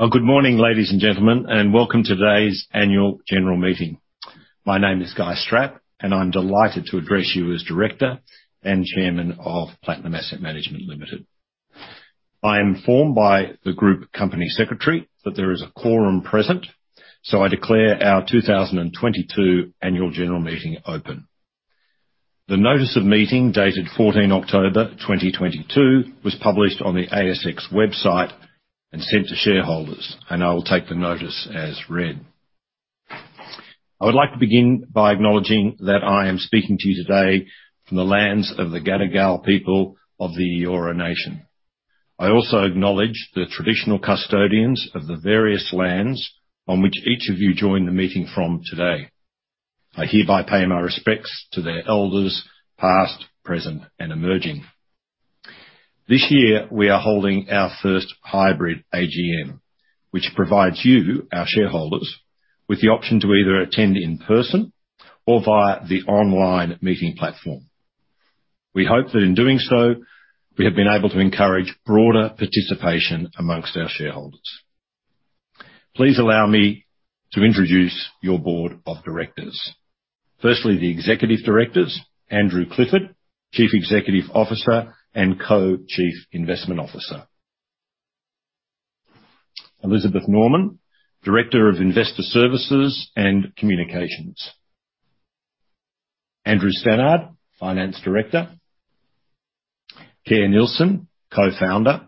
Well, good morning, ladies and gentlemen, and welcome to today's Annual General Meeting. My name is Guy Strapp, and I'm delighted to address you as Director and Chairman of Platinum Asset Management Limited. I am informed by the group company secretary that there is a quorum present, so I declare our 2022 Annual General Meeting open. The notice of meeting, dated October 14, 2022, was published on the ASX website and sent to shareholders, and I will take the notice as read. I would like to begin by acknowledging that I am speaking to you today from the lands of the Gadigal people of the Eora Nation. I also acknowledge the traditional custodians of the various lands on which each of you join the meeting from today. I hereby pay my respects to their elders, past, present, and emerging. This year we are holding our first hybrid AGM, which provides you, our shareholders, with the option to either attend in person or via the online meeting platform. We hope that in doing so, we have been able to encourage broader participation among our shareholders. Please allow me to introduce your board of directors. Firstly, the executive directors, Andrew Clifford, Chief Executive Officer and Co-Chief Investment Officer. Elizabeth Norman, Director of Investor Services and Communications. Andrew Stannard, Finance Director. Kerr Neilson, Co-Founder.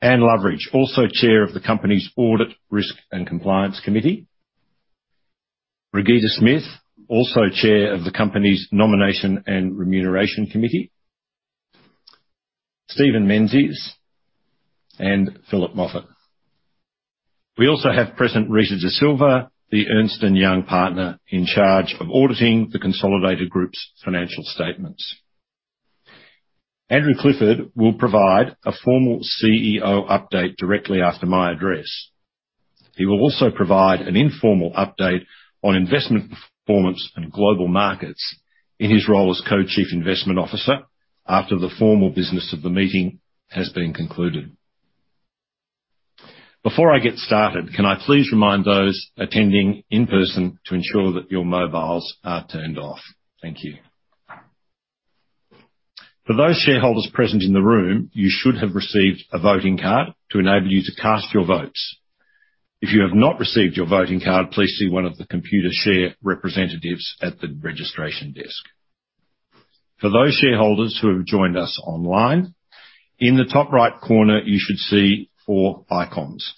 Anne Loveridge, also Chair of the company's Audit, Risk, and Compliance Committee. Brigitte Smith, also Chair of the company's Nomination and Remuneration Committee. Steven Menzies and Philip Moffitt. We also have present Rita Da Silva, the Ernst & Young partner in charge of auditing the consolidated group's financial statements. Andrew Clifford will provide a formal CEO update directly after my address. He will also provide an informal update on investment performance and global markets in his role as Co-Chief Investment Officer after the formal business of the meeting has been concluded. Before I get started, can I please remind those attending in person to ensure that your mobiles are turned off. Thank you. For those shareholders present in the room, you should have received a voting card to enable you to cast your votes. If you have not received your voting card, please see one of the Computershare representatives at the registration desk. For those shareholders who have joined us online, in the top right corner, you should see four icons.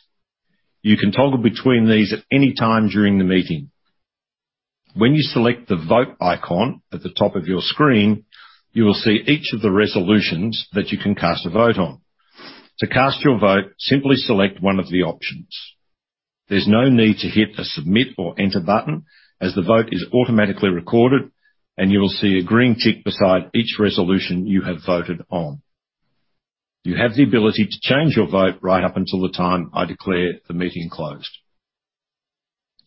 You can toggle between these at any time during the meeting. When you select the vote icon at the top of your screen, you will see each of the resolutions that you can cast a vote on. To cast your vote, simply select one of the options. There's no need to hit the Submit or Enter button as the vote is automatically recorded, and you will see a green tick beside each resolution you have voted on. You have the ability to change your vote right up until the time I declare the meeting closed.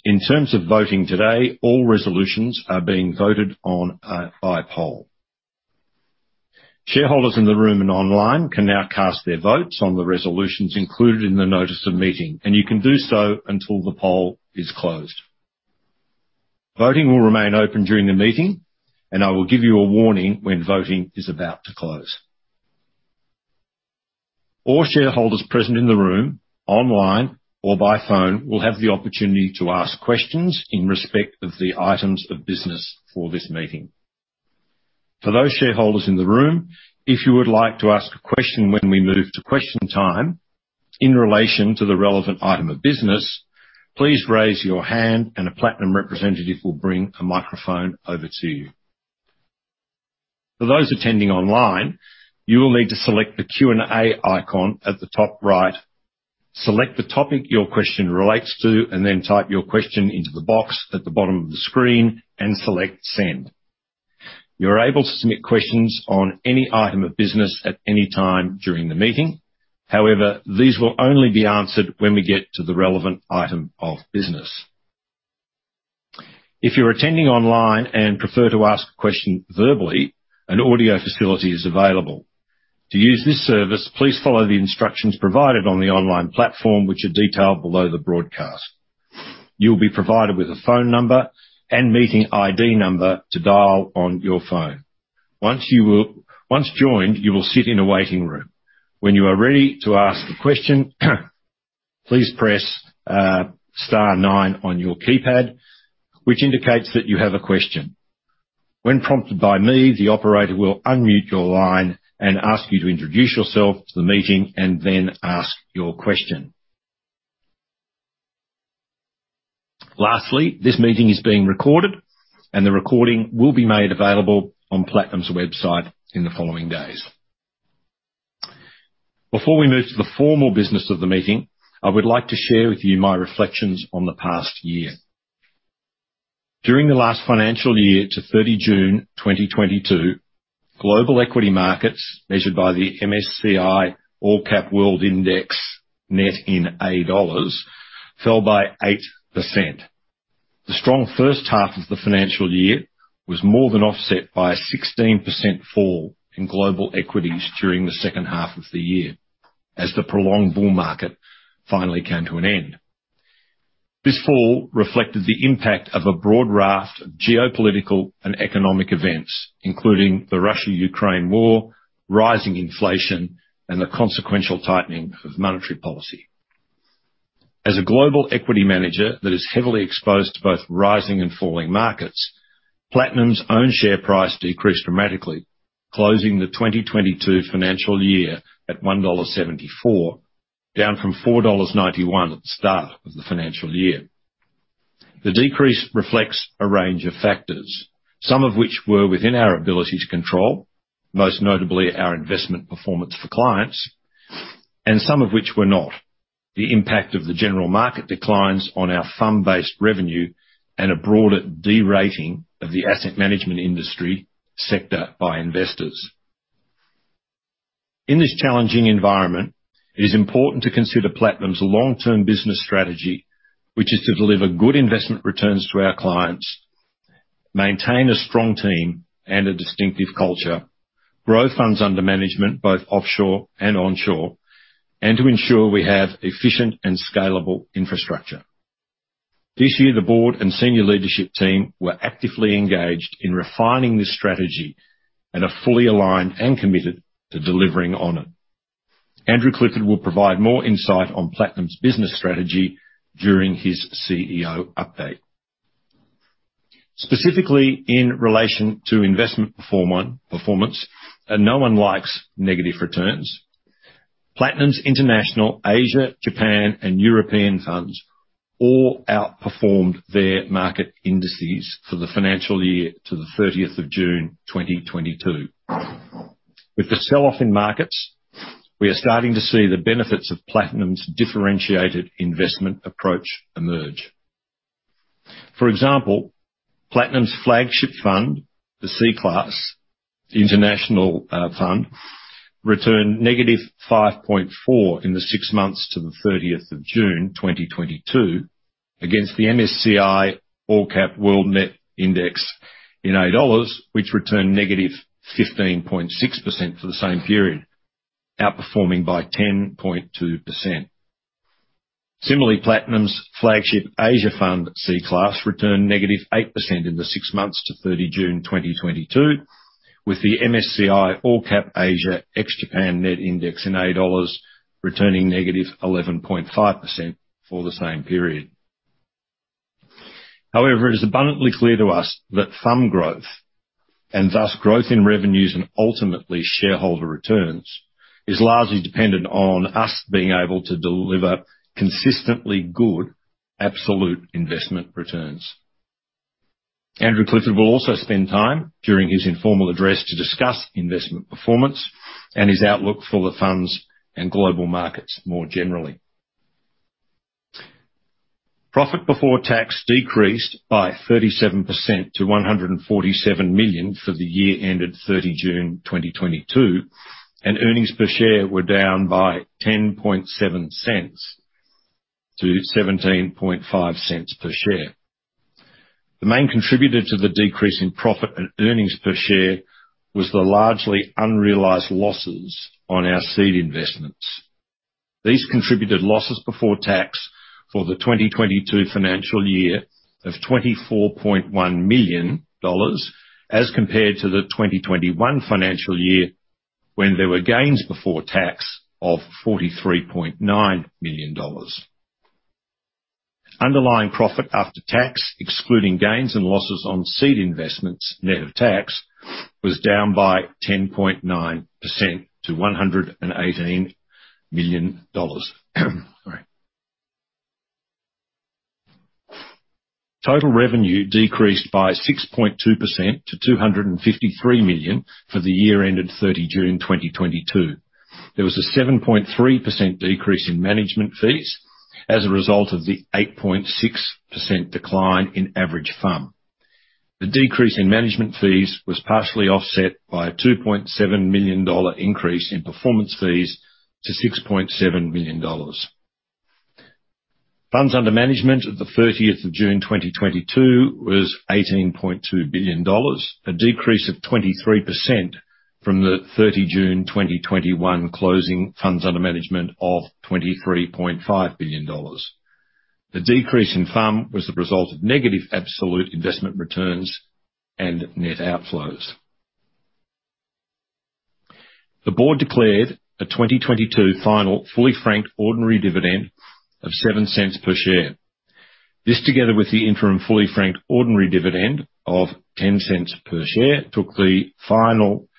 In terms of voting today, all resolutions are being voted on by poll. Shareholders in the room and online can now cast their votes on the resolutions included in the notice of meeting, and you can do so until the poll is closed. Voting will remain open during the meeting, and I will give you a warning when voting is about to close. All shareholders present in the room, online, or by phone will have the opportunity to ask questions in respect of the items of business for this meeting. For those shareholders in the room, if you would like to ask a question when we move to question time in relation to the relevant item of business, please raise your hand and a Platinum representative will bring a microphone over to you. For those attending online, you will need to select the Q&A icon at the top right, select the topic your question relates to, and then type your question into the box at the bottom of the screen and select Send. You're able to submit questions on any item of business at any time during the meeting. However, these will only be answered when we get to the relevant item of business. If you're attending online and prefer to ask a question verbally, an audio facility is available. To use this service, please follow the instructions provided on the online platform, which are detailed below the broadcast. You'll be provided with a phone number and meeting ID number to dial on your phone. Once joined, you will sit in a waiting room. When you are ready to ask the question, please press star nine on your keypad, which indicates that you have a question. When prompted by me, the operator will unmute your line and ask you to introduce yourself to the meeting and then ask your question. Lastly, this meeting is being recorded, and the recording will be made available on Platinum's website in the following days. Before we move to the formal business of the meeting, I would like to share with you my reflections on the past year. During the last financial year to June 30, 2022, global equity markets measured by the MSCI All Country World Net Index in AUD fell by 8%. The strong first half of the financial year was more than offset by a 16% fall in global equities during the second half of the year as the prolonged bull market finally came to an end. This fall reflected the impact of a broad raft of geopolitical and economic events, including the Russia-Ukraine war, rising inflation, and the consequential tightening of monetary policy. As a global equity manager that is heavily exposed to both rising and falling markets, Platinum's own share price decreased dramatically, closing the 2022 financial year at 1.74 dollar, down from 4.91 dollars at the start of the financial year. The decrease reflects a range of factors, some of which were within our ability to control, most notably our investment performance for clients, and some of which were not. The impact of the general market declines on our fund-based revenue and a broader de-rating of the asset management industry sector by investors. In this challenging environment, it is important to consider Platinum's long-term business strategy, which is to deliver good investment returns to our clients, maintain a strong team and a distinctive culture, grow funds under management, both offshore and onshore, and to ensure we have efficient and scalable infrastructure. This year, the board and senior leadership team were actively engaged in refining this strategy and are fully aligned and committed to delivering on it. Andrew Clifford will provide more insight on Platinum's business strategy during his CEO update. Specifically in relation to investment performance, no one likes negative returns. Platinum's International Asia, Japan, and European funds all outperformed their market indices for the financial year to June 30th, 2022. with the sell-off in markets, we are starting to see the benefits of Platinum's differentiated investment approach emerge. For example, Platinum's flagship fund, the C Class, the International fund, returned -5.4% in the six months to June 30th, 2022, against the MSCI All Country World Net Index in AUD, which returned -15.6% for the same period, outperforming by 10.2%. Similarly, Platinum's flagship Asia Fund C Class returned -8% in the six months to June 30, 2022, with the MSCI All Country Asia ex Japan Net Index in AUD returning -11.5% for the same period. However, it is abundantly clear to us that fund growth, and thus growth in revenues and ultimately shareholder returns, is largely dependent on us being able to deliver consistently good absolute investment returns. Andrew Clifford will also spend time during his informal address to discuss investment performance and his outlook for the funds and global markets more generally. Profit before tax decreased by 37% to 147 million for the year June 30, 2022, and earnings per share were down by 0.107-0.175 per share. The main contributor to the decrease in profit and earnings per share was the largely unrealized losses on our seed investments. These contributed losses before tax for the 2022 financial year of 24.1 million dollars as compared to the 2021 financial year when there were gains before tax of 43.9 million dollars. Underlying profit after tax, excluding gains and losses on seed investments net of tax, was down by 10.9% to AUD 118 million. Sorry. Total revenue decreased by 6.2% to 253 million for the year June 30, 2022. There was a 7.3% decrease in management fees as a result of the 8.6% decline in average FUM. The decrease in management fees was partially offset by an 2.7 million dollar increase in performance fees to 6.7 million dollars. Funds under management at June 30th, 2022 was AUD 18.2 billion, a decrease of 23% from June 30, 2021 closing funds under management of 23.5 billion dollars. The decrease in FUM was the result of negative absolute investment returns and net outflows. The board declared a 2022 final fully franked ordinary dividend of 0.07 per share. This, together with the interim fully franked ordinary dividend of 0.10 per share,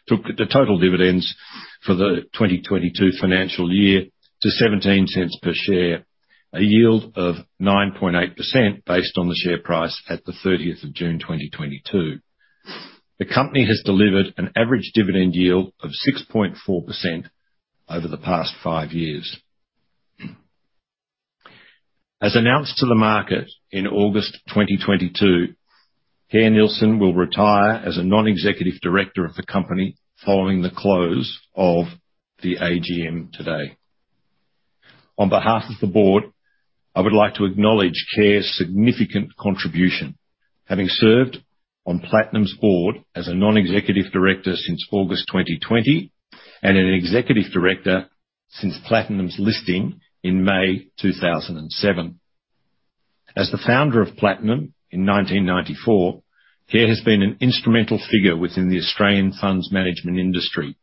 took the total dividends for the 2022 financial year to 0.17 per share, a yield of 9.8% based on the share price at June 30th, 2022. The company has delivered an average dividend yield of 6.4% over the past five years. As announced to the market in August 2022, Kerr Neilson will retire as a non-executive director of the company following the close of the AGM today. On behalf of the board, I would like to acknowledge Kerr's significant contribution, having served on Platinum's board as a non-executive director since August 2020, and an executive director since Platinum's listing in May 2007. As the founder of Platinum in 1994, Kerr has been an instrumental figure within the Australian funds management industry,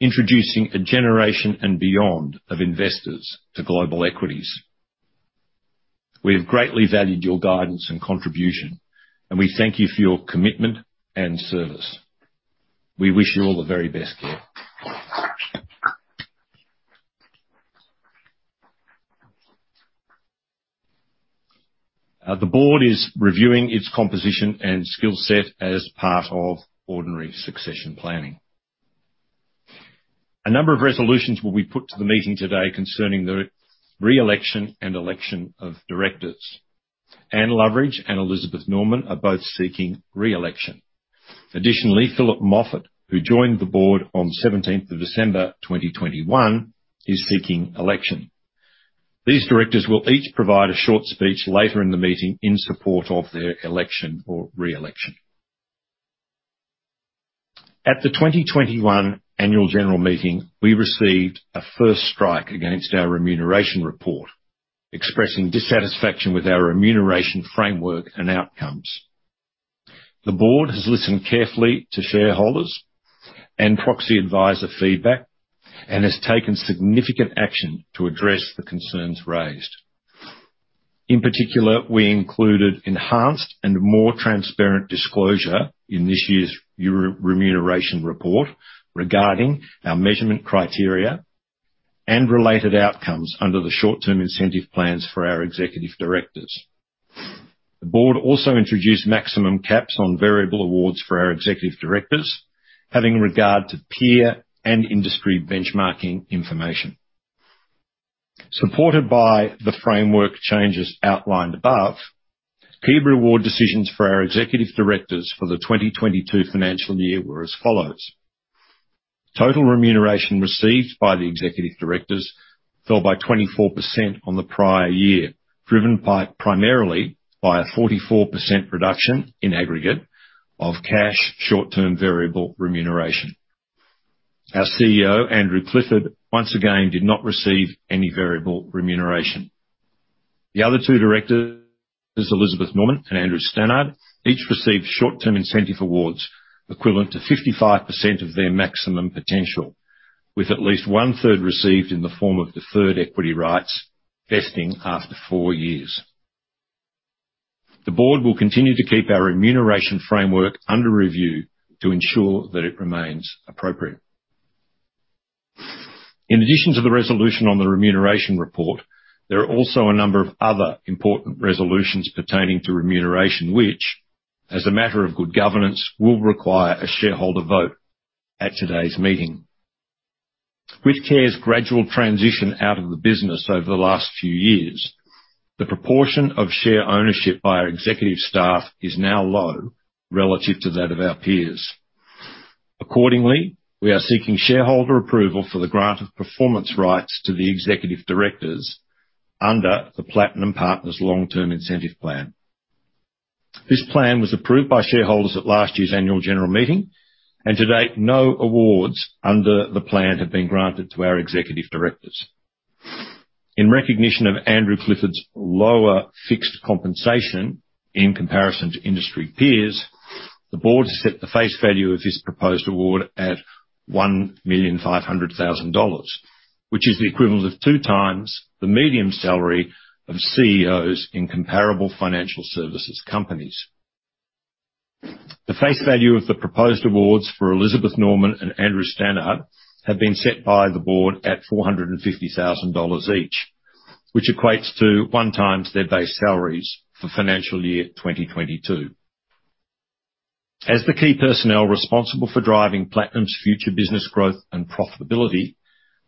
introducing a generation and beyond of investors to global equities. We have greatly valued your guidance and contribution, and we thank you for your commitment and service. We wish you all the very best, Kerr. The board is reviewing its composition and skill set as part of ordinary succession planning. A number of resolutions will be put to the meeting today concerning the re-election and election of directors. Anne Loveridge and Elizabeth Norman are both seeking re-election. Additionally, Philip Moffitt, who joined the board on December 17th, 2021, is seeking election. These directors will each provide a short speech later in the meeting in support of their election or re-election. At the 2021 Annual General Meeting, we received a first strike against our remuneration report expressing dissatisfaction with our remuneration framework and outcomes. The board has listened carefully to shareholders and proxy advisor feedback and has taken significant action to address the concerns raised. In particular, we included enhanced and more transparent disclosure in this year's annual remuneration report regarding our measurement criteria and related outcomes under the short-term incentive plans for our executive directors. The board also introduced maximum caps on variable awards for our executive directors, having regard to peer and industry benchmarking information. Supported by the framework changes outlined above, pay and reward decisions for our executive directors for the 2022 financial year were as follows. Total remuneration received by the executive directors fell by 24% on the prior year, driven primarily by a 44% reduction in aggregate of cash short-term variable remuneration. Our CEO, Andrew Clifford, once again, did not receive any variable remuneration. The other two directors, Elizabeth Norman and Andrew Stannard, each received short-term incentive awards equivalent to 55% of their maximum potential, with at least one-third received in the form of deferred equity rights vesting after four years. The board will continue to keep our remuneration framework under review to ensure that it remains appropriate. In addition to the resolution on the remuneration report, there are also a number of other important resolutions pertaining to remuneration, which, as a matter of good governance, will require a shareholder vote at today's meeting. With Kerr Neilson's gradual transition out of the business over the last few years, the proportion of share ownership by our executive staff is now low relative to that of our peers. Accordingly, we are seeking shareholder approval for the grant of performance rights to the executive directors under the Platinum Partners Long-Term Incentive Plan. This plan was approved by shareholders at last year's Annual General Meeting, and to date, no awards under the plan have been granted to our executive directors. In recognition of Andrew Clifford's lower fixed compensation in comparison to industry peers, the board set the face value of his proposed award at 1.5 million, which is the equivalent of two times the median salary of CEOs in comparable financial services companies. The face value of the proposed awards for Elizabeth Norman and Andrew Stannard have been set by the board at 450 thousand dollars each, which equates to one times their base salaries for financial year 2022. As the key personnel responsible for driving Platinum's future business growth and profitability,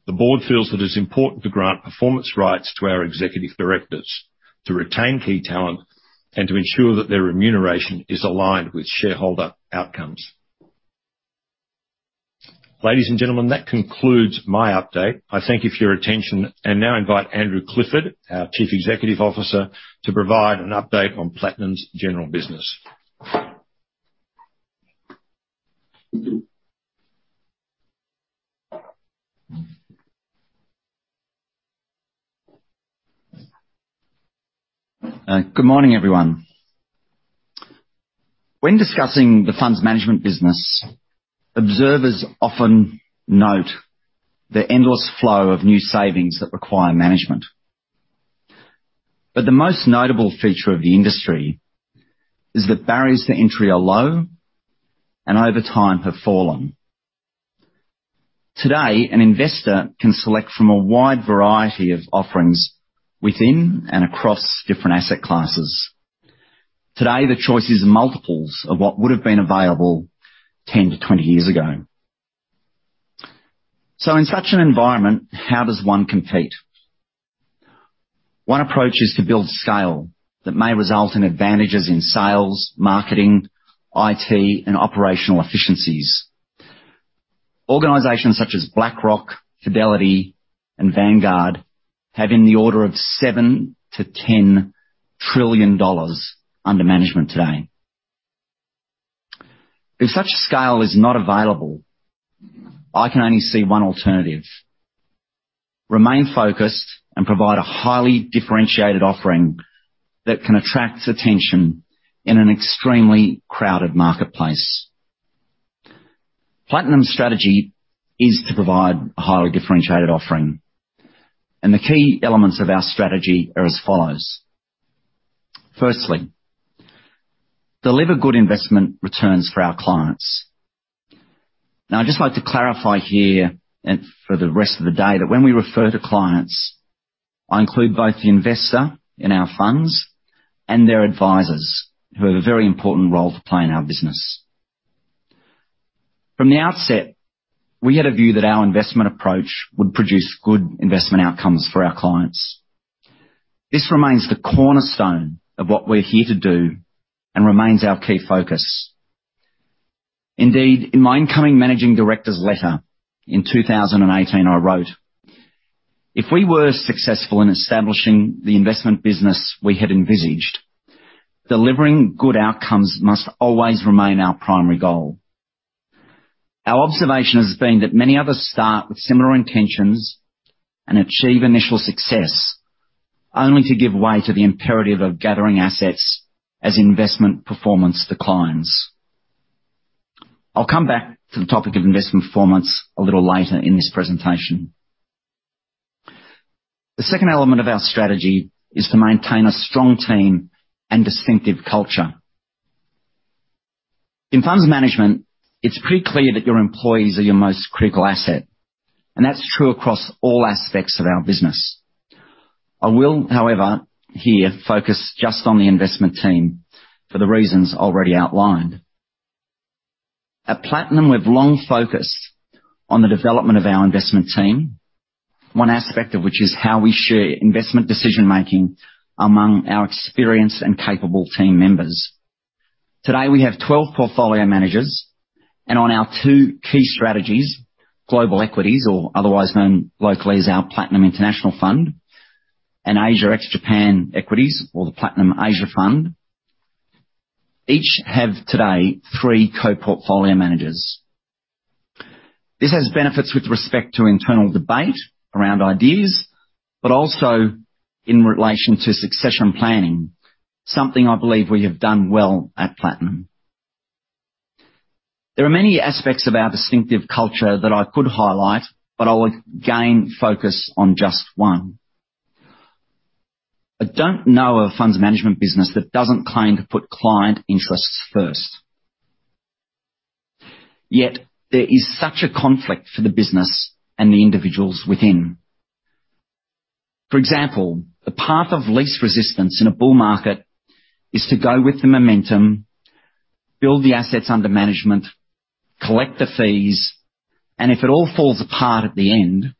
the board feels it is important to grant performance rights to our executive directors to retain key talent and to ensure that their remuneration is aligned with shareholder outcomes. Ladies and gentlemen, that concludes my update. I thank you for your attention and now invite Andrew Clifford, our Chief Executive Officer, to provide an update on Platinum's general business. Good morning, everyone. When discussing the funds management business, observers often note the endless flow of new savings that require management. The most notable feature of the industry is that barriers to entry are low and over time have fallen. Today, an investor can select from a wide variety of offerings within and across different asset classes. Today, the choice is multiples of what would have been available 10-20 years ago. In such an environment, how does one compete? One approach is to build scale that may result in advantages in sales, marketing, IT, and operational efficiencies. Organizations such as BlackRock, Fidelity, and Vanguard have in the order of $7-$10 trillion under management today. If such scale is not available, I can only see one alternative, remain focused and provide a highly differentiated offering that can attract attention in an extremely crowded marketplace. Platinum's strategy is to provide a highly differentiated offering, and the key elements of our strategy are as follows. Firstly, deliver good investment returns for our clients. Now I'd just like to clarify here and for the rest of the day that when we refer to clients, I include both the investor in our funds and their advisors, who have a very important role to play in our business. From the outset, we had a view that our investment approach would produce good investment outcomes for our clients. This remains the cornerstone of what we're here to do and remains our key focus. Indeed, in my incoming managing director's letter in 2018, I wrote, "If we were successful in establishing the investment business we had envisaged, delivering good outcomes must always remain our primary goal. Our observation has been that many others start with similar intentions and achieve initial success, only to give way to the imperative of gathering assets as investment performance declines. I'll come back to the topic of investment performance a little later in this presentation. The second element of our strategy is to maintain a strong team and distinctive culture. In funds management, it's pretty clear that your employees are your most critical asset, and that's true across all aspects of our business. I will, however, here, focus just on the investment team for the reasons already outlined. At Platinum, we've long focused on the development of our investment team, one aspect of which is how we share investment decision-making among our experienced and capable team members. Today, we have 12 portfolio managers, and on our two key strategies, global equities, or otherwise known locally as our Platinum International Fund, and Asia Ex-Japan Equities, or the Platinum Asia Fund, each have today three co-portfolio managers. This has benefits with respect to internal debate around ideas, but also in relation to succession planning, something I believe we have done well at Platinum. There are many aspects of our distinctive culture that I could highlight, but I'll again focus on just one. I don't know a funds management business that doesn't claim to put client interests first, yet there is such a conflict for the business and the individuals within. For example, the path of least resistance in a bull market is to go with the momentum, build the assets under management, collect the fees, and if it all falls apart at the end,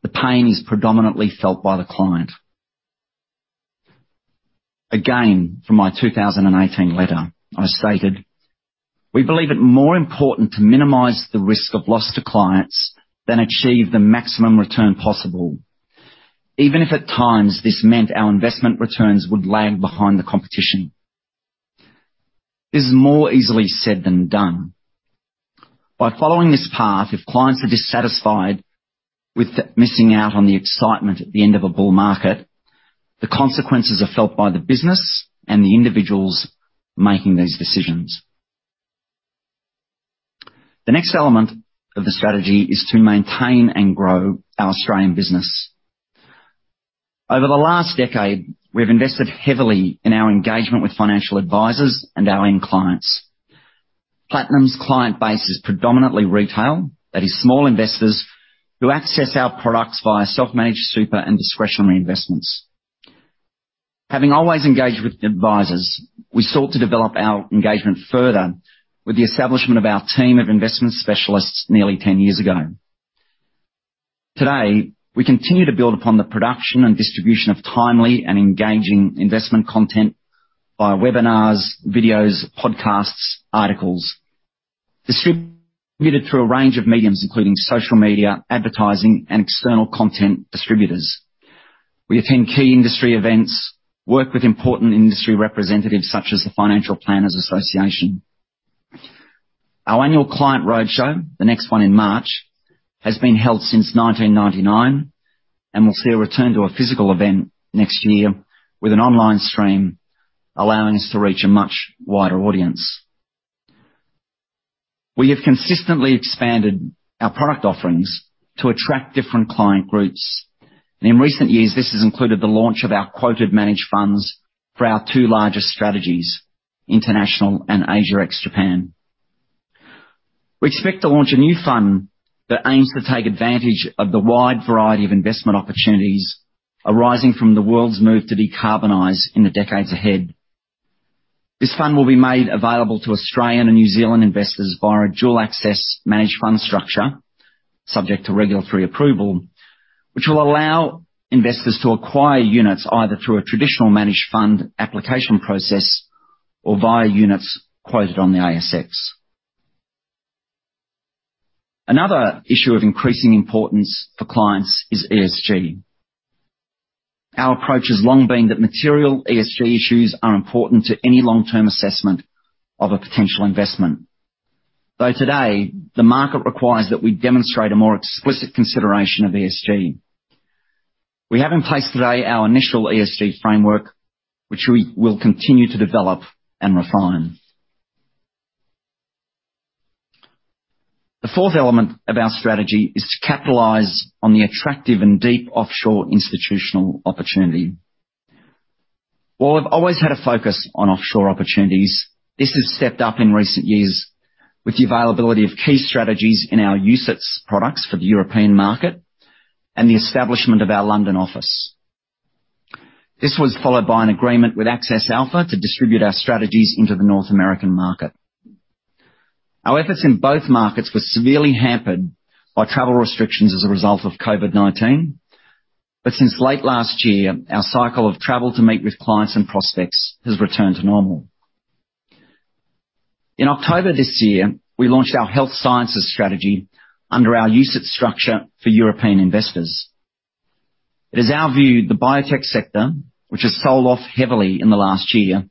the pain is predominantly felt by the client. Again, from my 2018 letter, I stated, "We believe it more important to minimize the risk of loss to clients than achieve the maximum return possible, even if at times this meant our investment returns would lag behind the competition." This is more easily said than done. By following this path, if clients are dissatisfied with missing out on the excitement at the end of a bull market, the consequences are felt by the business and the individuals making these decisions. The next element of the strategy is to maintain and grow our Australian business. Over the last decade, we've invested heavily in our engagement with financial advisors and our end clients. Platinum's client base is predominantly retail. That is, small investors who access our products via self-managed super and discretionary investments. Having always engaged with the advisors, we sought to develop our engagement further with the establishment of our team of investment specialists nearly 10 years ago. Today, we continue to build upon the production and distribution of timely and engaging investment content via webinars, videos, podcasts, articles distributed through a range of mediums, including social media, advertising, and external content distributors. We attend key industry events, work with important industry representatives such as the Financial Planning Association. Our annual client roadshow, the next one in March, has been held since 1999 and will see a return to a physical event next year with an online stream, allowing us to reach a much wider audience. We have consistently expanded our product offerings to attract different client groups. In recent years, this has included the launch of our quoted managed funds for our two largest strategies, International and Asia Ex-Japan. We expect to launch a new fund that aims to take advantage of the wide variety of investment opportunities arising from the world's move to decarbonize in the decades ahead. This fund will be made available to Australian and New Zealand investors via a dual-access managed fund structure, subject to regulatory approval, which will allow investors to acquire units either through a traditional managed fund application process or via units quoted on the ASX. Another issue of increasing importance for clients is ESG. Our approach has long been that material ESG issues are important to any long-term assessment of a potential investment. Today, the market requires that we demonstrate a more explicit consideration of ESG. We have in place today our initial ESG framework, which we will continue to develop and refine. The fourth element of our strategy is to capitalize on the attractive and deep offshore institutional opportunity. While we've always had a focus on offshore opportunities, this has stepped up in recent years with the availability of key strategies in our UCITS products for the European market and the establishment of our London office. This was followed by an agreement with AccessAlpha to distribute our strategies into the North American market. Our efforts in both markets were severely hampered by travel restrictions as a result of COVID-19. Since late last year, our cycle of travel to meet with clients and prospects has returned to normal. In October this year, we launched our health sciences strategy under our UCITS structure for European investors. It is our view the biotech sector, which has sold off heavily in the last year,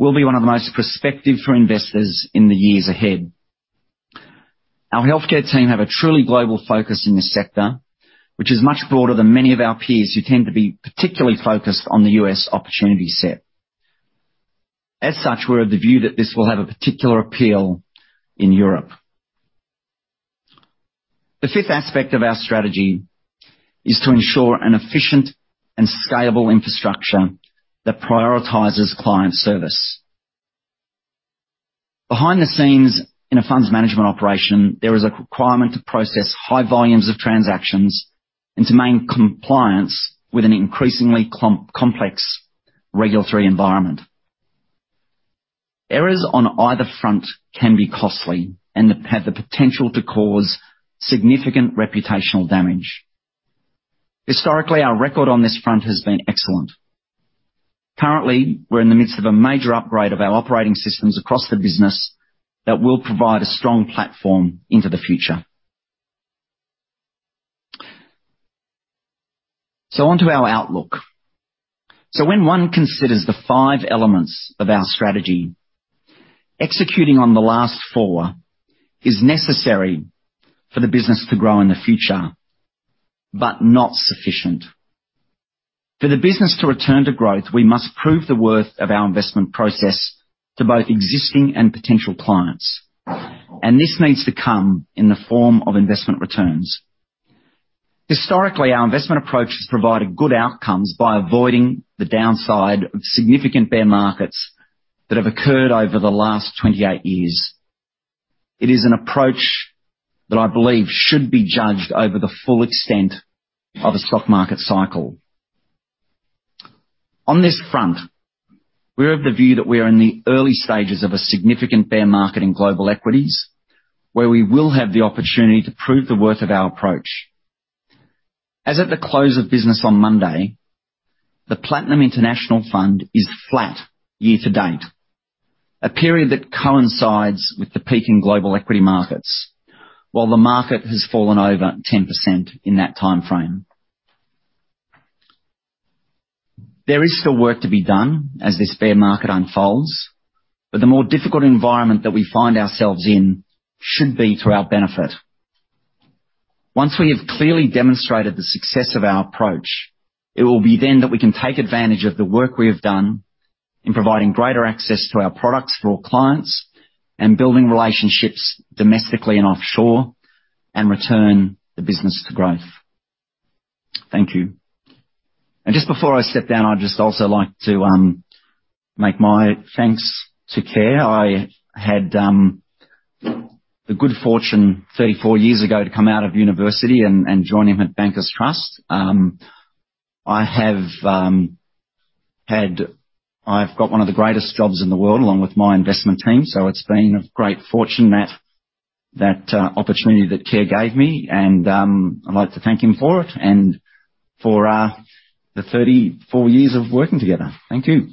will be one of the most prospective for investors in the years ahead. Our healthcare team have a truly global focus in this sector, which is much broader than many of our peers who tend to be particularly focused on the U.S. opportunity set. As such, we're of the view that this will have a particular appeal in Europe. The fifth aspect of our strategy is to ensure an efficient and scalable infrastructure that prioritizes client service. Behind the scenes in a funds management operation, there is a requirement to process high volumes of transactions and to maintain compliance with an increasingly complex regulatory environment. Errors on either front can be costly and have the potential to cause significant reputational damage. Historically, our record on this front has been excellent. Currently, we're in the midst of a major upgrade of our operating systems across the business that will provide a strong platform into the future. Onto our outlook. When one considers the five elements of our strategy, executing on the last four is necessary for the business to grow in the future, but not sufficient. For the business to return to growth, we must prove the worth of our investment process to both existing and potential clients, and this needs to come in the form of investment returns. Historically, our investment approach has provided good outcomes by avoiding the downside of significant bear markets that have occurred over the last 28 years. It is an approach that I believe should be judged over the full extent of a stock market cycle. On this front, we're of the view that we are in the early stages of a significant bear market in global equities, where we will have the opportunity to prove the worth of our approach. As at the close of business on Monday, the Platinum International Fund is flat year-to-date, a period that coincides with the peak in global equity markets while the market has fallen over 10% in that timeframe. There is still work to be done as this bear market unfolds, but the more difficult environment that we find ourselves in should be to our benefit. Once we have clearly demonstrated the success of our approach, it will be then that we can take advantage of the work we have done in providing greater access to our products for all clients and building relationships domestically and offshore, and return the business to growth. Thank you. Just before I step down, I'd just also like to make my thanks to Kerr Neilson. I had the good fortune 34 years ago to come out of university and join him at Bankers Trust. I've got one of the greatest jobs in the world along with my investment team, so it's been a great fortune that opportunity that Kerr Neilson gave me, and I'd like to thank him for it and for the 34 years of working together. Thank you.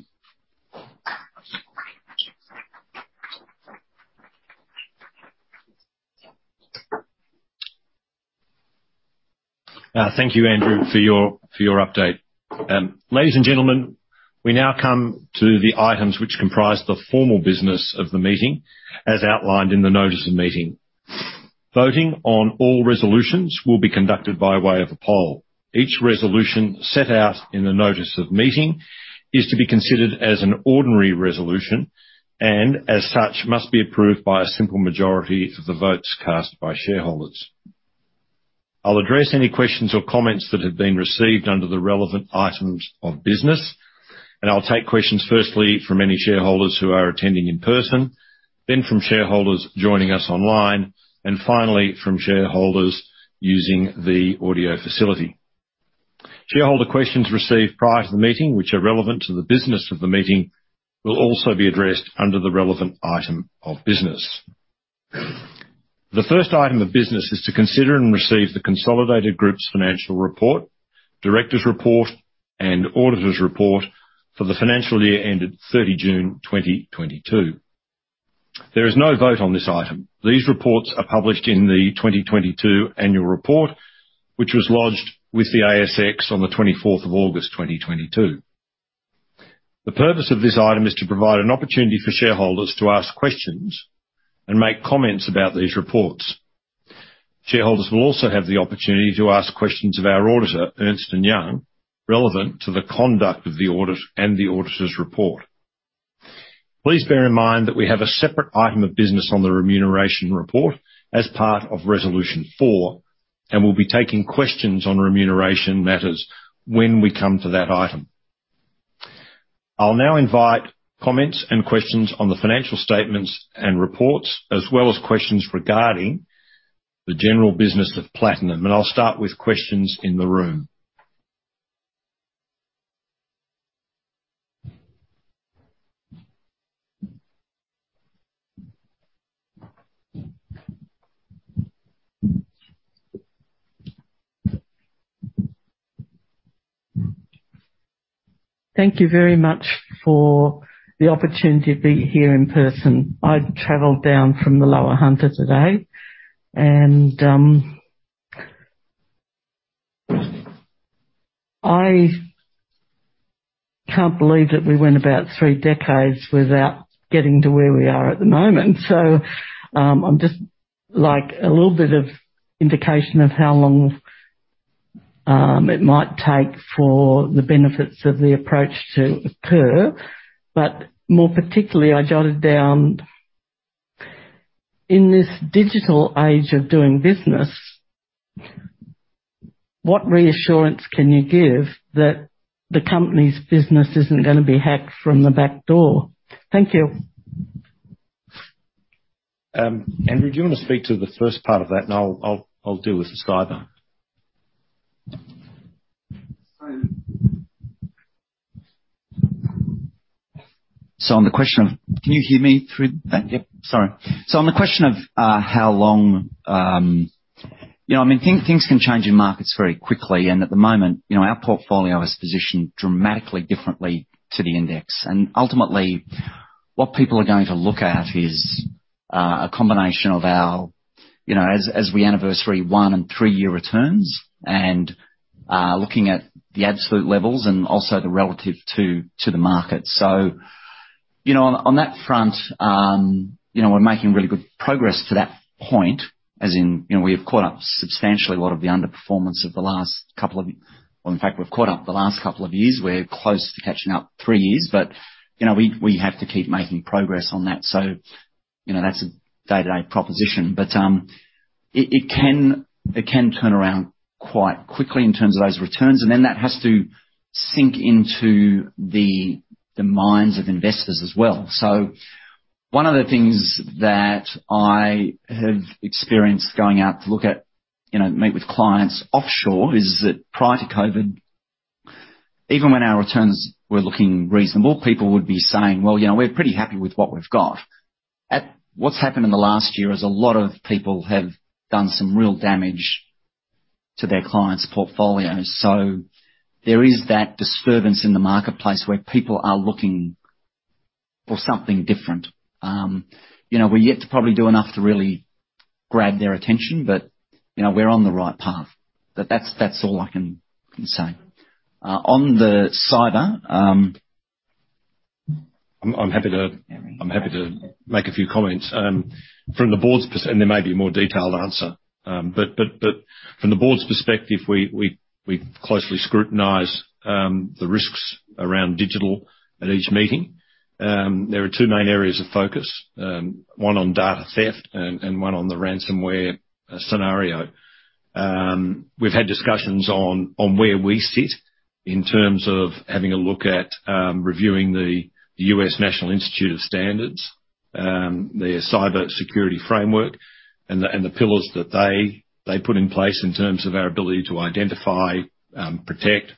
Thank you, Andrew, for your update. Ladies and gentlemen, we now come to the items which comprise the formal business of the meeting, as outlined in the notice of meeting. Voting on all resolutions will be conducted by way of a poll. Each resolution set out in the notice of meeting is to be considered as an ordinary resolution, and as such, must be approved by a simple majority of the votes cast by shareholders. I'll address any questions or comments that have been received under the relevant items of business, and I'll take questions firstly from any shareholders who are attending in person, then from shareholders joining us online, and finally from shareholders using the audio facility. Shareholder questions received prior to the meeting, which are relevant to the business of the meeting, will also be addressed under the relevant item of business. The first item of business is to consider and receive the consolidated group's financial report, directors' report and auditor's report for the financial year June 30, 2022. There is no vote on this item. These reports are published in the 2022 annual report, which was lodged with the ASX on August 24th, 2022. The purpose of this item is to provide an opportunity for shareholders to ask questions and make comments about these reports. Shareholders will also have the opportunity to ask questions of our auditor, Ernst & Young, relevant to the conduct of the audit and the auditor's report. Please bear in mind that we have a separate item of business on the remuneration report as part of Resolution 4, and we'll be taking questions on remuneration matters when we come to that item. I'll now invite comments and questions on the financial statements and reports, as well as questions regarding the general business of Platinum. I'll start with questions in the room. Thank you very much for the opportunity to be here in person. I traveled down from the Lower Hunter today, and I can't believe that we went about three decades without getting to where we are at the moment. I'm just like a little bit of indication of how long it might take for the benefits of the approach to occur. More particularly, I jotted down, in this digital age of doing business, what reassurance can you give that the company's business isn't gonna be hacked from the back door? Thank you. Andrew, do you wanna speak to the first part of that, and I'll deal with the cyber? On the question of how long, you know, I mean, things can change in markets very quickly, and at the moment, you know, our portfolio is positioned dramatically differently to the index. Ultimately, what people are going to look at is a combination of our, you know, as we anniversary one- and three-year returns and looking at the absolute levels and also the relative to the market. On that front, you know, we're making really good progress to that point, as in, you know, we have caught up substantially a lot of the underperformance of the last couple of years, or in fact, we've caught up the last couple of years. We're close to catching up three years. You know, we have to keep making progress on that. That's a day-to-day proposition. It can turn around quite quickly in terms of those returns, and then that has to sink into the minds of investors as well. One of the things that I have experienced going out to look at, you know, meet with clients offshore is that prior to COVID, even when our returns were looking reasonable, people would be saying, "Well, you know, we're pretty happy with what we've got." What's happened in the last year is a lot of people have done some real damage to their clients' portfolios. There is that disturbance in the marketplace where people are looking for something different. You know, we're yet to probably do enough to really grab their attention, but, you know, we're on the right path. That's all I can say. On the cyber, I'm happy to make a few comments. From the board's perspective, there may be a more detailed answer. From the board's perspective, we closely scrutinize the risks around digital at each meeting. There are two main areas of focus, one on data theft and one on the ransomware scenario. We've had discussions on where we sit in terms of having a look at reviewing the National Institute of Standards and Technology's cybersecurity framework and the pillars that they put in place in terms of our ability to identify, protect,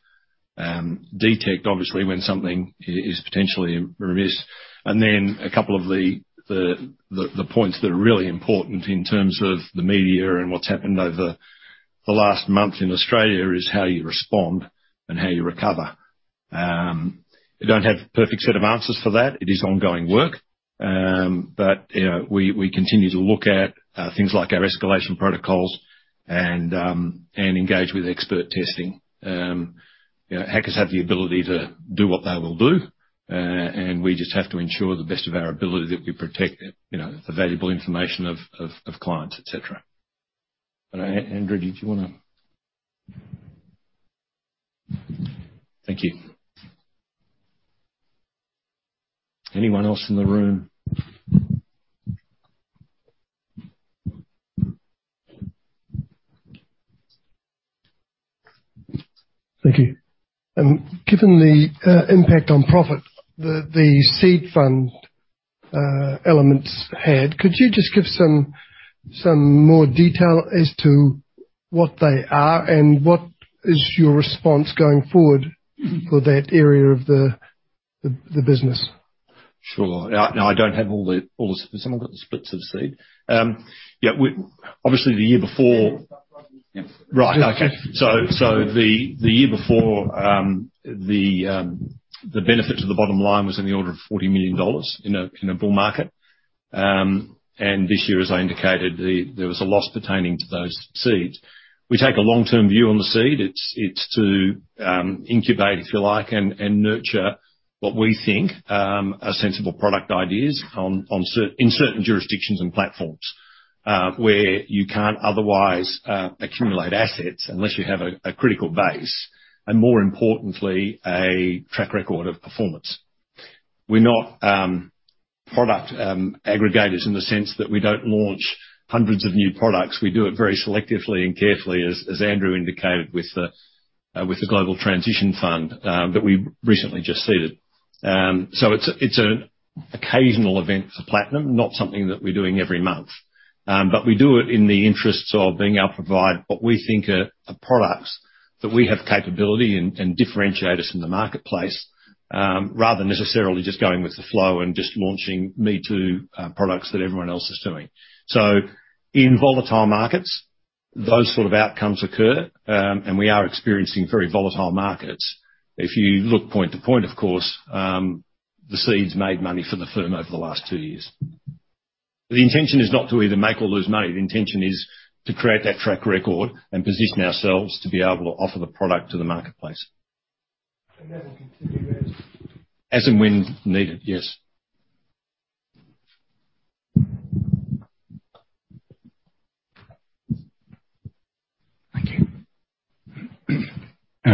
detect, obviously, when something is potentially amiss. A couple of the points that are really important in terms of the media and what's happened over the last month in Australia is how you respond and how you recover. We don't have a perfect set of answers for that. It is ongoing work. You know, we continue to look at things like our escalation protocols and engage with expert testing. You know, hackers have the ability to do what they will do, and we just have to ensure the best of our ability that we protect the valuable information of clients, et cetera. Andrew, did you wanna? Thank you. Anyone else from the room? Thank you. Given the impact on profit, the seed-fund. Could you just give some more detail as to what they are and what is your response going forward for that area of the business? Sure. Now, I don't have all the. Has someone got the splits of seed? Yeah. Obviously, the year before, the benefit to the bottom line was in the order of 40 million dollars in a bull market. This year, as I indicated, there was a loss pertaining to those seeds. We take a long-term view on the seed. It's to incubate, if you like, and nurture what we think are sensible product ideas in certain jurisdictions and platforms, where you can't otherwise accumulate assets unless you have a critical base, and more importantly, a track record of performance. We're not product aggregators in the sense that we don't launch hundreds of new products. We do it very selectively and carefully, as Andrew indicated with the Global Transition Fund that we recently just seeded. It's an occasional event for Platinum, not something that we're doing every month. We do it in the interests of being able to provide what we think are products that we have capability and differentiate us in the marketplace, rather than necessarily just going with the flow and just launching me-too products that everyone else is doing. In volatile markets, those sort of outcomes occur, and we are experiencing very volatile markets. If you look point to point, of course, the seeds made money for the firm over the last two years. The intention is not to either make or lose money. The intention is to create that track record and position ourselves to be able to offer the product to the marketplace. That will continue then? As and when needed, yes. Thank you.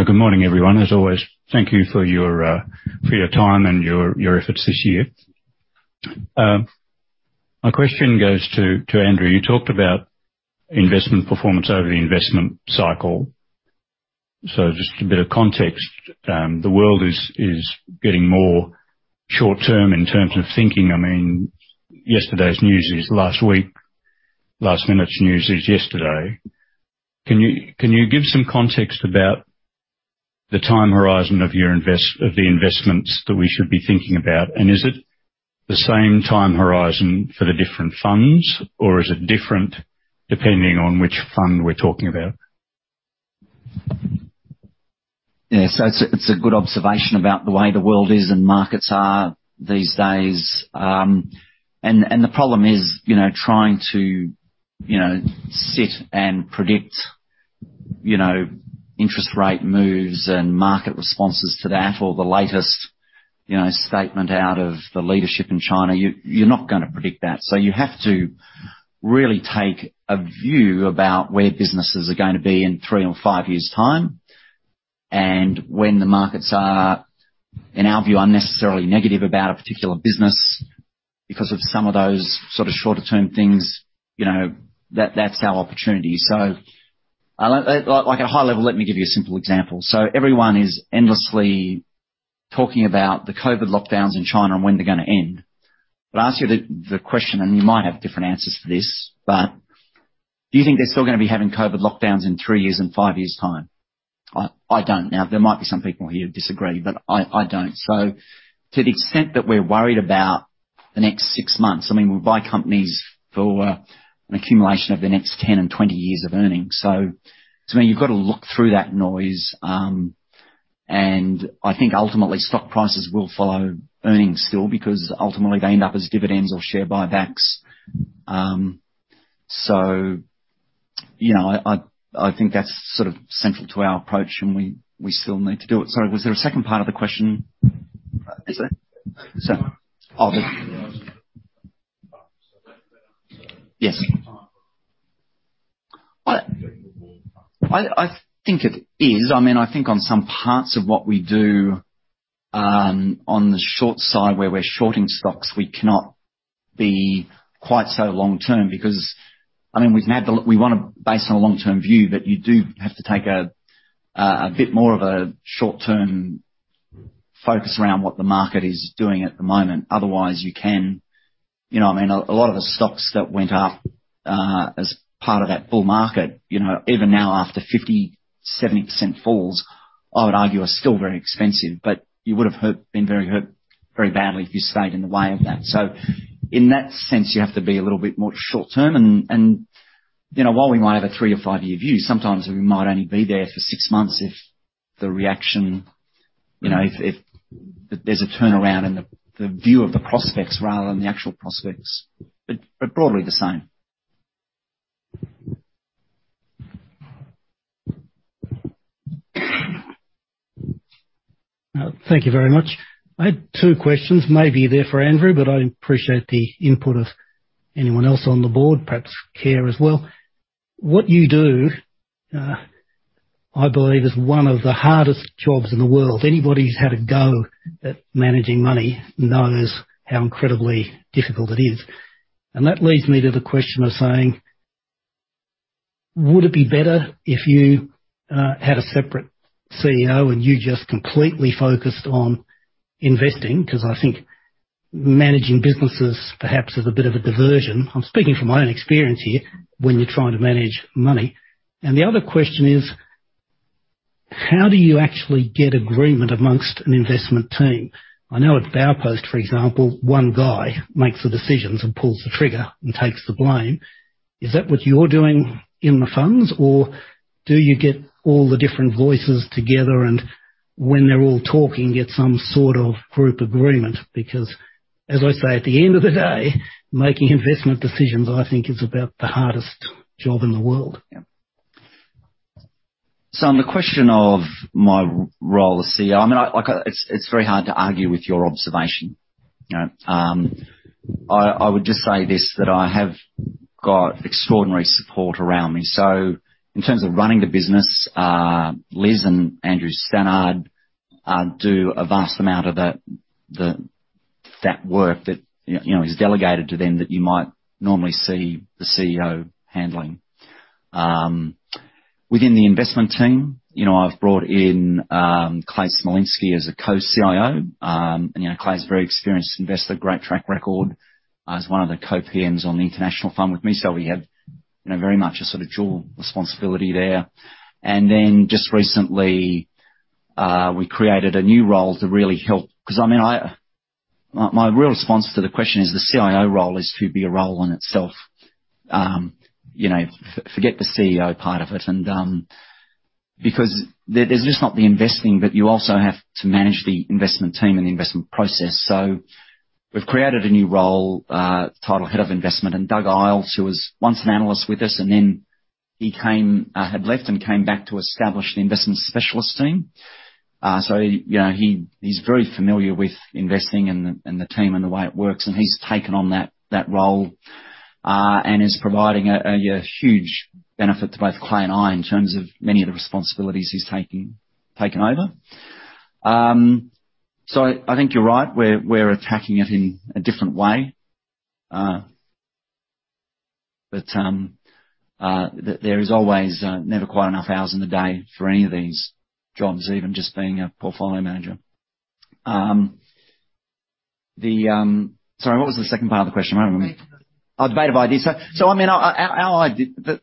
Good morning, everyone. As always, thank you for your time and your efforts this year. My question goes to Andrew. You talked about investment performance over the investment cycle. Just a bit of context, the world is getting more short-term in terms of thinking. I mean, yesterday's news is last week, last minute's news is yesterday. Can you give some context about the time horizon of the investments that we should be thinking about? Is it the same time horizon for the different funds, or is it different depending on which fund we're talking about? Yes, that's a good observation about the way the world is and markets are these days. The problem is, you know, trying to, you know, sit and predict, you know, interest rate moves and market responses to that or the latest, you know, statement out of the leadership in China, you're not gonna predict that. You have to really take a view about where businesses are gonna be in three or five years' time. When the markets are, in our view, unnecessarily negative about a particular business because of some of those sort of shorter-term things, you know, that's our opportunity. Like at high level, let me give you a simple example. Everyone is endlessly talking about the COVID lockdowns in China and when they're gonna end. I'll ask you the question, and you might have different answers for this, but do you think they're still gonna be having COVID lockdowns in three years and five years' time? I don't. Now, there might be some people here who disagree, but I don't. To the extent that we're worried about the next six months, I mean, we buy companies for an accumulation of the next 10 and 20 years of earnings. To me, you've got to look through that noise, and I think ultimately stock prices will follow earnings still because ultimately they end up as dividends or share buybacks. You know, I think that's sort of central to our approach and we still need to do it. Sorry, was there a second part of the question? Is there? Yes. I think it is. I mean, I think on some parts of what we do, on the short side where we're shorting stocks, we cannot be quite so long-term because I mean we wanna base on a long-term view, but you do have to take a bit more of a short-term focus around what the market is doing at the moment. Otherwise, you can. You know, I mean, a lot of the stocks that went up as part of that bull market, you know, even now after 50, 70% falls, I would argue are still very expensive, but you would have been very hurt very badly if you stayed in the way of that. In that sense, you have to be a little bit more short-term. you know, while we might have a three- or five-year view, sometimes we might only be there for six months if the reaction, you know, if there's a turnaround in the view of the prospects rather than the actual prospects. Broadly the same. Thank you very much. I had two questions, maybe they're for Andrew, but I appreciate the input of anyone else on the board, perhaps Kerr as well. What you do, I believe is one of the hardest jobs in the world. Anybody who's had a go at managing money knows how incredibly difficult it is. That leads me to the question of saying, would it be better if you had a separate CEO and you just completely focused on investing? Because I think managing businesses perhaps is a bit of a diversion. I'm speaking from my own experience here, when you're trying to manage money. The other question is, how do you actually get agreement amongst an investment team? I know at Baupost, for example, one guy makes the decisions and pulls the trigger and takes the blame. Is that what you're doing in the funds, or do you get all the different voices together and when they're all talking, get some sort of group agreement? Because as I say, at the end of the day, making investment decisions, I think, is about the hardest job in the world. Yeah. On the question of my role as CEO, I mean, like, it's very hard to argue with your observation. You know, I would just say this, that I have got extraordinary support around me. In terms of running the business, Liz and Andrew Stannard do a vast amount of that work that you know is delegated to them that you might normally see the CEO handling. Within the investment team, you know, I've brought in Clay Smolinski as a co-CIO. You know, Clay's a very experienced investor, great track record, as one of the co-PMs on the international fund with me. We have very much a sort of dual responsibility there. Then just recently, we created a new role to really help. I mean, my real response to the question is, the CIO role is truly a role in itself. You know, forget the CEO part of it and because there's not just the investing, but you also have to manage the investment team and the investment process. We've created a new role titled Head of Investment. Douglas Isles, who was once an analyst with us, and then he had left and came back to establish the investment specialist team. Yeah, he's very familiar with investing and the team and the way it works, and he's taken on that role and is providing a huge benefit to both Clay and I in terms of many of the responsibilities he's taken over. I think you're right. We're attacking it in a different way. There is always never quite enough hours in the day for any of these jobs, even just being a portfolio manager. Sorry, what was the second part of the question? I don't remember. Debate of ideas. Oh, debate of ideas. I mean, our idea. But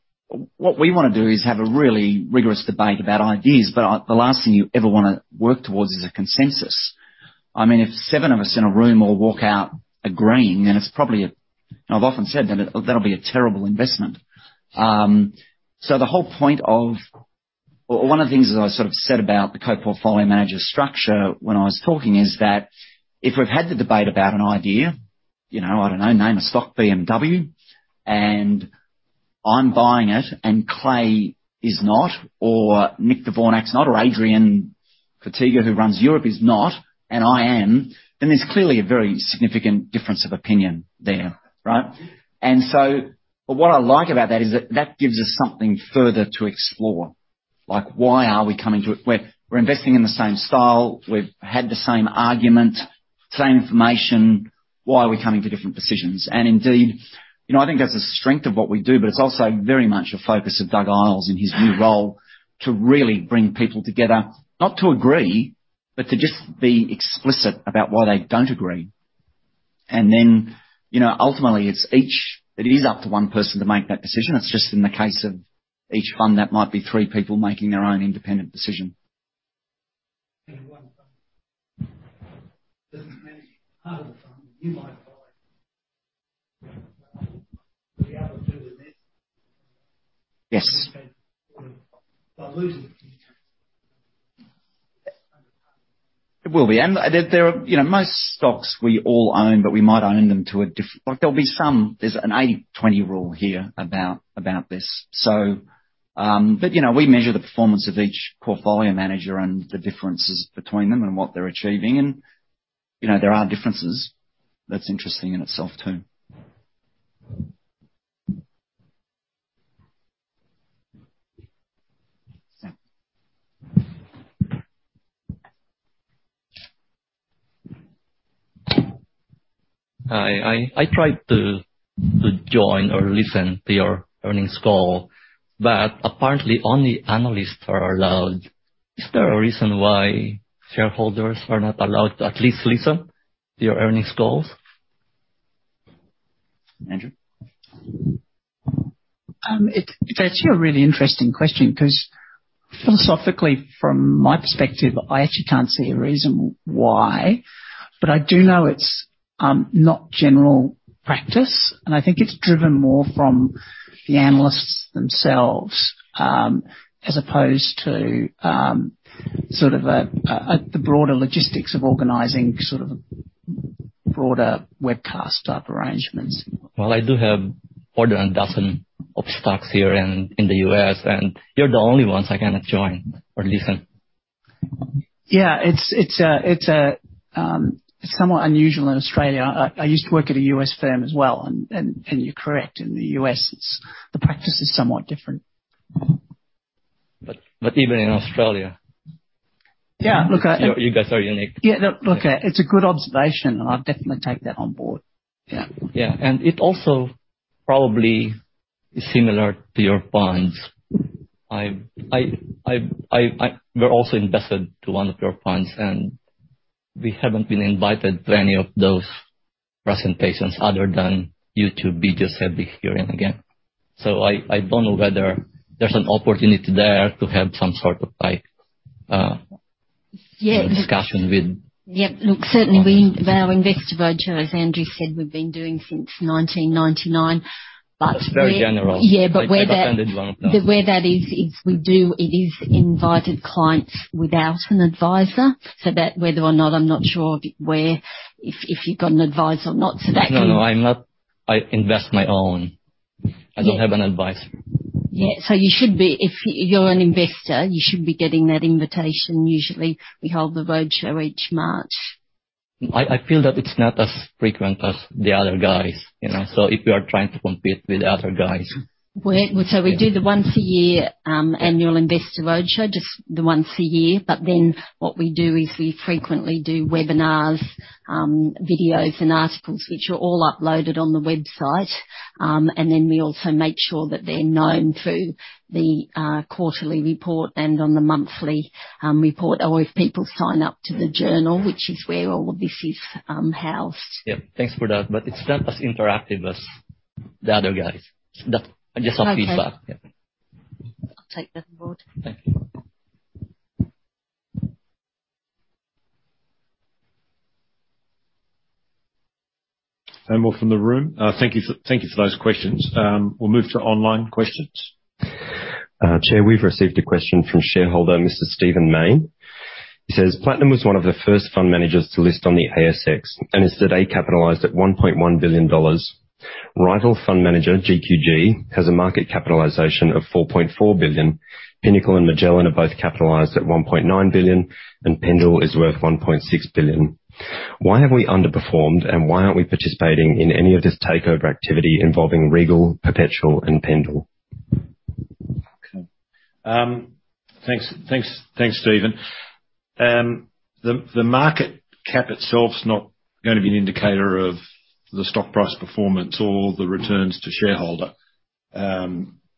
what we wanna do is have a really rigorous debate about ideas, but the last thing you ever wanna work towards is a consensus. I mean, if seven of us in a room all walk out agreeing, then it's probably a terrible investment. I've often said that that'll be a terrible investment. One of the things that I sort of said about the co-portfolio manager structure when I was talking is that if we've had the debate about an idea, you know, I don't know, name a stock, BMW, and I'm buying it and Clay is not, or Nick Dvorak is not, or Adrian Cotiga, who runs Europe, is not, and I am, then there's clearly a very significant difference of opinion there, right? What I like about that is that gives us something further to explore. Like, why are we coming to it? We're investing in the same style. We've had the same argument, same information. Why are we coming to different decisions? Indeed, you know, I think that's a strength of what we do, but it's also very much a focus of Douglas Isles in his new role to really bring people together, not to agree, but to just be explicit about why they don't agree. Then, you know, ultimately, it is up to one person to make that decision. It's just in the case of each fund, that might be three people making their own independent decision. In one fund. Doesn't manage part of the fund. You might buy the other two invest Yes. By losing. It will be. There are, you know, most stocks we all own, but we might own them. Like, there'll be some. There's an 80/20 rule here about this. But, you know, we measure the performance of each portfolio manager and the differences between them and what they're achieving. You know, there are differences. That's interesting in itself, too. Hi. I tried to join or listen to your earnings call, but apparently, only analysts are allowed. Is there a reason why shareholders are not allowed to at least listen to your earnings calls? Andrew? It's actually a really interesting question because philosophically, from my perspective, I actually can't see a reason why. I do know it's not general practice, and I think it's driven more from the analysts themselves, as opposed to sort of the broader logistics of organizing sort of broader webcast type arrangements. Well, I do have more than a dozen of stocks here in the U.S., and you're the only ones I cannot join or listen. Yeah. It's somewhat unusual in Australia. I used to work at a U.S. firm as well and you're correct. In the U.S., the practice is somewhat different. Even in Australia. Yeah, look, You guys are unique. Yeah. Look, it's a good observation, and I'll definitely take that on board. Yeah. Yeah. It also probably is similar to your points. We're also invested in one of your points, and we haven't been invited to any of those presentations other than you too busy just having hearings again. I don't know whether there's an opportunity there to have some sort of like Yeah. -discussion with. Yeah. Look, our investor roadshow, as Andrew said, we've been doing since 1999, but where- That's very general. Yeah, where that. I've attended one of them. What that is is we invite clients without an advisor. That, whether or not, I'm not sure if you've got an advisor or not, so that can- No, I'm not. I invest my own. Yeah. I don't have an advisor. If you're an investor, you should be getting that invitation usually. We hold the roadshow each March. I feel that it's not as frequent as the other guys, you know. If you are trying to compete with the other guys. Well, we do the once a year. Yeah. annual investor roadshow, just the once a year. What we do is we frequently do webinars, videos and articles which are all uploaded on the website. We also make sure that they're known through the quarterly report and on the monthly report or if people sign up to the journal, which is where all of this is housed. Yeah. Thanks for that. It's not as interactive as the other guys. That's just some feedback. Okay. Yeah. I'll take that on board. Thank you. Any more from the room? Thank you for those questions. We'll move to online questions. Chair, we've received a question from shareholder Mr. Stephen Mayne. He says, "Platinum was one of the first fund managers to list on the ASX and is today capitalized at AUD 1.1 billion. Rival fund manager GQG has a market capitalization of AUD 4.4 billion. Pinnacle and Magellan are both capitalized at AUD 1.9 billion, and Pendal is worth AUD 1.6 billion. Why have we underperformed, and why aren't we participating in any of this takeover activity involving Regal, Perpetual and Pendal? Okay. Thanks, Stephen. The market cap itself is not gonna be an indicator of the stock price performance or the returns to shareholder.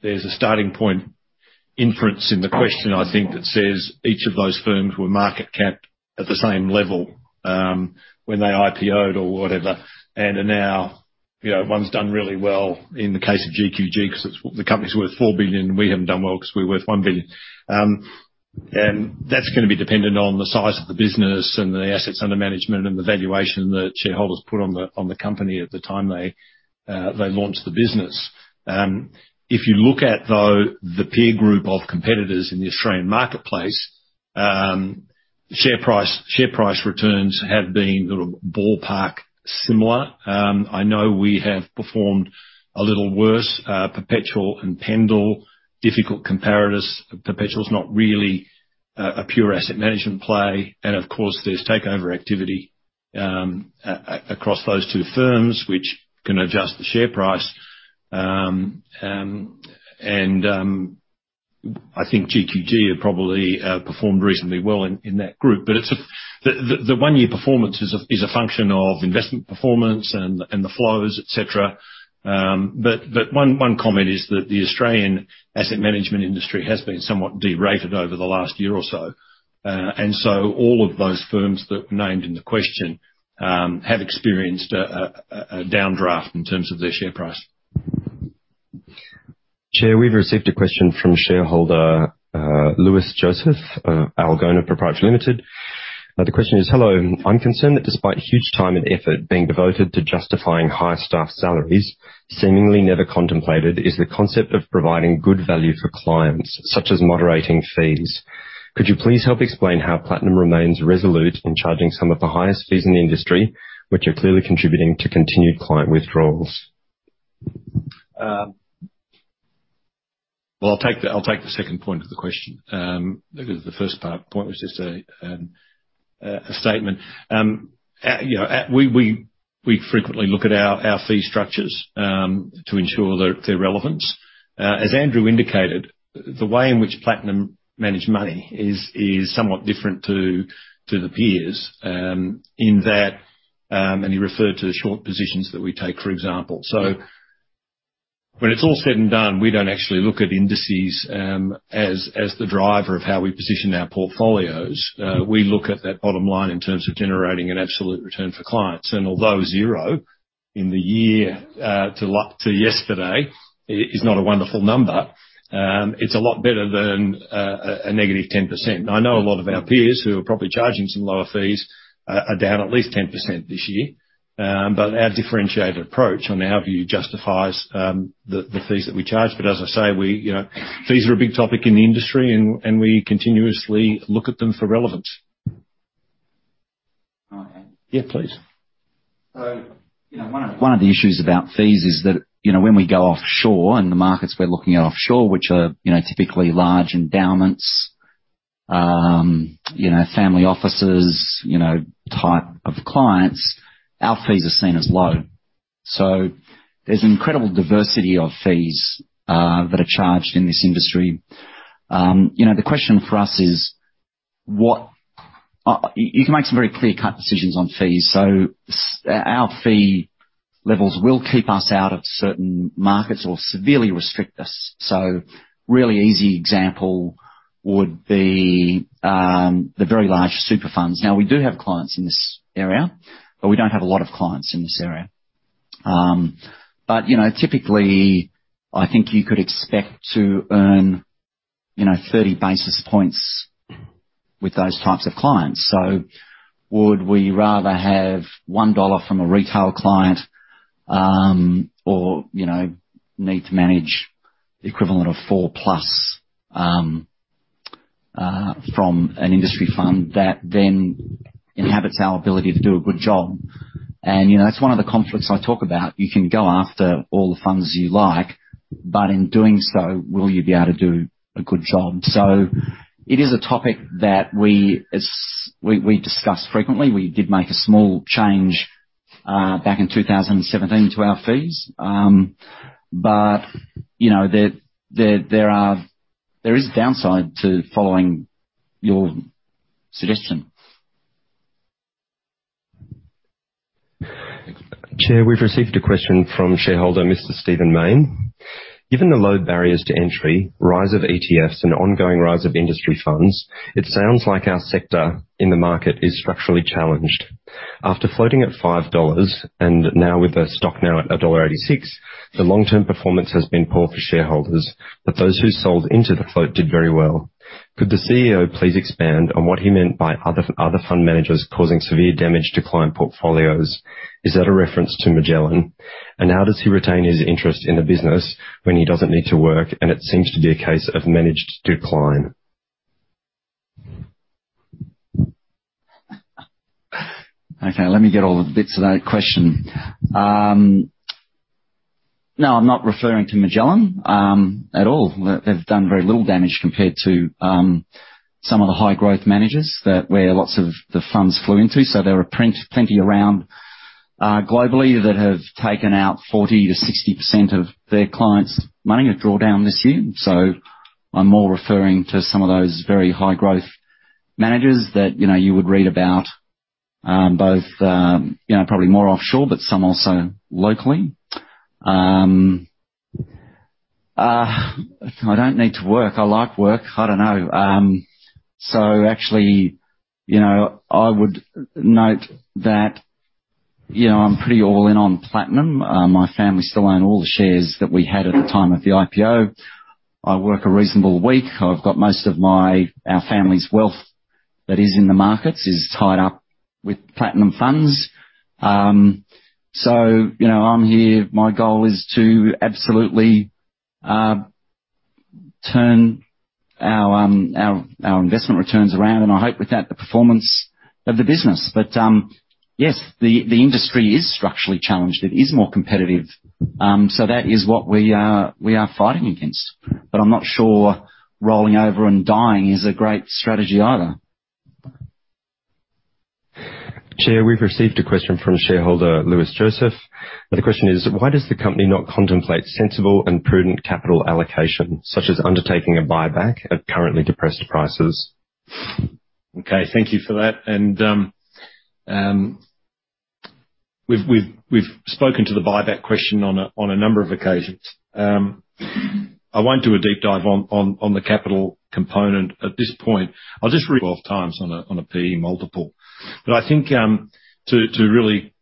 There's a starting point inference in the question, I think, that says each of those firms were market capped at the same level, when they IPO'd or whatever. Now, you know, one's done really well in the case of GQG 'cause it's the company's worth 4 billion. We haven't done well 'cause we're worth 1 billion. That's gonna be dependent on the size of the business and the assets under management and the valuation that shareholders put on the company at the time they launched the business. If you look at, though, the peer group of competitors in the Australian marketplace, share price returns have been ballpark similar. I know we have performed a little worse. Perpetual and Pendal, difficult comparators. Perpetual is not really a pure asset management play. Of course, there's takeover activity across those two firms, which can adjust the share price. I think GQG have probably performed reasonably well in that group. But the one-year performance is a function of investment performance and the flows, et cetera. One comment is that the Australian asset management industry has been somewhat derated over the last year or so. All of those firms that were named in the question have experienced a downdraft in terms of their share price. Chair, we've received a question from shareholder Louis Joseph, Algona Pty Ltd. The question is, "Hello. I'm concerned that despite huge time and effort being devoted to justifying high staff salaries, seemingly never contemplated is the concept of providing good value for clients, such as moderating fees. Could you please help explain how Platinum remains resolute in charging some of the highest fees in the industry, which are clearly contributing to continued client withdrawals? Well, I'll take the second point of the question, because the first part point was just a statement. You know, we frequently look at our fee structures to ensure their relevance. As Andrew indicated, the way in which Platinum manage money is somewhat different to the peers, in that, and he referred to the short positions that we take, for example. When it's all said and done, we don't actually look at indices as the driver of how we position our portfolios. We look at that bottom line in terms of generating an absolute return for clients. Although zero in the year to yesterday is not a wonderful number, it's a lot better than a negative 10%. I know a lot of our peers who are probably charging some lower fees are down at least 10% this year. Our differentiated approach on our view justifies the fees that we charge. As I say, you know, fees are a big topic in the industry and we continuously look at them for relevance. All right. Yeah, please. You know, one of the issues about fees is that, you know, when we go offshore and the markets we're looking at offshore, which are, you know, typically large endowments, you know, family offices, you know, type of clients, our fees are seen as low. There's incredible diversity of fees that are charged in this industry. You know, the question for us is what you can make some very clear-cut decisions on fees. Our fee levels will keep us out of certain markets or severely restrict us. Really easy example would be the very large super funds. Now, we do have clients in this area, but we don't have a lot of clients in this area. You know, typically, I think you could expect to earn, you know, 30 basis points with those types of clients. Would we rather have 1 dollar from a retail client, or, you know, need to manage the equivalent of 4+ from an industry fund that then inhibits our ability to do a good job? You know, that's one of the conflicts I talk about. You can go after all the funds you like, but in doing so, will you be able to do a good job? It is a topic that we discuss frequently. We did make a small change back in 2017 to our fees. But, you know, there is downside to following your suggestion. Chair, we've received a question from shareholder Mr. Stephen Mayne. Given the low barriers to entry, rise of ETFs and ongoing rise of industry funds, it sounds like our sector in the market is structurally challenged. After floating at 5 dollars, and now with the stock now at dollar 1.86, the long-term performance has been poor for shareholders, but those who sold into the float did very well. Could the CEO please expand on what he meant by other fund managers causing severe damage to client portfolios? Is that a reference to Magellan? And how does he retain his interest in the business when he doesn't need to work and it seems to be a case of managed decline? Okay, let me get all the bits of that question. No, I'm not referring to Magellan at all. They've done very little damage compared to some of the high growth managers that were lots of the funds flew into. So there are plenty around globally that have taken out 40%-60% of their clients' money at drawdown this year. So I'm more referring to some of those very high growth managers that, you know, you would read about, both, you know, probably more offshore, but some also locally. I don't need to work. I like work. I don't know. So actually, you know, I'm pretty all in on Platinum. My family still own all the shares that we had at the time of the IPO. I work a reasonable week. I've got most of our family's wealth that is in the markets is tied up with Platinum funds. You know, I'm here. My goal is to absolutely turn our investment returns around, and I hope with that, the performance of the business. Yes, the industry is structurally challenged. It is more competitive. That is what we are fighting against. I'm not sure rolling over and dying is a great strategy either. Chair, we've received a question from shareholder Louis Joseph. The question is: Why does the company not contemplate sensible and prudent capital allocation, such as undertaking a buyback at currently depressed prices? Okay, thank you for that. We've spoken to the buyback question on a number of occasions. I won't do a deep dive on the capital component at this point. I'll just read off times on a P/E multiple. I think to really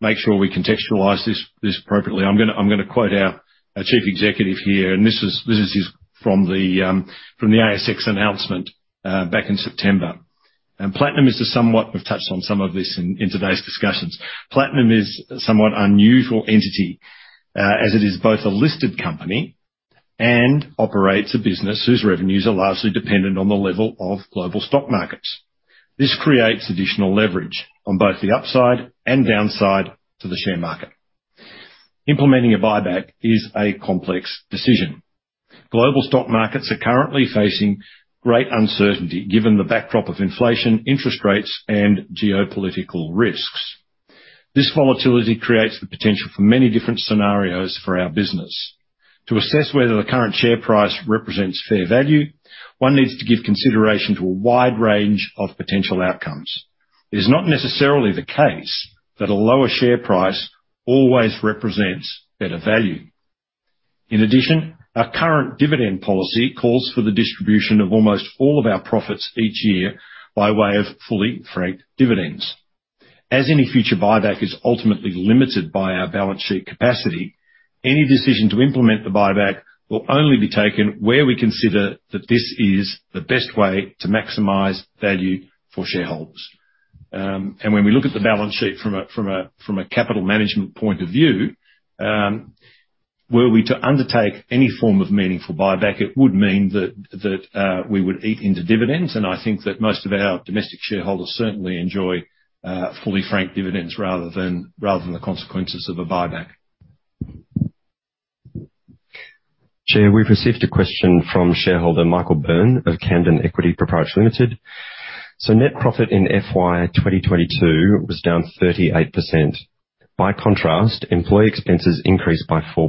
make sure we contextualize this appropriately, I'm gonna quote our Chief Executive here. This is his from the ASX announcement back in September. We've touched on some of this in today's discussions. Platinum is a somewhat unusual entity, as it is both a listed company and operates a business whose revenues are largely dependent on the level of global stock markets. This creates additional leverage on both the upside and downside to the share market. Implementing a buyback is a complex decision. Global stock markets are currently facing great uncertainty given the backdrop of inflation, interest rates, and geopolitical risks. This volatility creates the potential for many different scenarios for our business. To assess whether the current share price represents fair value, one needs to give consideration to a wide range of potential outcomes. It is not necessarily the case that a lower share price always represents better value. In addition, our current dividend policy calls for the distribution of almost all of our profits each year by way of fully franked dividends. As any future buyback is ultimately limited by our balance sheet capacity, any decision to implement the buyback will only be taken where we consider that this is the best way to maximize value for shareholders. When we look at the balance sheet from a capital management point of view, were we to undertake any form of meaningful buyback, it would mean that we would eat into dividends. I think that most of our domestic shareholders certainly enjoy fully franked dividends rather than the consequences of a buyback. Chair, we've received a question from shareholder Michael Byrne of Camden Equity Pty Ltd. Net profit in FY 2022 was down 38%. By contrast, employee expenses increased by 4%.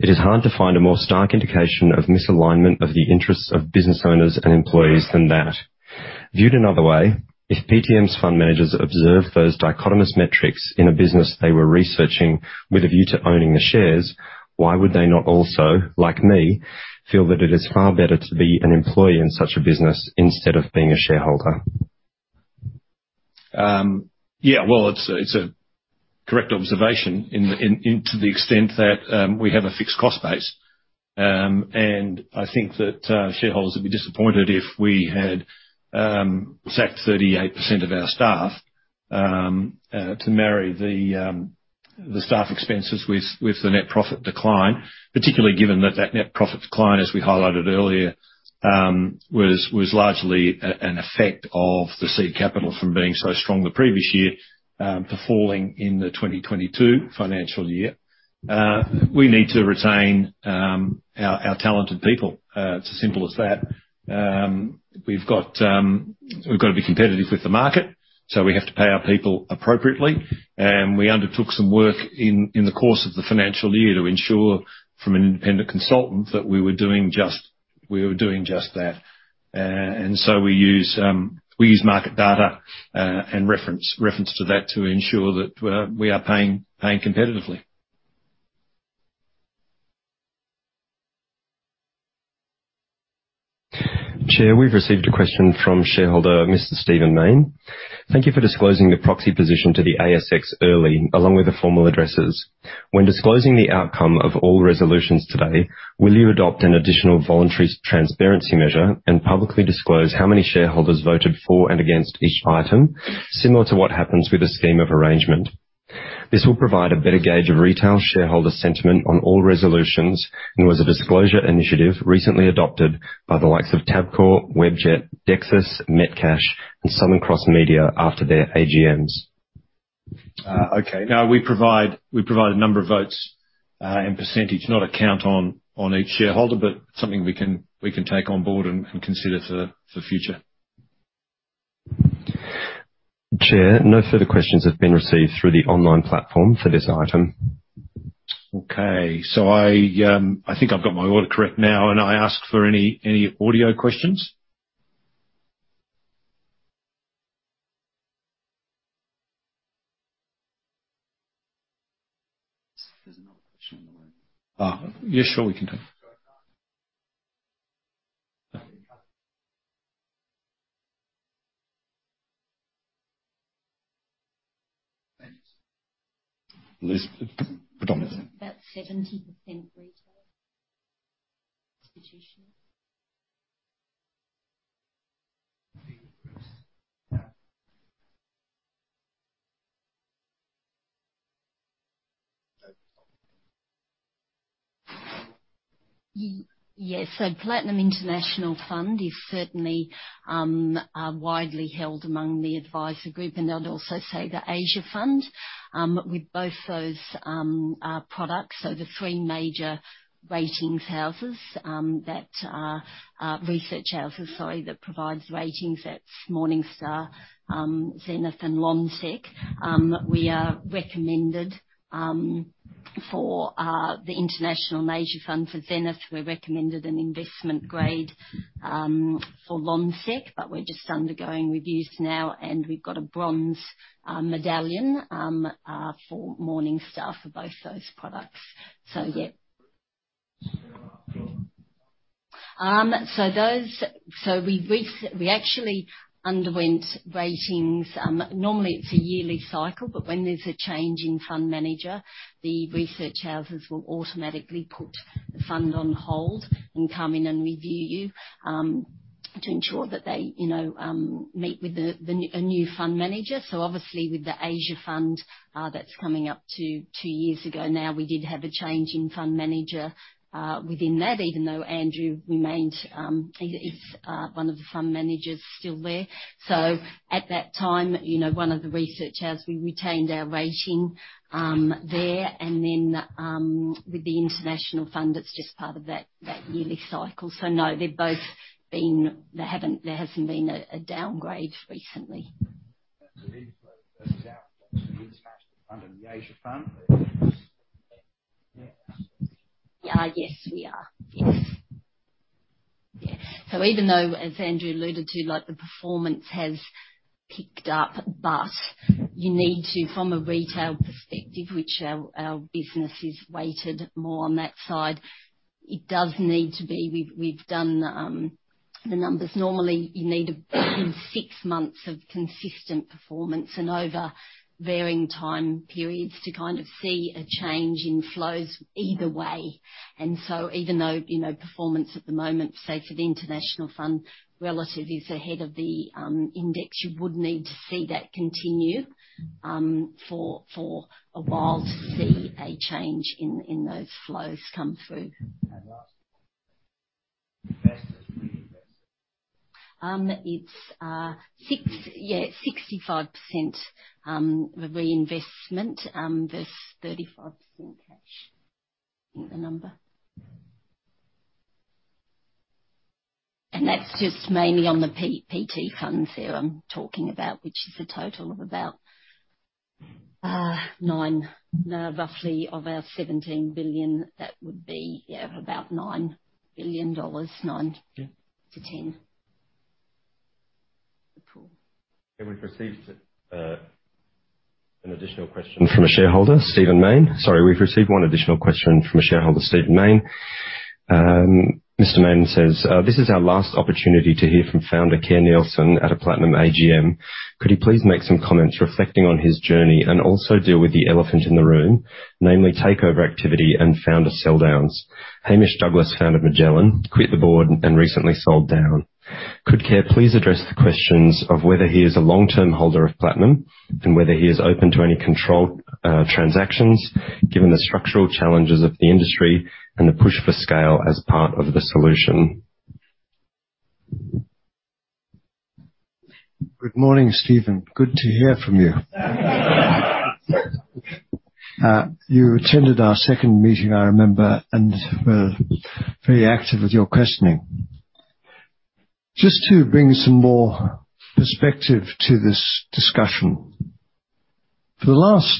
It is hard to find a more stark indication of misalignment of the interests of business owners and employees than that. Viewed another way, if PTM's fund managers observe those dichotomous metrics in a business they were researching with a view to owning the shares, why would they not also, like me, feel that it is far better to be an employee in such a business instead of being a shareholder? Well, it's a correct observation into the extent that we have a fixed cost base. I think that shareholders would be disappointed if we had sacked 38% of our staff to marry the staff expenses with the net profit decline, particularly given that net profit decline, as we highlighted earlier, was largely an effect of the seed capital from being so strong the previous year to falling in the 2022 financial year. We need to retain our talented people. It's as simple as that. We've got to be competitive with the market, so we have to pay our people appropriately. We undertook some work in the course of the financial year to ensure from an independent consultant that we were doing just that. We use market data and reference to that to ensure that we are paying competitively. Chair, we've received a question from shareholder Mr. Stephen Mayne. Thank you for disclosing the proxy position to the ASX early, along with the formal addresses. When disclosing the outcome of all resolutions today, will you adopt an additional voluntary transparency measure and publicly disclose how many shareholders voted for and against each item, similar to what happens with a scheme of arrangement? This will provide a better gauge of retail shareholder sentiment on all resolutions, and was a disclosure initiative recently adopted by the likes of Tabcorp, Webjet, Dexus, Metcash, and Southern Cross Media after their AGMs. Okay. No, we provide a number of votes and percentage, not a count on each shareholder, but something we can take on board and consider for future. Chair, no further questions have been received through the online platform for this item. Okay, I think I've got my order correct now, and I ask for any audio questions. There's another question on the way. Yeah, sure. We can take it. Liz, predominantly. About 70% retail, institutional. Yeah. Yes. Platinum International Fund is certainly widely held among the advisor group, and I'd also say the Asia Fund. With both those products, the three major research houses that provides ratings, that's Morningstar, Zenith and Lonsec, we are recommended for the International and Asia Fund. For Zenith, we're recommended an investment grade for Lonsec, but we're just undergoing reviews now, and we've got a bronze medallion for Morningstar for both those products. Yeah. We actually underwent ratings. Normally it's a yearly cycle, but when there's a change in fund manager, the research houses will automatically put the fund on hold and come in and review to ensure that they, you know, meet with a new fund manager. Obviously with the Asia Fund, that's coming up to two years ago now, we did have a change in fund manager within that, even though Andrew remained is one of the fund managers still there. At that time, you know, one of the research house, we retained our rating there. Then with the International Fund, that's just part of that yearly cycle. No, they've both been. There hasn't been a downgrade recently. The inflow versus outflow to the International Fund and the Asia Fund. Yes, we are. Even though, as Andrew alluded to, like, the performance has picked up, but you need to, from a retail perspective, which our business is weighted more on that side, it does need to be. We've done the numbers. Normally you need six months of consistent performance and over varying time periods to kind of see a change in flows either way. Even though, you know, performance at the moment, say for the international fund relative is ahead of the index, you would need to see that continue for a while to see a change in those flows come through. It's 65% reinvestment versus 35% cash in the number. That's just mainly on the PT funds there I'm talking about, which is a total of about nine Roughly of our 17 billion, that would be about 9 billion dollars. 9-10. Okay. We've received one additional question from a shareholder, Stephen Mayne. Mr. Mayne says, "This is our last opportunity to hear from founder Kerr Neilson at a Platinum AGM. Could he please make some comments reflecting on his journey and also deal with the elephant in the room, namely takeover activity and founder sell downs? Hamish Douglass, founder of Magellan, quit the board and recently sold down. Could Kerr please address the questions of whether he is a long-term holder of Platinum and whether he is open to any controlled transactions, given the structural challenges of the industry and the push for scale as part of the solution? Good morning, Stephen. Good to hear from you. You attended our second meeting, I remember, and were very active with your questioning. Just to bring some more perspective to this discussion. For the last,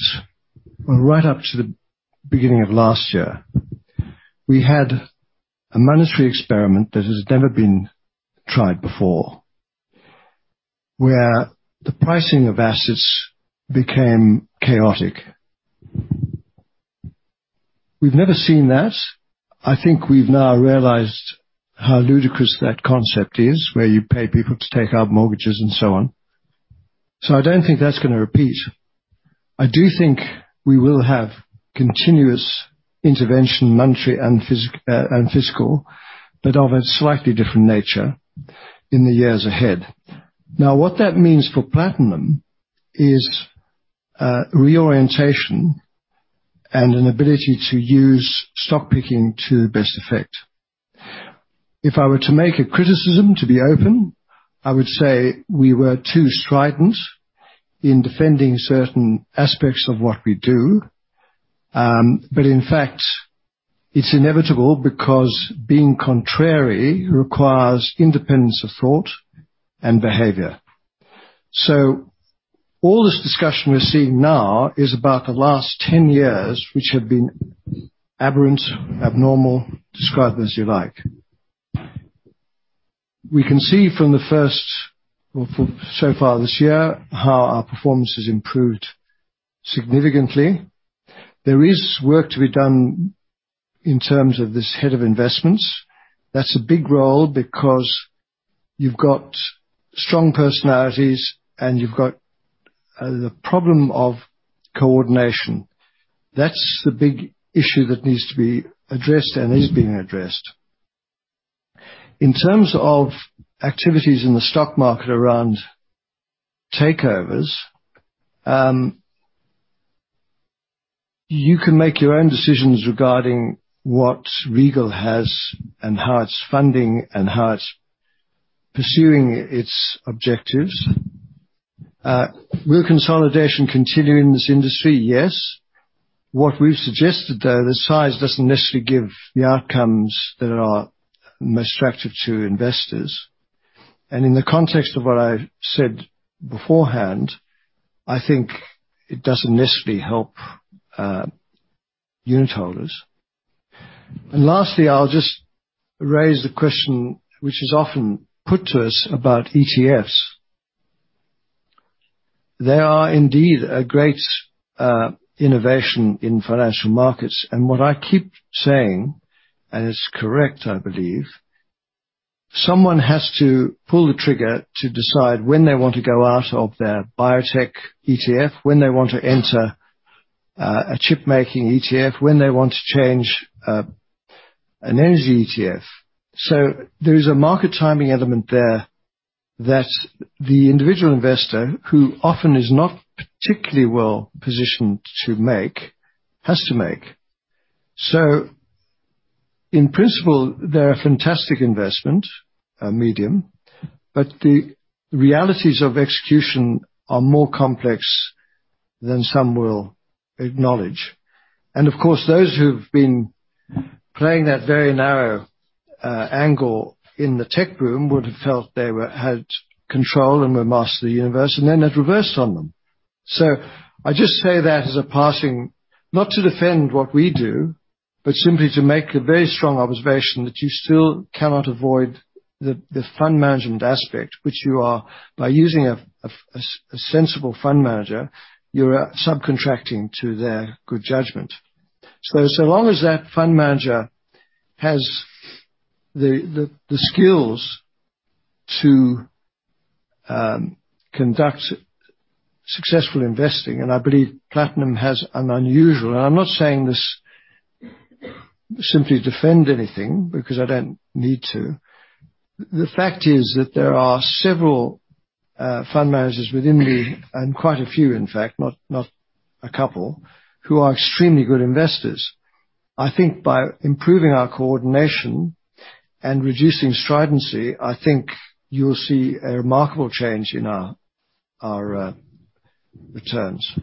well, right up to the beginning of last year, we had a monetary experiment that has never been tried before, where the pricing of assets became chaotic. We've never seen that. I think we've now realized how ludicrous that concept is, where you pay people to take out mortgages and so on. I don't think that's gonna repeat. I do think we will have continuous intervention, monetary and fiscal, but of a slightly different nature in the years ahead. Now, what that means for Platinum is, reorientation and an ability to use stock picking to best effect. If I were to make a criticism, to be open, I would say we were too strident in defending certain aspects of what we do. In fact, it's inevitable because being contrary requires independence of thought and behavior. All this discussion we're seeing now is about the last 10 years, which have been aberrant, abnormal, describe it as you like. We can see so far this year, how our performance has improved significantly. There is work to be done in terms of this Head of Investment. That's a big role because you've got strong personalities, and you've got the problem of coordination. That's the big issue that needs to be addressed and is being addressed. In terms of activities in the stock market around takeovers, you can make your own decisions regarding what Regal has and how it's funding and how it's pursuing its objectives. Will consolidation continue in this industry? Yes. What we've suggested, though, is size doesn't necessarily give the outcomes that are most attractive to investors. In the context of what I said beforehand, I think it doesn't necessarily help unitholders. Lastly, I'll just raise the question which is often put to us about ETFs. They are indeed a great innovation in financial markets. What I keep saying, and it's correct, I believe, someone has to pull the trigger to decide when they want to go out of their biotech ETF, when they want to enter a chip making ETF, when they want to change an energy ETF. There is a market timing element there that the individual investor, who often is not particularly well-positioned to make, has to make. In principle, they're a fantastic investment medium, but the realities of execution are more complex than some will acknowledge. Of course, those who've been playing that very narrow angle in the tech boom would have felt they had control and were master of the universe, and then it reversed on them. I just say that as a passing, not to defend what we do, but simply to make a very strong observation that you still cannot avoid the fund management aspect, which you are, by using a sensible fund manager, you are subcontracting to their good judgment. So long as that fund manager has the skills to conduct successful investing, and I believe Platinum has an unusual. I'm not saying this simply to defend anything because I don't need to. The fact is that there are several fund managers within the, and quite a few, in fact, not a couple, who are extremely good investors. I think by improving our coordination and reducing stridency, I think you'll see a remarkable change in our returns.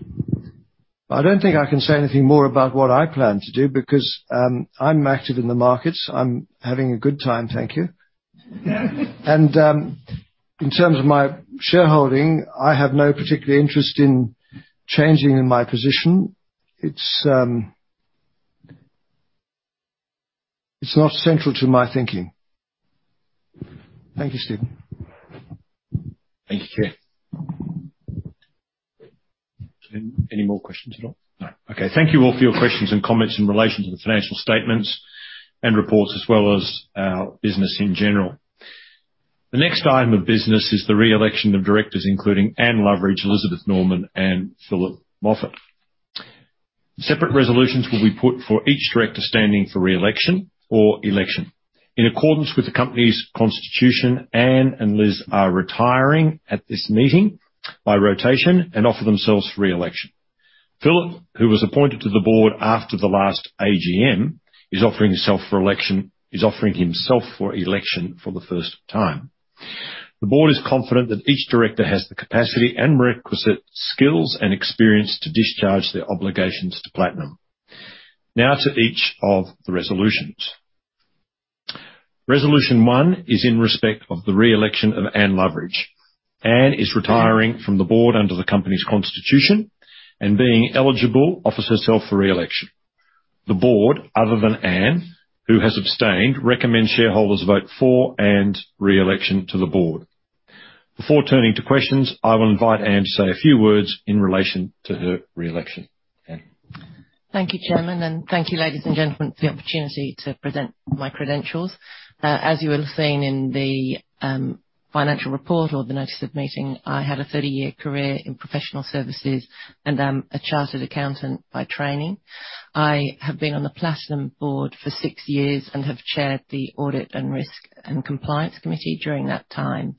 I don't think I can say anything more about what I plan to do because I'm active in the markets. I'm having a good time, thank you. In terms of my shareholding, I have no particular interest in changing in my position. It's not central to my thinking. Thank you, Stephen. Thank you, Chair. Any more questions at all? No. Okay. Thank you all for your questions and comments in relation to the financial statements and reports, as well as our business in general. The next item of business is the re-election of directors including Anne Loveridge, Elizabeth Norman, and Philip Moffitt. Separate resolutions will be put for each director standing for re-election or election. In accordance with the company's constitution, Anne and Liz are retiring at this meeting by rotation and offer themselves for re-election. Philip, who was appointed to the board after the last AGM, is offering himself for election for the first time. The board is confident that each director has the capacity and requisite skills and experience to discharge their obligations to Platinum. Now to each of the resolutions. Resolution 1 is in respect of the re-election of Anne Loveridge. Anne is retiring from the board under the company's constitution and being eligible, offers herself for re-election. The board, other than Anne, who has abstained, recommend shareholders vote for Anne's re-election to the board. Before turning to questions, I will invite Anne to say a few words in relation to her re-election. Anne. Thank you, Chairman, and thank you, ladies and gentlemen, for the opportunity to present my credentials. As you will have seen in the financial report or the notice of meeting, I had a 30-year career in professional services and I'm a chartered accountant by training. I have been on the Platinum board for 6 years and have chaired the Audit and Risk and Compliance committee during that time.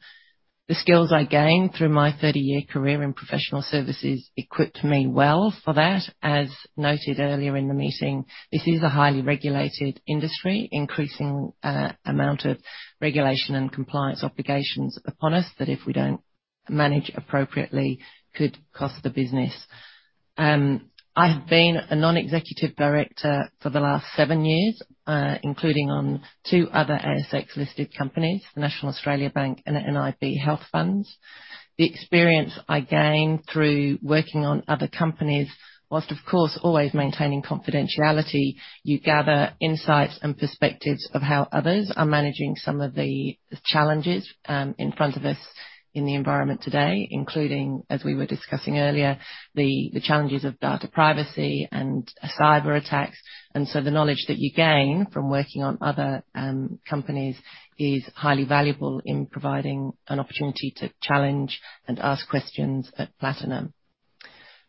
The skills I gained through my 30-year career in professional services equipped me well for that. As noted earlier in the meeting, this is a highly regulated industry, increasing amount of regulation and compliance obligations upon us that if we don't manage appropriately, could cost the business. I have been a non-executive director for the last seven years, including on two other ASX-listed companies, the National Australia Bank and nib Health Funds. The experience I gained through working on other companies, while of course, always maintaining confidentiality, you gather insights and perspectives of how others are managing some of the challenges in front of us in the environment today, including, as we were discussing earlier, the challenges of data privacy and cyberattacks. The knowledge that you gain from working on other companies is highly valuable in providing an opportunity to challenge and ask questions at Platinum.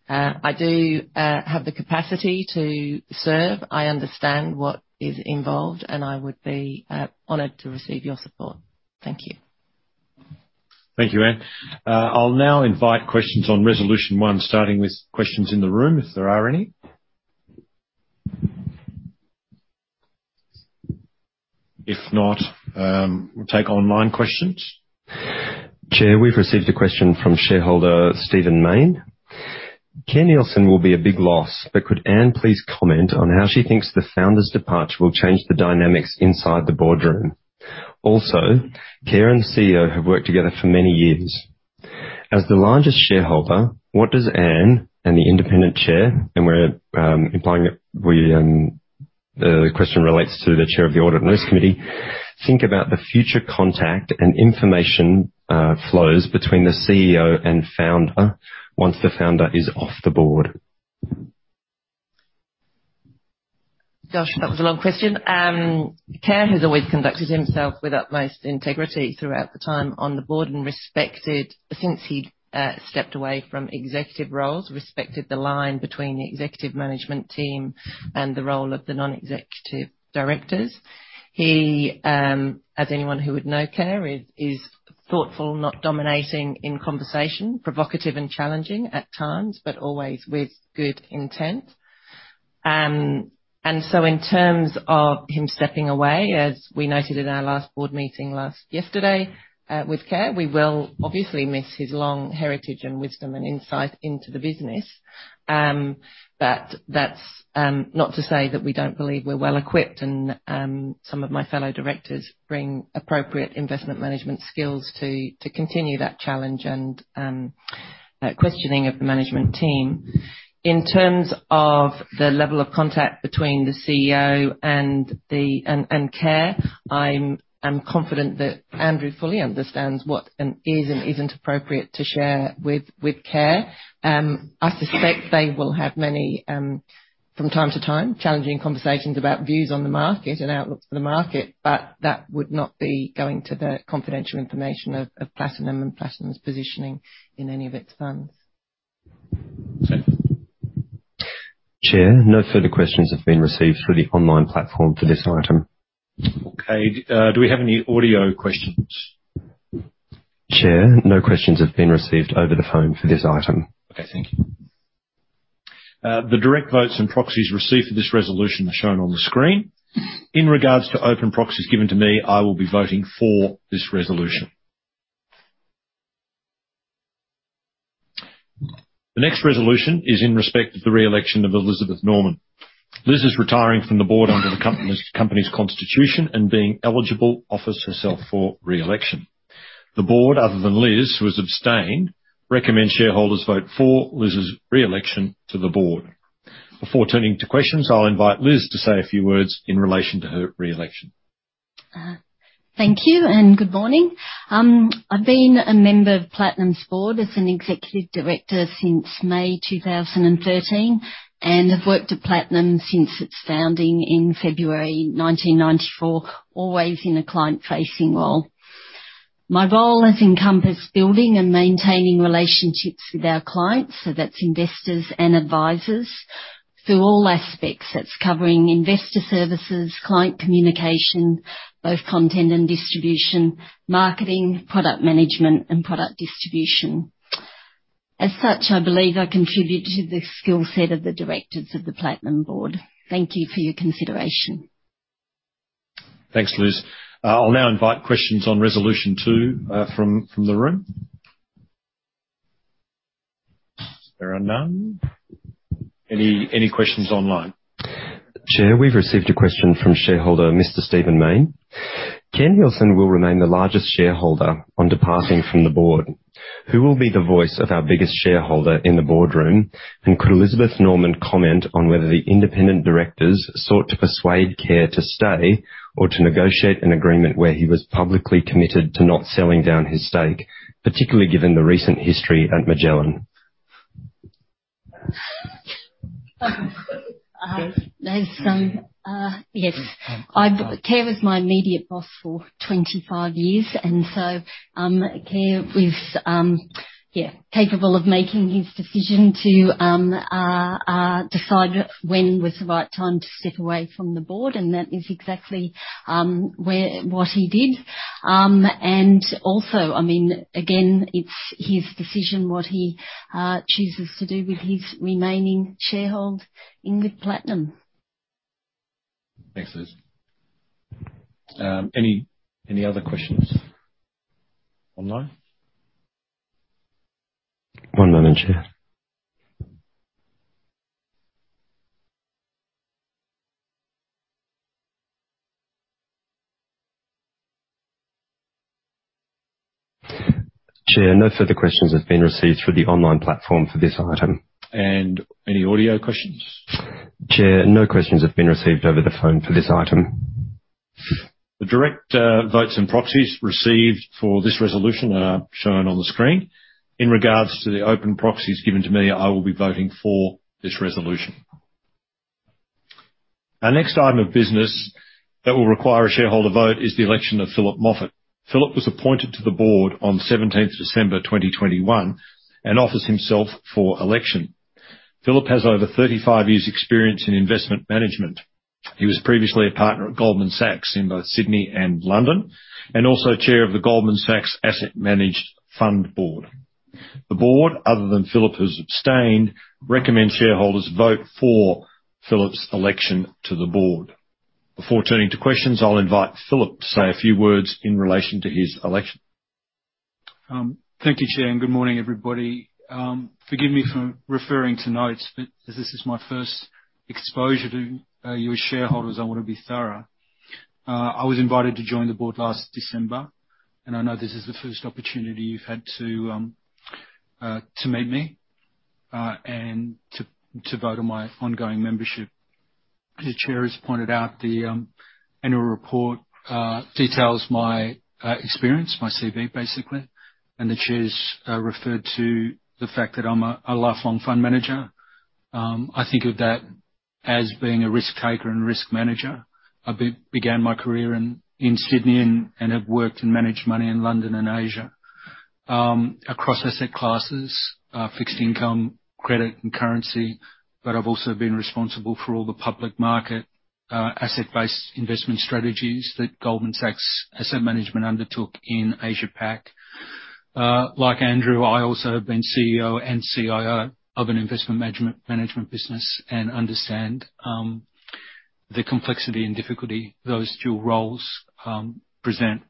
I do have the capacity to serve. I understand what is involved, and I would be honored to receive your support. Thank you. Thank you, Anne. I'll now invite questions on Resolution 1, starting with questions in the room, if there are any. If not, we'll take online questions. Chair, we've received a question from shareholder Stephen Mayne. Kerr Neilson will be a big loss, but could Anne please comment on how she thinks the founder's departure will change the dynamics inside the boardroom? Also, Kerr Neilson and the CEO have worked together for many years. As the largest shareholder, what does Anne and the independent chair, the question relates to the chair of the Audit and Risk Committee, think about the future contact and information flows between the CEO and founder once the founder is off the board? Gosh, that was a long question. Kerr has always conducted himself with utmost integrity throughout the time on the board and respected since he stepped away from executive roles, respected the line between the executive management team and the role of the non-executive directors. He, as anyone who would know Kerr, is thoughtful, not dominating in conversation, provocative and challenging at times, but always with good intent. In terms of him stepping away, as we noted in our last board meeting yesterday, with Kerr, we will obviously miss his long heritage and wisdom and insight into the business. That's not to say that we don't believe we're well equipped and some of my fellow directors bring appropriate investment management skills to continue that challenge and questioning of the management team. In terms of the level of contact between the CEO and Kerr, I'm confident that Andrew fully understands what is and isn't appropriate to share with Kerr. I suspect they will have many from time to time challenging conversations about views on the market and outlooks for the market, but that would not be going to the confidential information of Platinum and Platinum's positioning in any of its funds. Thank you. Chair, no further questions have been received through the online platform for this item. Okay. Do we have any audio questions? Chair, no questions have been received over the phone for this item. Okay, thank you. The direct votes and proxies received for this resolution are shown on the screen. In regards to open proxies given to me, I will be voting for this resolution. The next resolution is in respect of the reelection of Elizabeth Norman. Liz is retiring from the board under the company's constitution and being eligible, offers herself for reelection. The board, other than Liz, who has abstained, recommend shareholders vote for Liz's reelection to the board. Before turning to questions, I'll invite Liz to say a few words in relation to her reelection. Thank you and good morning. I've been a member of Platinum's board as an executive director since May 2013. Have worked at Platinum since its founding in February 1994, always in a client-facing role. My role has encompassed building and maintaining relationships with our clients, so that's investors and advisors, through all aspects. That's covering investor services, client communication, both content and distribution, marketing, product management, and product distribution. As such, I believe I contribute to the skill set of the directors of the Platinum board. Thank you for your consideration. Thanks, Liz. I'll now invite questions on Resolution 2 from the room. There are none. Any questions online? Chair, we've received a question from shareholder Mr. Stephen Mayne. Kerr Neilson will remain the largest shareholder on departing from the board. Who will be the voice of our biggest shareholder in the boardroom? Could Elizabeth Norman comment on whether the independent directors sought to persuade Kerr to stay or to negotiate an agreement where he was publicly committed to not selling down his stake, particularly given the recent history at Magellan? Yes. Kerr Neilson was my immediate boss for 25 years, and Kerr Neilson is yeah capable of making his decision to decide when was the right time to step away from the board, and that is exactly what he did. Also, I mean, again, it's his decision what he chooses to do with his remaining shareholding in Platinum. Thanks, Liz. Any other questions online? One moment, Chair. Chair, no further questions have been received through the online platform for this item. Any audio questions? Chair, no questions have been received over the phone for this item. The direct votes and proxies received for this resolution are shown on the screen. In regards to the open proxies given to me, I will be voting for this resolution. Our next item of business that will require a shareholder vote is the election of Philip Moffitt. Philip was appointed to the board on December 17th 2021 and offers himself for election. Philip has over 35 years' experience in investment management. He was previously a partner at Goldman Sachs in both Sydney and London, and also chair of the Goldman Sachs Asset Management Fund Board. The board, other than Philip, who's abstained, recommends shareholders vote for Philip's election to the board. Before turning to questions, I'll invite Philip to say a few words in relation to his election. Thank you, Chair, and good morning, everybody. Forgive me for referring to notes, but as this is my first exposure to you as shareholders, I wanna be thorough. I was invited to join the board last December, and I know this is the first opportunity you've had to meet me and to vote on my ongoing membership. As Chair has pointed out, the annual report details my experience, my CV, basically. The Chair's referred to the fact that I'm a lifelong fund manager. I think of that as being a risk-taker and risk manager. I began my career in Sydney and have worked and managed money in London and Asia, across asset classes, fixed income, credit and currency. I've also been responsible for all the public market, asset-based investment strategies that Goldman Sachs Asset Management undertook in Asia Pac. Like Andrew, I also have been CEO and CIO of an investment management business and understand the complexity and difficulty those two roles present.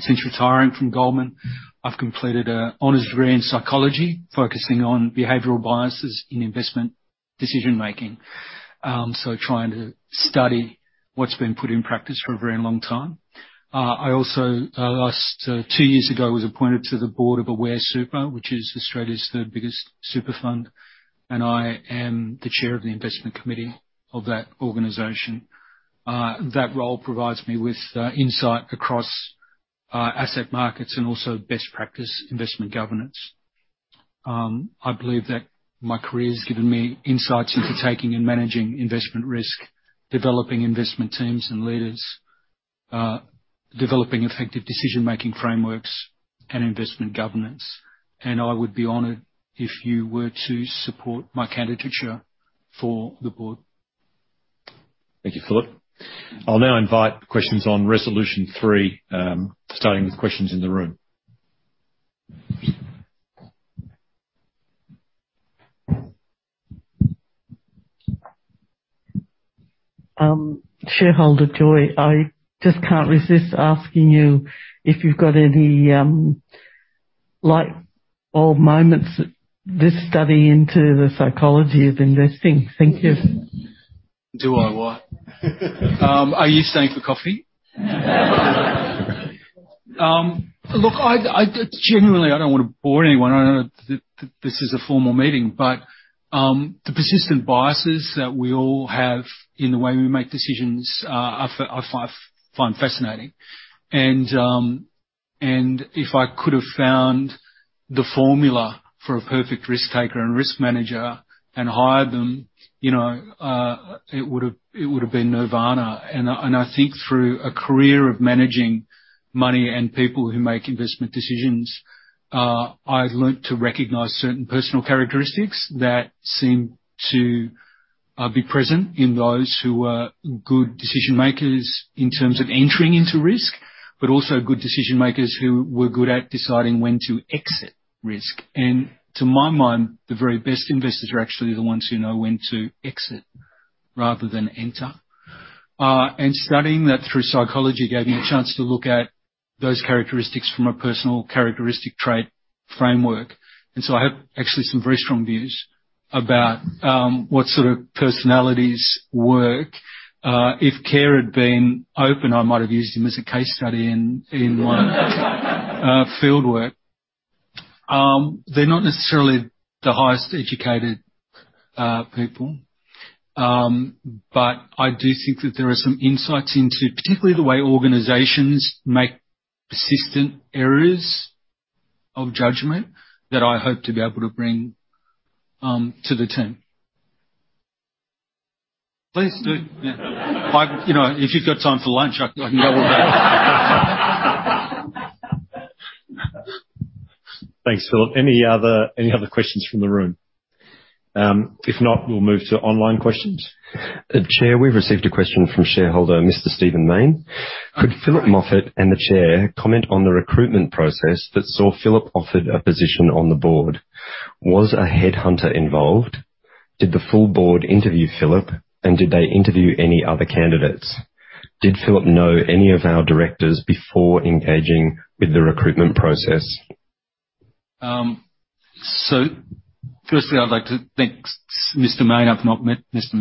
Since retiring from Goldman, I've completed an honors degree in psychology, focusing on behavioral biases in investment decision-making. Trying to study what's been put in practice for a very long time. I also, last two years ago, was appointed to the board of Aware Super, which is Australia's third biggest super fund, and I am the chair of the investment committee of that organization. That role provides me with insight across asset markets and also best practice investment governance. I believe that my career has given me insights into taking and managing investment risk, developing investment teams and leaders, developing effective decision-making frameworks and investment governance. I would be honored if you were to support my candidacy for the board. Thank you, Philip. I'll now invite questions on Resolution 3, starting with questions in the room. Shareholder Joy. I just can't resist asking you if you've got any light bulb moments in this study into the psychology of investing. Thank you. Do I what? Are you staying for coffee? Look, I genuinely don't want to bore anyone. I know this is a formal meeting, but the persistent biases that we all have in the way we make decisions I find fascinating. If I could have found the formula for a perfect risk taker and risk manager and hired them, it would have been nirvana. I think through a career of managing money and people who make investment decisions, I've learned to recognize certain personal characteristics that seem to be present in those who are good decision-makers in terms of entering into risk, but also good decision-makers who were good at deciding when to exit risk. To my mind, the very best investors are actually the ones who know when to exit rather than enter. Studying that through psychology gave me a chance to look at those characteristics from a personal characteristic trait framework. I have actually some very strong views about what sort of personalities work. If Kerr had been open, I might have used him as a case study in my field work. They're not necessarily the highest educated people. I do think that there are some insights into particularly the way organizations make persistent errors of judgment that I hope to be able to bring to the team. Please do, yeah. Like, you know, if you've got time for lunch, I can double that. Thanks, Philip. Any other questions from the room? If not, we'll move to online questions. Chair, we've received a question from shareholder Mr. Stephen Mayne. Could Philip Moffitt and the Chair comment on the recruitment process that saw Philip offered a position on the board? Was a headhunter involved? Did the full board interview Philip? Did they interview any other candidates? Did Philip know any of our directors before engaging with the recruitment process? Firstly, I'd like to thank Mr. Mayne for his question. I've not met Mr.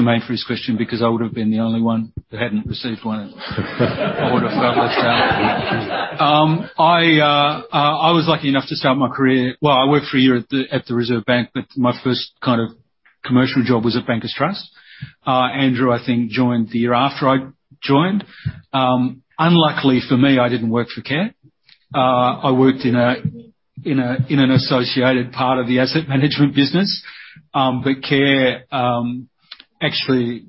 Mayne. Because I would have been the only one that hadn't received one. I would have felt less than. I was lucky enough to start my career. I worked for a year at the Reserve Bank, but my first kind of commercial job was at Bankers Trust. Andrew, I think, joined the year after I joined. Unluckily for me, I didn't work for Kerr. I worked in an associated part of the asset management business. Kerr actually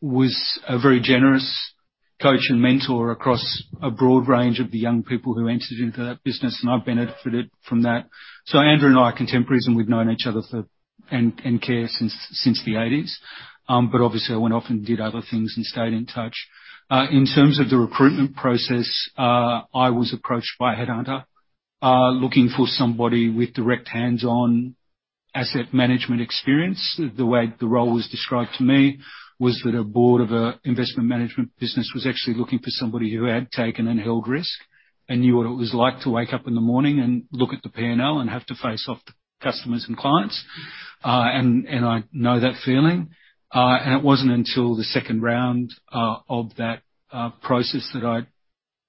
was a very generous coach and mentor across a broad range of the young people who entered into that business, and I've benefited from that. Andrew and I are contemporaries, and we've known each other and Kerr since the eighties. Obviously I went off and did other things and stayed in touch. In terms of the recruitment process, I was approached by a headhunter looking for somebody with direct hands-on asset management experience. The way the role was described to me was that a board of an investment management business was actually looking for somebody who had taken and held risk and knew what it was like to wake up in the morning and look at the P&L and have to face off the customers and clients. I know that feeling. It wasn't until the second round of that process that I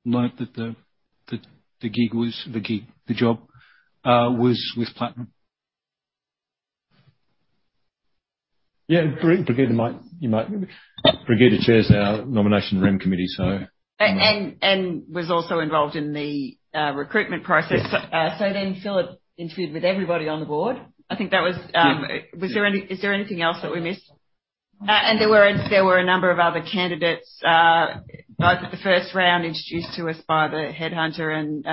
learned that the gig, the job, was with Platinum. Brigitte chairs our nomination and remuneration committee, so. was also involved in the recruitment process. Yes. Philip interviewed with everybody on the board. I think that was. Yes. Is there anything else that we missed? There were a number of other candidates, both at the first round introduced to us by the headhunter and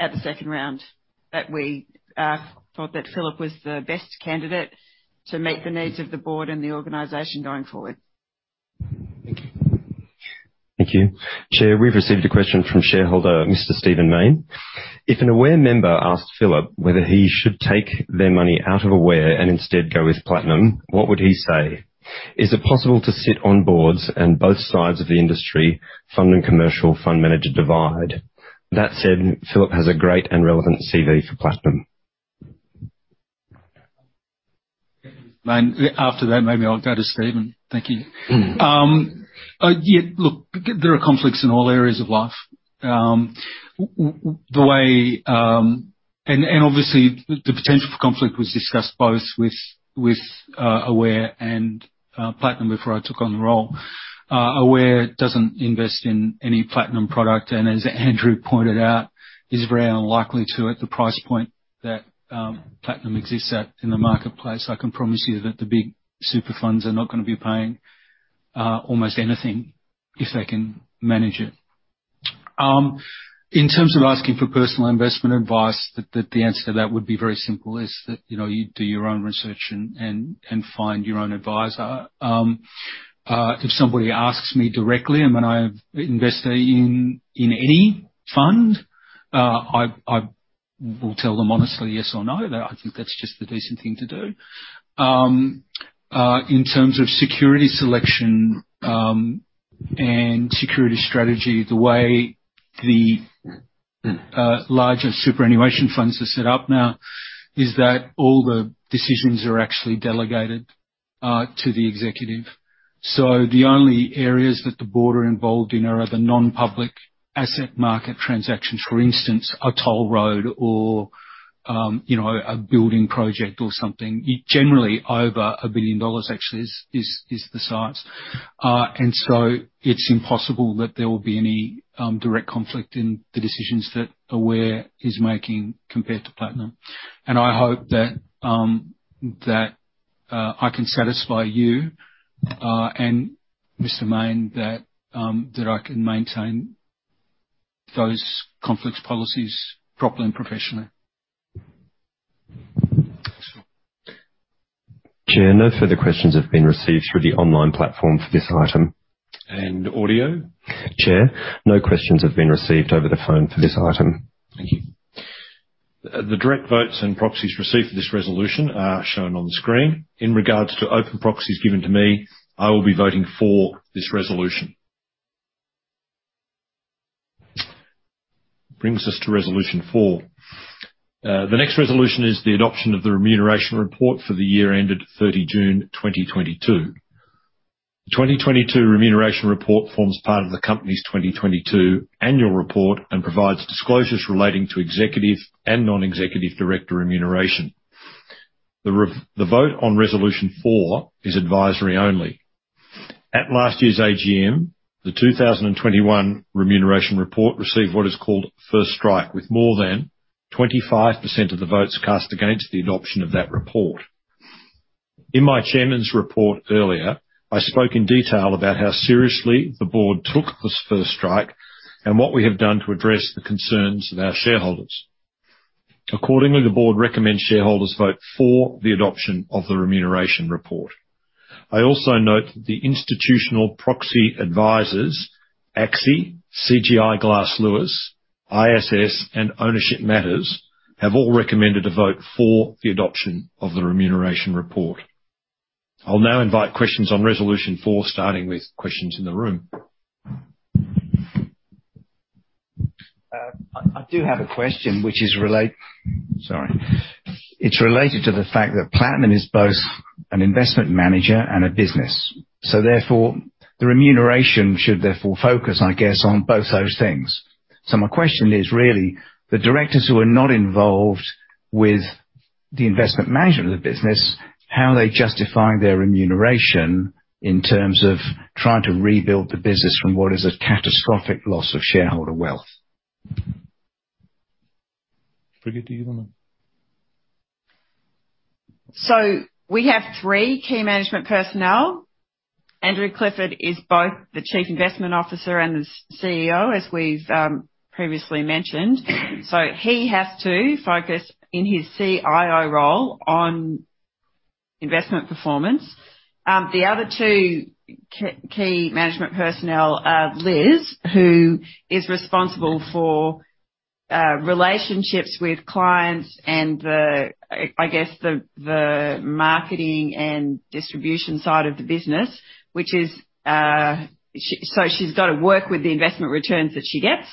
at the second round, that we thought that Philip was the best candidate to meet the needs of the board and the organization going forward. Thank you. Thank you. Chair, we've received a question from shareholder Mr. Stephen Mayne. If an Aware member asked Philip whether he should take their money out of Aware and instead go with Platinum, what would he say? Is it possible to sit on boards and both sides of the industry fund and commercial fund manager divide? That said, Philip has a great and relevant CV for Platinum. Mayne After that, maybe I'll go to Stephen. Thank you. There are conflicts in all areas of life. Obviously the potential for conflict was discussed both with Aware and Platinum before I took on the role. Aware doesn't invest in any Platinum product, and as Andrew pointed out, is very unlikely to at the price point. Platinum exists in the marketplace. I can promise you that the big super funds are not gonna be paying almost anything if they can manage it. In terms of asking for personal investment advice, the answer to that would be very simple, is that, you know, you do your own research and find your own advisor. If somebody asks me directly, and when I have invested in any fund, I will tell them honestly yes or no. I think that's just the decent thing to do. In terms of security selection and security strategy, the way the larger superannuation funds are set up now is that all the decisions are actually delegated to the executive. The only areas that the board are involved in are the non-public asset market transactions. For instance, a toll road or, you know, a building project or something. Generally, over 1 billion dollars actually is the size. It's impossible that there will be any direct conflict in the decisions that Aware is making compared to Platinum. I hope that I can satisfy you and Mr. Mayne that I can maintain those conflicts policies properly and professionally. Thanks very much. Chair, no further questions have been received through the online platform for this item. Audio? Chair, no questions have been received over the phone for this item. Thank you. The direct votes and proxies received for this resolution are shown on the screen. In regards to open proxies given to me, I will be voting for this resolution. Brings us to Resolution 4. The next resolution is the adoption of the remuneration report for the year ended June 30, 2022. The 2022 remuneration report forms part of the Company's 2022 annual report and provides disclosures relating to executive and non-executive director remuneration. The vote on Resolution 4 is advisory only. At last year's AGM, the 2021 remuneration report received what is called first strike, with more than 25% of the votes cast against the adoption of that report. In my chairman's report earlier, I spoke in detail about how seriously the board took this first strike and what we have done to address the concerns of our shareholders. Accordingly, the board recommends shareholders vote for the adoption of the remuneration report. I also note that the institutional proxy advisors, ASA, CGI Glass Lewis, ISS, and Ownership Matters, have all recommended a vote for the adoption of the remuneration report. I'll now invite questions on Resolution 4, starting with questions in the room. It's related to the fact that Platinum is both an investment manager and a business. Therefore, the remuneration should therefore focus, I guess, on both those things. My question is really the directors who are not involved with the investment management of the business. How are they justifying their remuneration in terms of trying to rebuild the business from what is a catastrophic loss of shareholder wealth? Brigitte, do you want to? We have three key management personnel. Andrew Clifford is both the Chief Investment Officer and the CEO, as we've previously mentioned. He has to focus in his CIO role on investment performance. The other two key management personnel are Liz, who is responsible for relationships with clients and, I guess, the marketing and distribution side of the business. Which is, she's gotta work with the investment returns that she gets,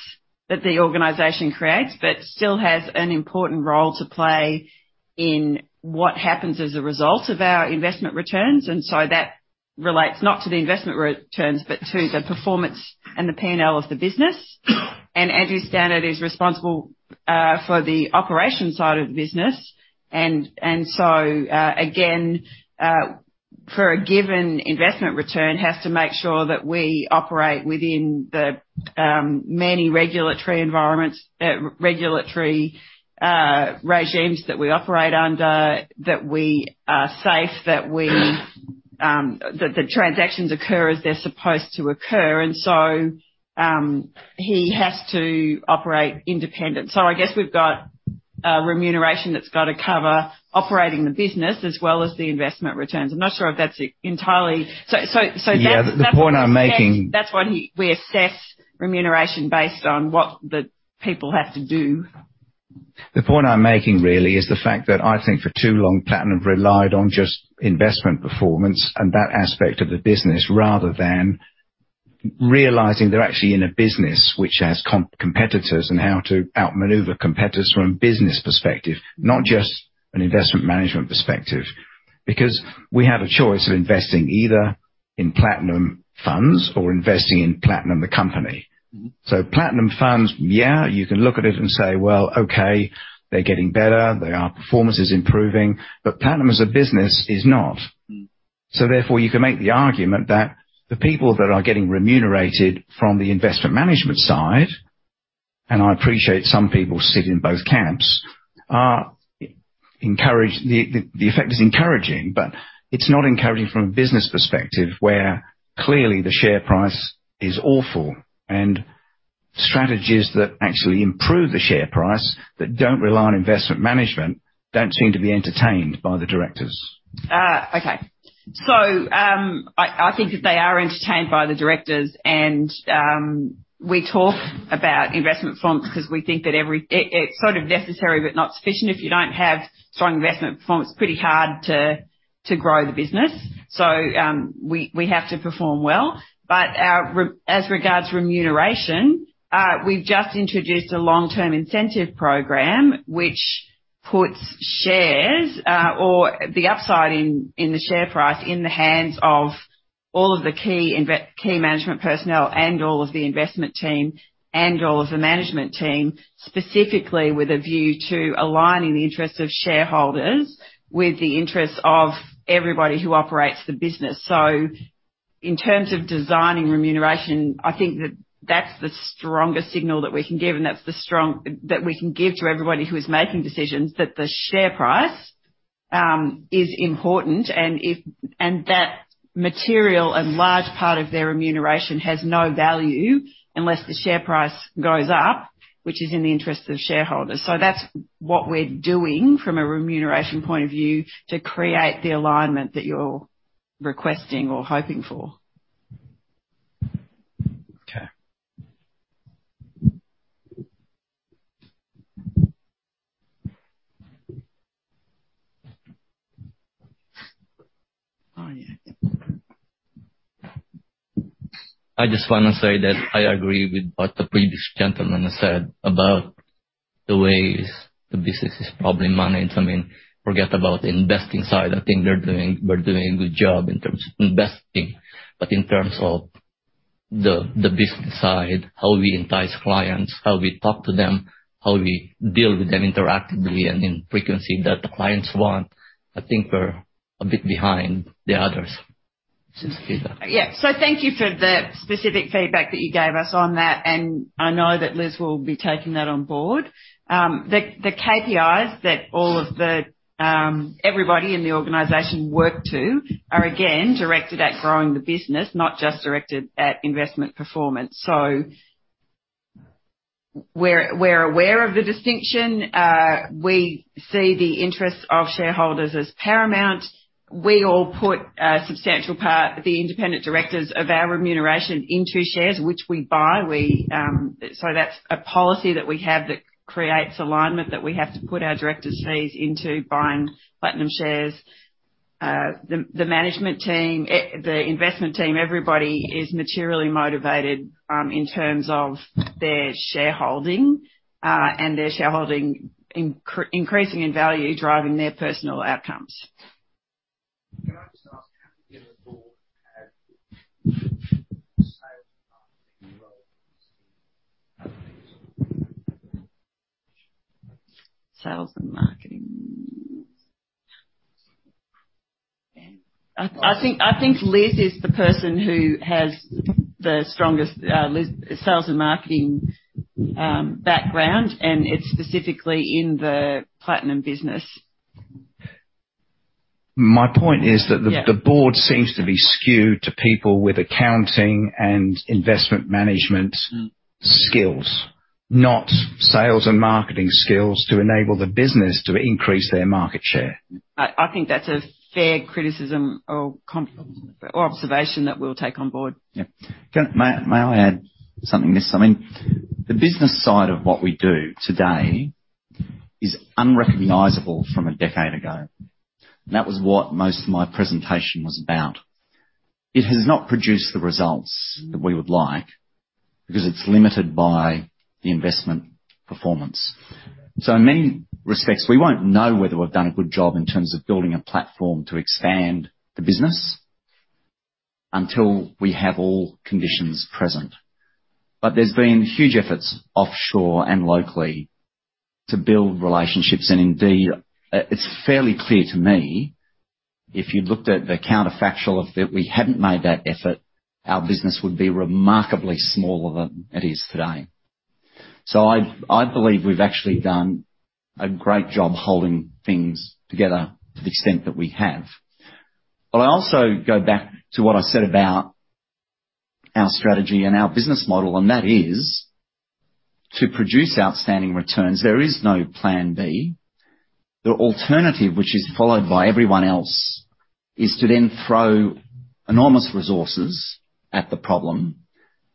that the organization creates, but still has an important role to play in what happens as a result of our investment returns. That relates not to the investment returns, but to the performance and the P&L of the business. Andrew Stannard is responsible for the operations side of the business. For a given investment return, has to make sure that we operate within the many regulatory environments, regulatory regimes that we operate under, that we are safe, that we that the transactions occur as they're supposed to occur. He has to operate independent. I guess we've got a remuneration that's gotta cover operating the business as well as the investment returns. I'm not sure if that's entirely. Yeah. The point I'm making. That's what we assess remuneration based on what the people have to do. The point I'm making really is the fact that I think for too long, Platinum relied on just investment performance and that aspect of the business, rather than realizing they're actually in a business which has competitors, and how to outmaneuver competitors from a business perspective, not just an investment management perspective. We have a choice of investing either in Platinum funds or investing in Platinum the company. Mm-hmm. Platinum funds, yeah, you can look at it and say, "Well, okay, they're getting better. They are, performance is improving." Platinum as a business is not. Therefore, you can make the argument that the people that are getting remunerated from the investment management side, and I appreciate some people sit in both camps, The effect is encouraging, but it's not encouraging from a business perspective where clearly the share price is awful and strategies that actually improve the share price that don't rely on investment management don't seem to be entertained by the directors. Okay. I think that they are entertained by the directors and we talk about investment performance because we think that it's sort of necessary but not sufficient. If you don't have strong investment performance, it's pretty hard to grow the business. We have to perform well. As regards remuneration, we've just introduced a long-term incentive program which puts shares or the upside in the share price in the hands of all of the key management personnel and all of the investment team and all of the management team, specifically with a view to aligning the interests of shareholders with the interests of everybody who operates the business. In terms of designing remuneration, I think that that's the strongest signal that we can give, and that we can give to everybody who is making decisions, that the share price is important and that material and large part of their remuneration has no value unless the share price goes up, which is in the interest of shareholders. That's what we're doing from a remuneration point of view to create the alignment that you're requesting or hoping for. Okay. Oh, yeah. I just wanna say that I agree with what the previous gentleman has said about the way the business is probably managed. I mean, forget about investing side. I think we're doing a good job in terms of investing. But in terms of the business side, how we entice clients, how we talk to them, how we deal with them interactively and in frequency that the clients want, I think we're a bit behind the others. Yeah. Thank you for the specific feedback that you gave us on that, and I know that Liz will be taking that on board. The KPIs that all of the everybody in the organization work to are again directed at growing the business, not just directed at investment performance. We're aware of the distinction. We see the interests of shareholders as paramount. We all put a substantial part, the independent directors of our remuneration into shares which we buy. That's a policy that we have that creates alignment, that we have to put our directors' fees into buying Platinum shares. The management team, the investment team, everybody is materially motivated in terms of their shareholding and their shareholding increasing in value, driving their personal outcomes. Can I just ask, how many in the board have sales and marketing roles? Sales and marketing. I think Elizabeth is the person who has the strongest sales and marketing background, and it's specifically in the Platinum business. My point is that. Yeah. The board seems to be skewed to people with accounting and investment management. Mm. Skills, not sales and marketing skills to enable the business to increase their market share. I think that's a fair criticism or observation that we'll take on board. Yeah. May I add something, Liz? I mean, the business side of what we do today is unrecognizable from a decade ago. That was what most of my presentation was about. It has not produced the results that we would like because it's limited by the investment performance. In many respects, we won't know whether we've done a good job in terms of building a platform to expand the business until we have all conditions present. There's been huge efforts offshore and locally to build relationships. Indeed, it's fairly clear to me, if you looked at the counterfactual, if we hadn't made that effort, our business would be remarkably smaller than it is today. I believe we've actually done a great job holding things together to the extent that we have. I also go back to what I said about our strategy and our business model, and that is to produce outstanding returns. There is no plan B. The alternative, which is followed by everyone else, is to then throw enormous resources at the problem,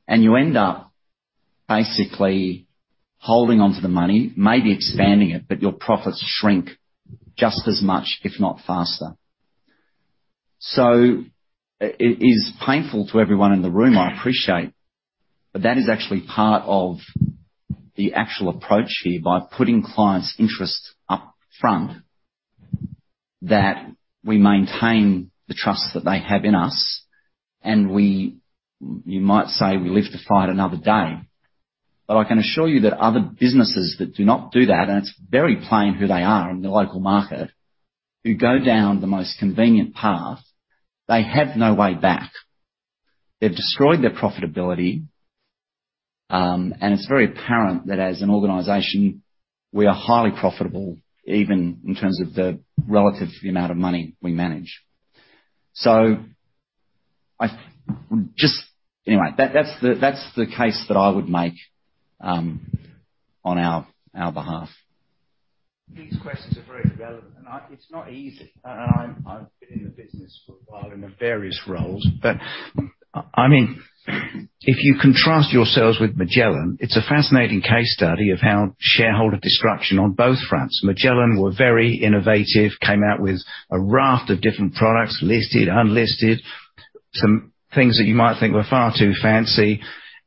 and you end up basically holding onto the money, maybe expanding it, but your profits shrink just as much, if not faster. It is painful to everyone in the room, I appreciate, but that is actually part of the actual approach here, by putting clients' interests up front, that we maintain the trust that they have in us and we, you might say, we live to fight another day. I can assure you that other businesses that do not do that, and it's very plain who they are in the local market, who go down the most convenient path, they have no way back. They've destroyed their profitability, and it's very apparent that as an organization we are highly profitable, even in terms of the relative amount of money we manage. That's the case that I would make on our behalf. These questions are very relevant, and it's not easy. I've been in the business for a while in various roles. I mean, if you contrast yourselves with Magellan, it's a fascinating case study of how shareholder destruction on both fronts. Magellan were very innovative, came out with a raft of different products, listed, unlisted, some things that you might think were far too fancy,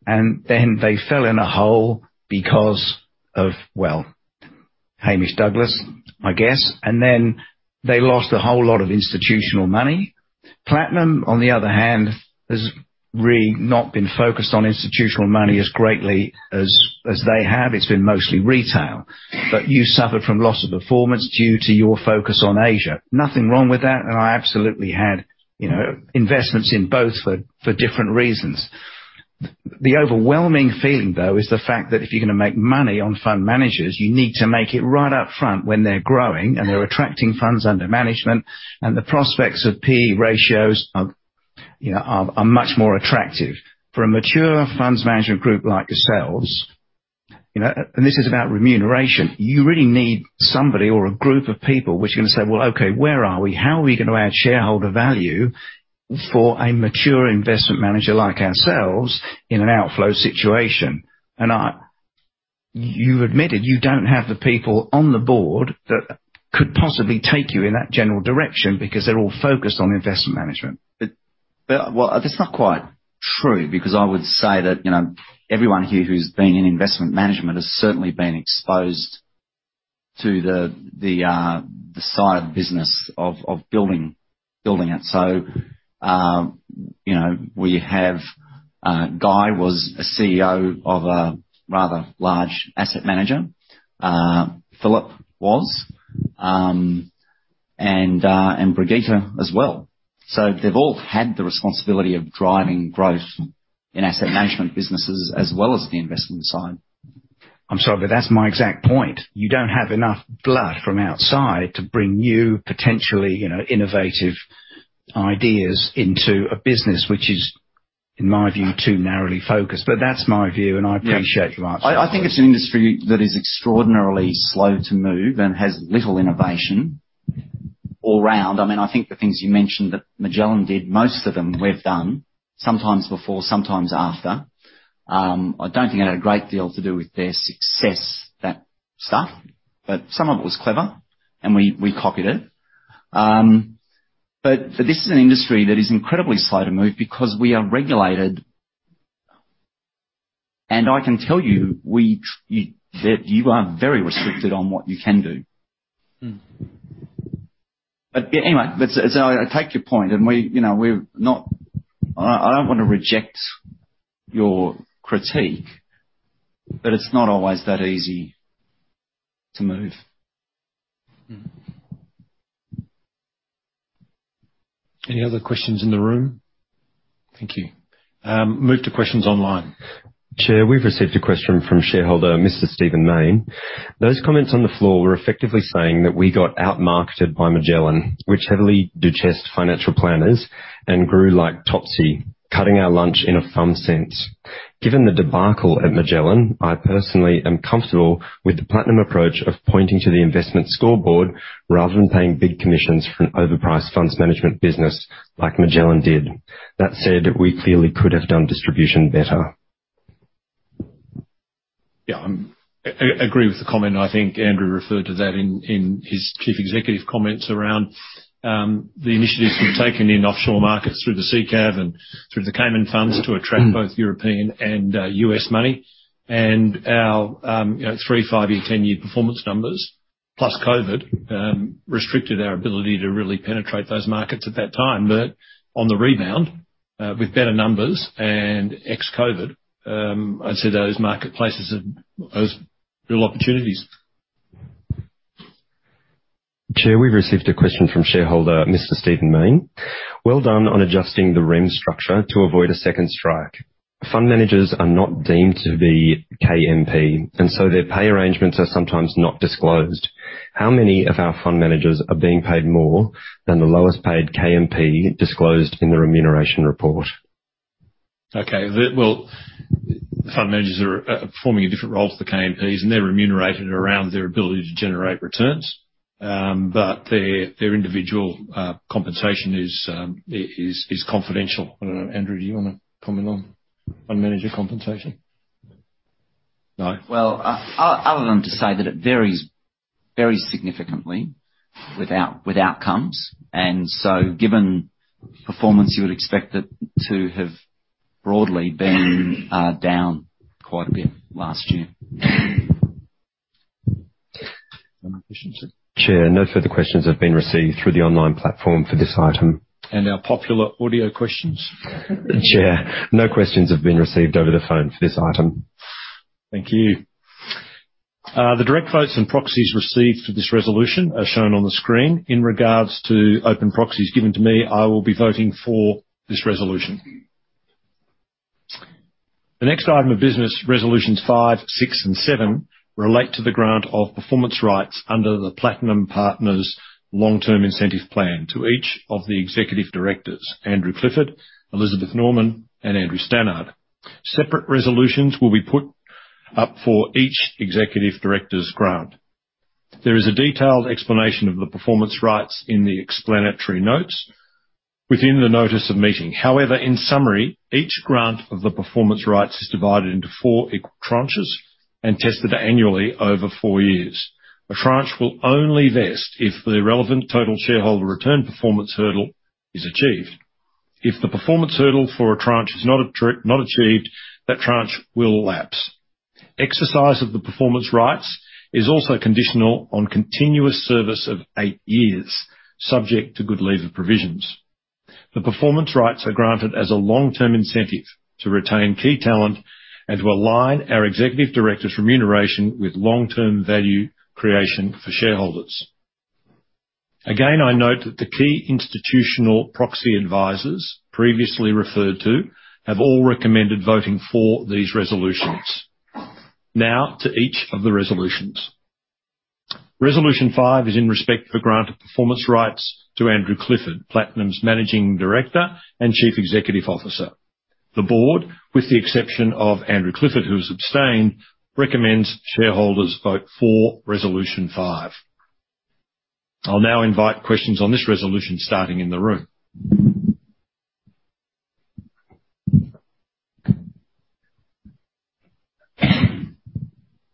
and then they fell in a hole because of, well, Hamish Douglass, I guess. Then they lost a whole lot of institutional money. Platinum, on the other hand, has really not been focused on institutional money as greatly as they have. It's been mostly retail. You suffered from loss of performance due to your focus on Asia. Nothing wrong with that, and I absolutely had, you know, investments in both for different reasons. The overwhelming feeling, though, is the fact that if you're gonna make money on fund managers, you need to make it right up front when they're growing and they're attracting funds under management, and the prospects of P/E ratios are, you know, much more attractive. For a mature funds management group like yourselves, you know, and this is about remuneration, you really need somebody or a group of people which are gonna say, "Well, okay, where are we? How are we gonna add shareholder value for a mature investment manager like ourselves in an outflow situation?" You've admitted you don't have the people on the board that could possibly take you in that general direction because they're all focused on investment management. That's not quite true, because I would say that, you know, everyone here who's been in investment management has certainly been exposed to the side business of building it. You know, we have Guy was a CEO of a rather large asset manager. Philip was. And Brigitte as well. So they've all had the responsibility of driving growth in asset management businesses as well as the investment side. I'm sorry, but that's my exact point. You don't have enough blood from outside to bring new, potentially, you know, innovative ideas into a business which is, in my view, too narrowly focused. That's my view, and I appreciate you answering. I think it's an industry that is extraordinarily slow to move and has little innovation all around. I mean, I think the things you mentioned that Magellan did, most of them we've done, sometimes before, sometimes after. I don't think it had a great deal to do with their success, that stuff, but some of it was clever, and we copied it. This is an industry that is incredibly slow to move because we are regulated. I can tell you that you are very restricted on what you can do. Mm. Anyway, that's it. I take your point, and we, you know, we're not. I don't wanna reject your critique, but it's not always that easy to move. Mm. Any other questions in the room? Thank you. Move to questions online. Chair, we've received a question from shareholder Mr. Stephen Mayne. Those comments on the floor were effectively saying that we got out-marketed by Magellan, which heavily duchessed financial planners and grew like Topsy, eating our lunch in a thumping sense. Given the debacle at Magellan, I personally am comfortable with the Platinum approach of pointing to the investment scoreboard rather than paying big commissions for an overpriced funds management business like Magellan did. That said, we clearly could have done distribution better. Yeah. I agree with the comment. I think Andrew referred to that in his Chief Executive comments around the initiatives we've taken in offshore markets through the CCIV and through the Cayman funds to attract both European and U.S. money. Our, you know, three-year, five-year, 10-year performance numbers, plus COVID, restricted our ability to really penetrate those markets at that time. On the rebound, with better numbers and ex-COVID, I'd say those marketplaces have those real opportunities. Chair, we've received a question from shareholder Mr. Stephen Mayne. Well done on adjusting the REM structure to avoid a second strike. Fund managers are not deemed to be KMP, and so their pay arrangements are sometimes not disclosed. How many of our fund managers are being paid more than the lowest paid KMP disclosed in the remuneration report? Okay. Well, fund managers are performing a different role to the KMPs, and they're remunerated around their ability to generate returns. Their individual compensation is confidential. I don't know, Andrew, do you wanna comment on fund manager compensation? No. No. Other than to say that it varies significantly with outcomes. Given performance, you would expect it to have broadly been down quite a bit last year. Chair, no further questions have been received through the online platform for this item. Our popular audio questions? Chair, no questions have been received over the phone for this item. Thank you. The direct votes and proxies received for this resolution are shown on the screen. In regards to open proxies given to me, I will be voting for this resolution. The next item of business, resolutions five, six and seven, relate to the grant of performance rights under the Platinum Partners Long-Term Incentive Plan to each of the executive directors, Andrew Clifford, Elizabeth Norman and Andrew Stannard. Separate resolutions will be put up for each executive director's grant. There is a detailed explanation of the performance rights in the explanatory notes within the notice of meeting. However, in summary, each grant of the performance rights is divided into four equal tranches and tested annually over four years. A tranche will only vest if the relevant total shareholder return performance hurdle is achieved. If the performance hurdle for a tranche is not achieved, that tranche will lapse. Exercise of the performance rights is also conditional on continuous service of eight years, subject to good leaver provisions. The performance rights are granted as a long-term incentive to retain key talent and to align our executive directors' remuneration with long-term value creation for shareholders. Again, I note that the key institutional proxy advisors previously referred to have all recommended voting for these resolutions. Now to each of the resolutions. Resolution 5 is in respect of granting performance rights to Andrew Clifford, Platinum's Managing Director and Chief Executive Officer. The board, with the exception of Andrew Clifford, who has abstained, recommends shareholders vote for Resolution 5. I'll now invite questions on this resolution starting in the room.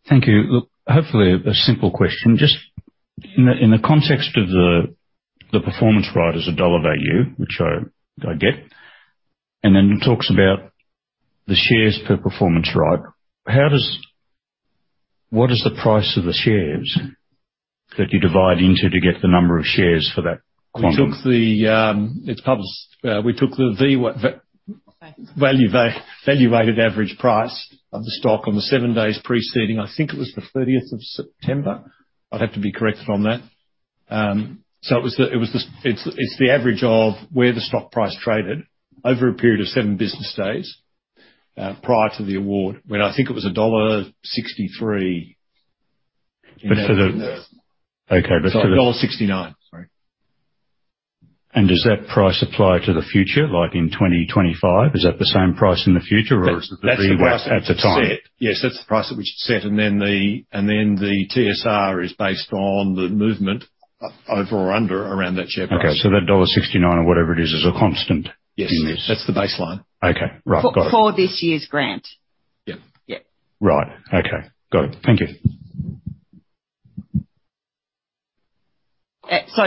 Thank you. Look, hopefully a simple question. Just in the context of the performance right as a dollar value, which I get, and then it talks about the shares per performance right. What is the price of the shares that you divide into to get the number of shares for that quantum? We took the. It's published. We took the V what? Valuated. Volume-weighted average price of the stock on the seven days preceding. I think it was the thirtieth of September. I'd have to be corrected on that. It's the average of where the stock price traded over a period of seven business days prior to the award, when I think it was dollar 1.63. But for the- Sorry, AUD 1.69. Sorry. Does that price apply to the future, like in 2025? Is that the same price in the future or is it the NAV at the time? That's the price that we set. The TSR is based on the movement over or under around that share price. Okay. That dollar 69 or whatever it is a constant? Yes. That's the baseline. Okay. Right. Got it. For this year's grant. Yeah. Yeah. Right. Okay. Got it. Thank you.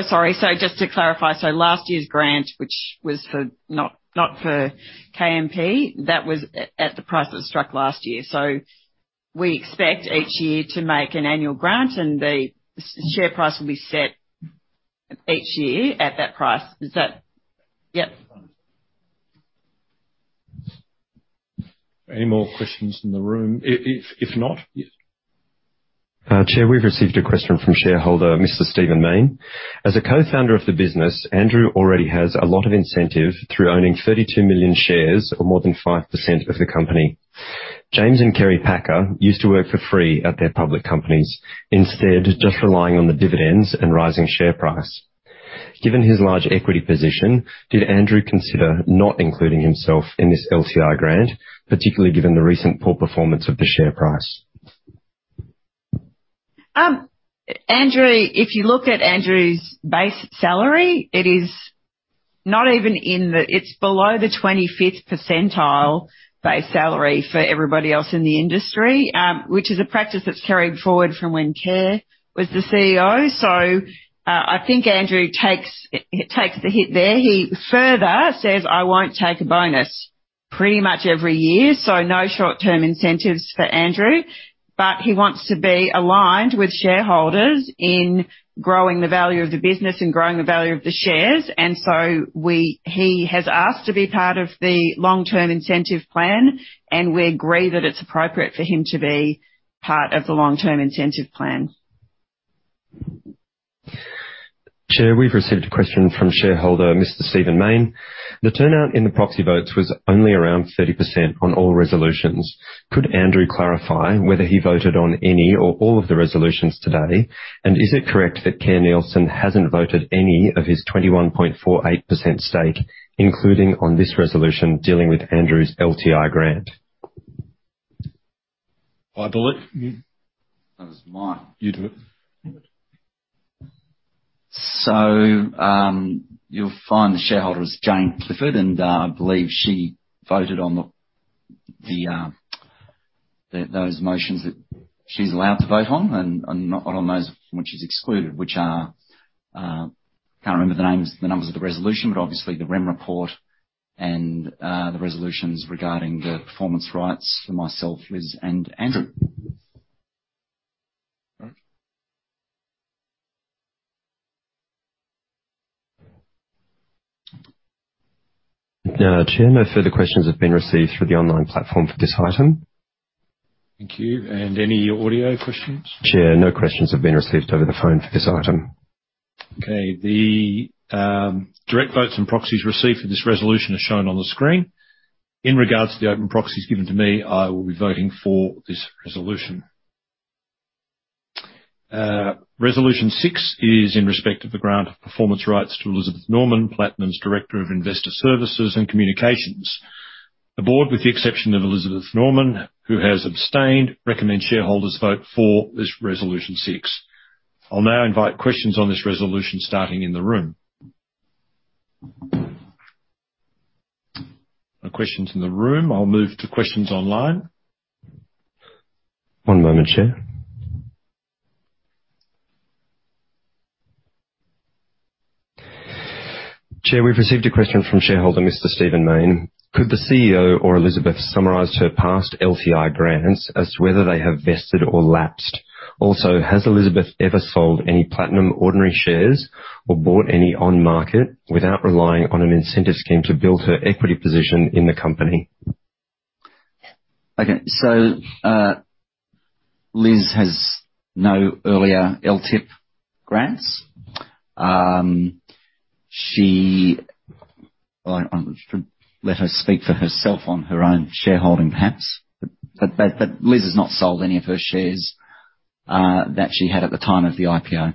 Sorry. Just to clarify. Last year's grant, which was not for KMP, that was at the price that was struck last year. We expect each year to make an annual grant and the share price will be set each year at that price. Is that? Yep. Any more questions in the room? If not. Chair, we've received a question from shareholder, Mr. Stephen Mayne. As a co-founder of the business, Andrew already has a lot of incentive through owning 32 million shares or more than 5% of the company. James and Kerry Packer used to work for free at their public companies, instead just relying on the dividends and rising share price. Given his large equity position, did Andrew consider not including himself in this LTI grant, particularly given the recent poor performance of the share price? Andrew, if you look at Andrew's base salary, it's below the 25th percentile base salary for everybody else in the industry, which is a practice that's carried forward from when Kerr was the CEO. I think Andrew takes the hit there. He further says, "I won't take a bonus," pretty much every year. No short-term incentives for Andrew. He wants to be aligned with shareholders in growing the value of the business and growing the value of the shares. He has asked to be part of the long-term incentive plan, and we agree that it's appropriate for him to be part of the long-term incentive plan. Chair, we've received a question from shareholder, Mr. Stephen Mayne. The turnout in the proxy votes was only around 30% on all resolutions. Could Andrew clarify whether he voted on any or all of the resolutions today? Is it correct that Kerr Neilson hasn't voted any of his 21.48% stake, including on this resolution dealing with Andrew's LTI grant? I believe. That was mine. You do it. You'll find the shareholder is Jane Clifford, and I believe she voted on the those motions that she's allowed to vote on and not on those from which she's excluded, which are. Can't remember the names, the numbers of the resolution, but obviously the remuneration report and the resolutions regarding the performance rights for myself, Liz and Andrew. Chair, no further questions have been received through the online platform for this item. Thank you. Any audio questions? Chair, no questions have been received over the phone for this item. Okay. The direct votes and proxies received for this resolution are shown on the screen. In regards to the open proxies given to me, I will be voting for this resolution. Resolution 6 is in respect of the grant of performance rights to Elizabeth Norman, Platinum's Director of Investor Services and Communications. The board, with the exception of Elizabeth Norman, who has abstained, recommend shareholders vote for this Resolution 6. I'll now invite questions on this resolution starting in the room. No questions in the room. I'll move to questions online. One moment, Chair. Chair, we've received a question from shareholder Mr. Stephen Mayne. Could the CEO or Elizabeth summarize her past LTI grants as to whether they have vested or lapsed? Also, has Elizabeth ever sold any Platinum ordinary shares or bought any on market without relying on an incentive scheme to build her equity position in the company? Liz has no earlier LTIP grants. Let her speak for herself on her own shareholding perhaps. Liz has not sold any of her shares that she had at the time of the IPO.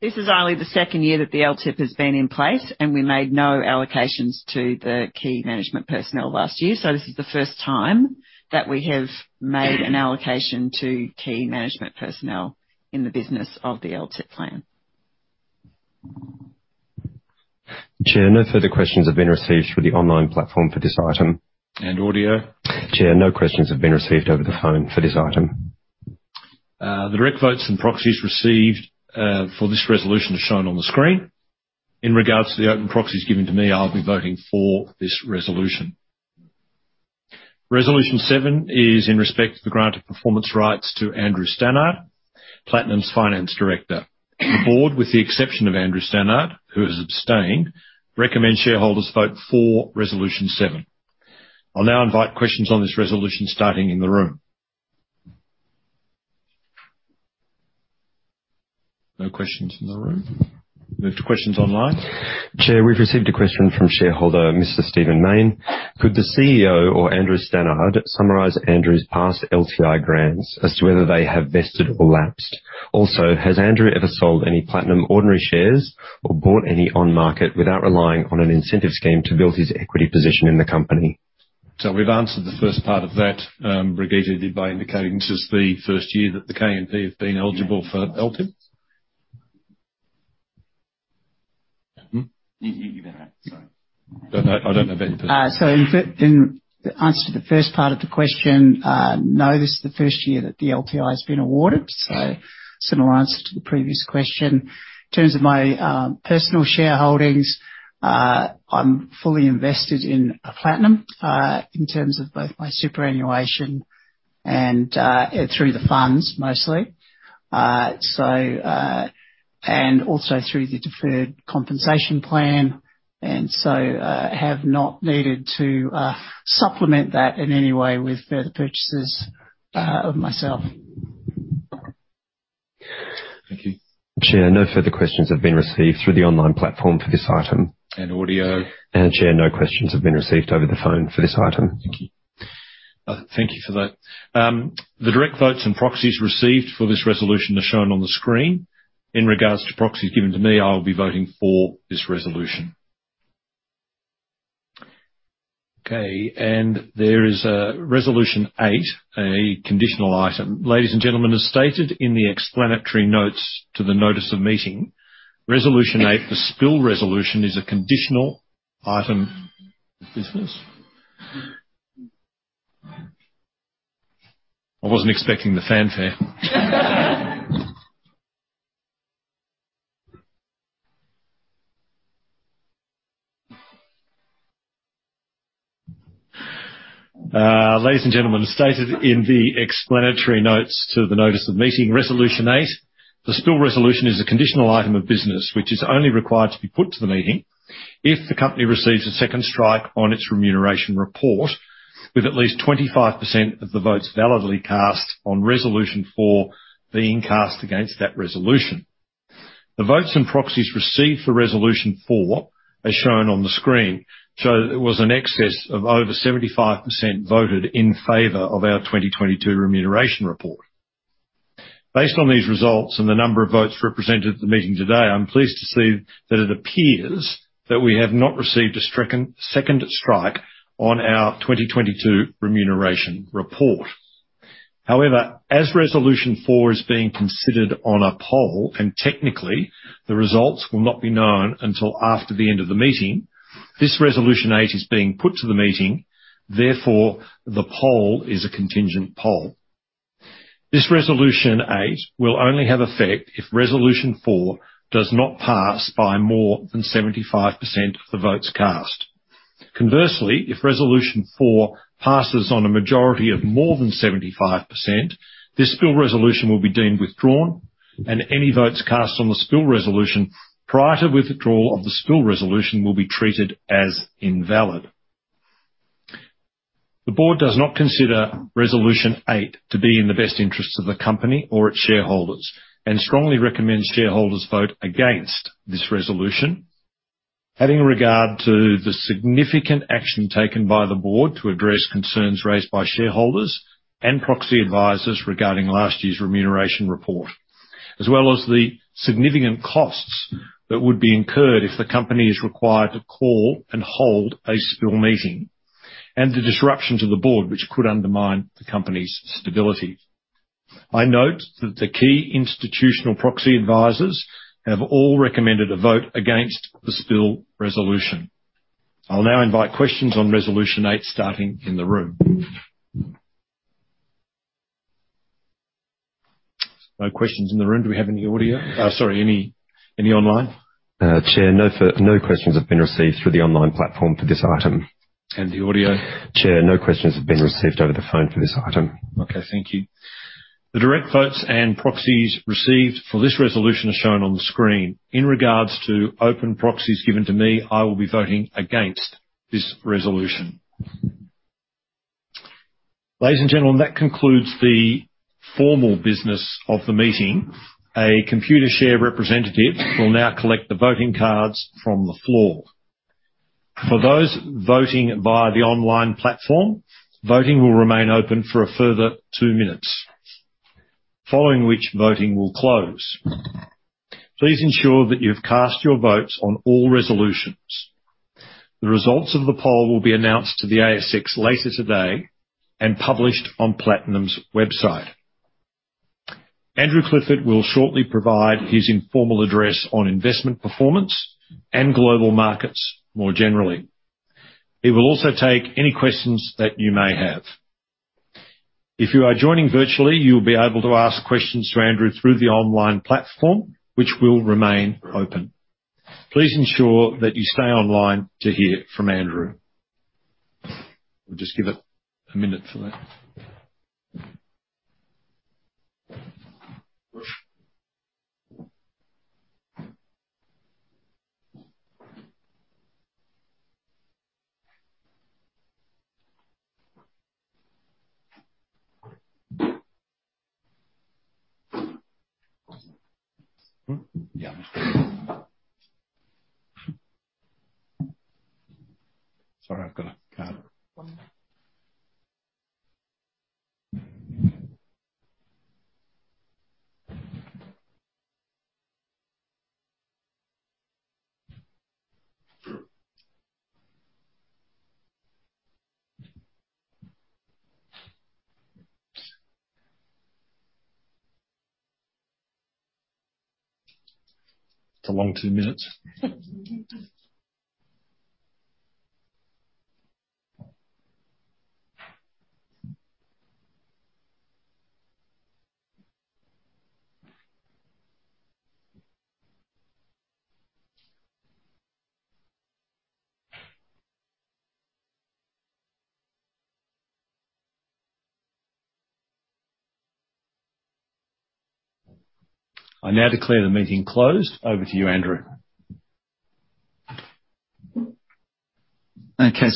This is only the second year that the LTIP has been in place, and we made no allocations to the key management personnel last year. This is the first time that we have made an allocation to key management personnel in the business of the LTIP plan. Chair, no further questions have been received through the online platform for this item. Audio? Chair, no questions have been received over the phone for this item. The direct votes and proxies received for this resolution is shown on the screen. In regards to the open proxies given to me, I'll be voting for this resolution. Resolution 7 is in respect to the granted performance rights to Andrew Stannard, Platinum's Finance Director. The board, with the exception of Andrew Stannard, who has abstained, recommends shareholders vote for Resolution 7. I'll now invite questions on this resolution starting in the room. No questions in the room. Move to questions online. Chair, we've received a question from shareholder Mr. Stephen Mayne. Could the CEO or Andrew Stannard summarize Andrew's past LTI grants as to whether they have vested or lapsed? Also, has Andrew ever sold any Platinum ordinary shares or bought any on market without relying on an incentive scheme to build his equity position in the company? We've answered the first part of that, Brigitte did by indicating this is the first year that the KMP have been eligible for LTIP. You better answer. Sorry. Don't know. I don't know about it. In answer to the first part of the question, no, this is the first year that the LTI has been awarded. Similar answer to the previous question. In terms of my personal shareholdings, I'm fully invested in Platinum, in terms of both my superannuation and through the funds mostly, and also through the deferred compensation plan. Have not needed to supplement that in any way with further purchases by myself. Thank you. Chair, no further questions have been received through the online platform for this item. Audio? Chair, no questions have been received over the phone for this item. Thank you. Thank you for that. The direct votes and proxies received for this resolution are shown on the screen. In regards to proxies given to me, I will be voting for this resolution. Okay, there is a Resolution 8, a conditional item. Ladies and gentlemen, as stated in the explanatory notes to the notice of meeting, Resolution 8, the spill resolution, is a conditional item of business. I wasn't expecting the fanfare. Ladies and gentlemen, as stated in the explanatory notes to the notice of meeting, Resolution 8, the spill resolution is a conditional item of business which is only required to be put to the meeting if the company receives a second strike on its remuneration report with at least 25% of the votes validly cast on Resolution 4 being cast against that resolution. The votes and proxies received for Resolution 4, as shown on the screen, show that it was an excess of over 75% voted in favor of our 2022 remuneration report. Based on these results and the number of votes represented at the meeting today, I'm pleased to see that it appears that we have not received a second strike on our 2022 remuneration report. However, as Resolution 4 is being considered on a poll, and technically the results will not be known until after the end of the meeting, this Resolution 8 is being put to the meeting. Therefore, the poll is a contingent poll. This Resolution 8 will only have effect if Resolution 4 does not pass by more than 75% of the votes cast. Conversely, if Resolution 4 passes on a majority of more than 75%, this spill resolution will be deemed withdrawn, and any votes cast on the spill resolution prior to withdrawal of the spill resolution will be treated as invalid. The board does not consider Resolution 8 to be in the best interests of the company or its shareholders and strongly recommends shareholders vote against this resolution. Having regard to the significant action taken by the board to address concerns raised by shareholders and proxy advisors regarding last year's remuneration report, as well as the significant costs that would be incurred if the company is required to call and hold a spill meeting, and the disruptions of the board, which could undermine the company's stability. I note that the key institutional proxy advisors have all recommended a vote against the spill resolution. I'll now invite questions on Resolution 8, starting in the room. No questions in the room. Do we have any audio? Sorry, any online? Chair, no questions have been received through the online platform for this item. The audio? Chair, no questions have been received over the phone for this item. Okay. Thank you. The direct votes and proxies received for this resolution are shown on the screen. In regards to open proxies given to me, I will be voting against this resolution. Ladies and gentlemen, that concludes the formal business of the meeting. A Computershare representative will now collect the voting cards from the floor. For those voting via the online platform, voting will remain open for a further two minutes, following which voting will close. Please ensure that you've cast your votes on all resolutions. The results of the poll will be announced to the ASX later today and published on Platinum's website. Andrew Clifford will shortly provide his informal address on investment performance and global markets more generally. He will also take any questions that you may have. If you are joining virtually, you'll be able to ask questions to Andrew through the online platform, which will remain open. Please ensure that you stay online to hear from Andrew. We'll just give it a minute for that. Yeah. Sorry, I've got a card. It's a long two minutes. I now declare the meeting closed. Over to you, Andrew. Okay.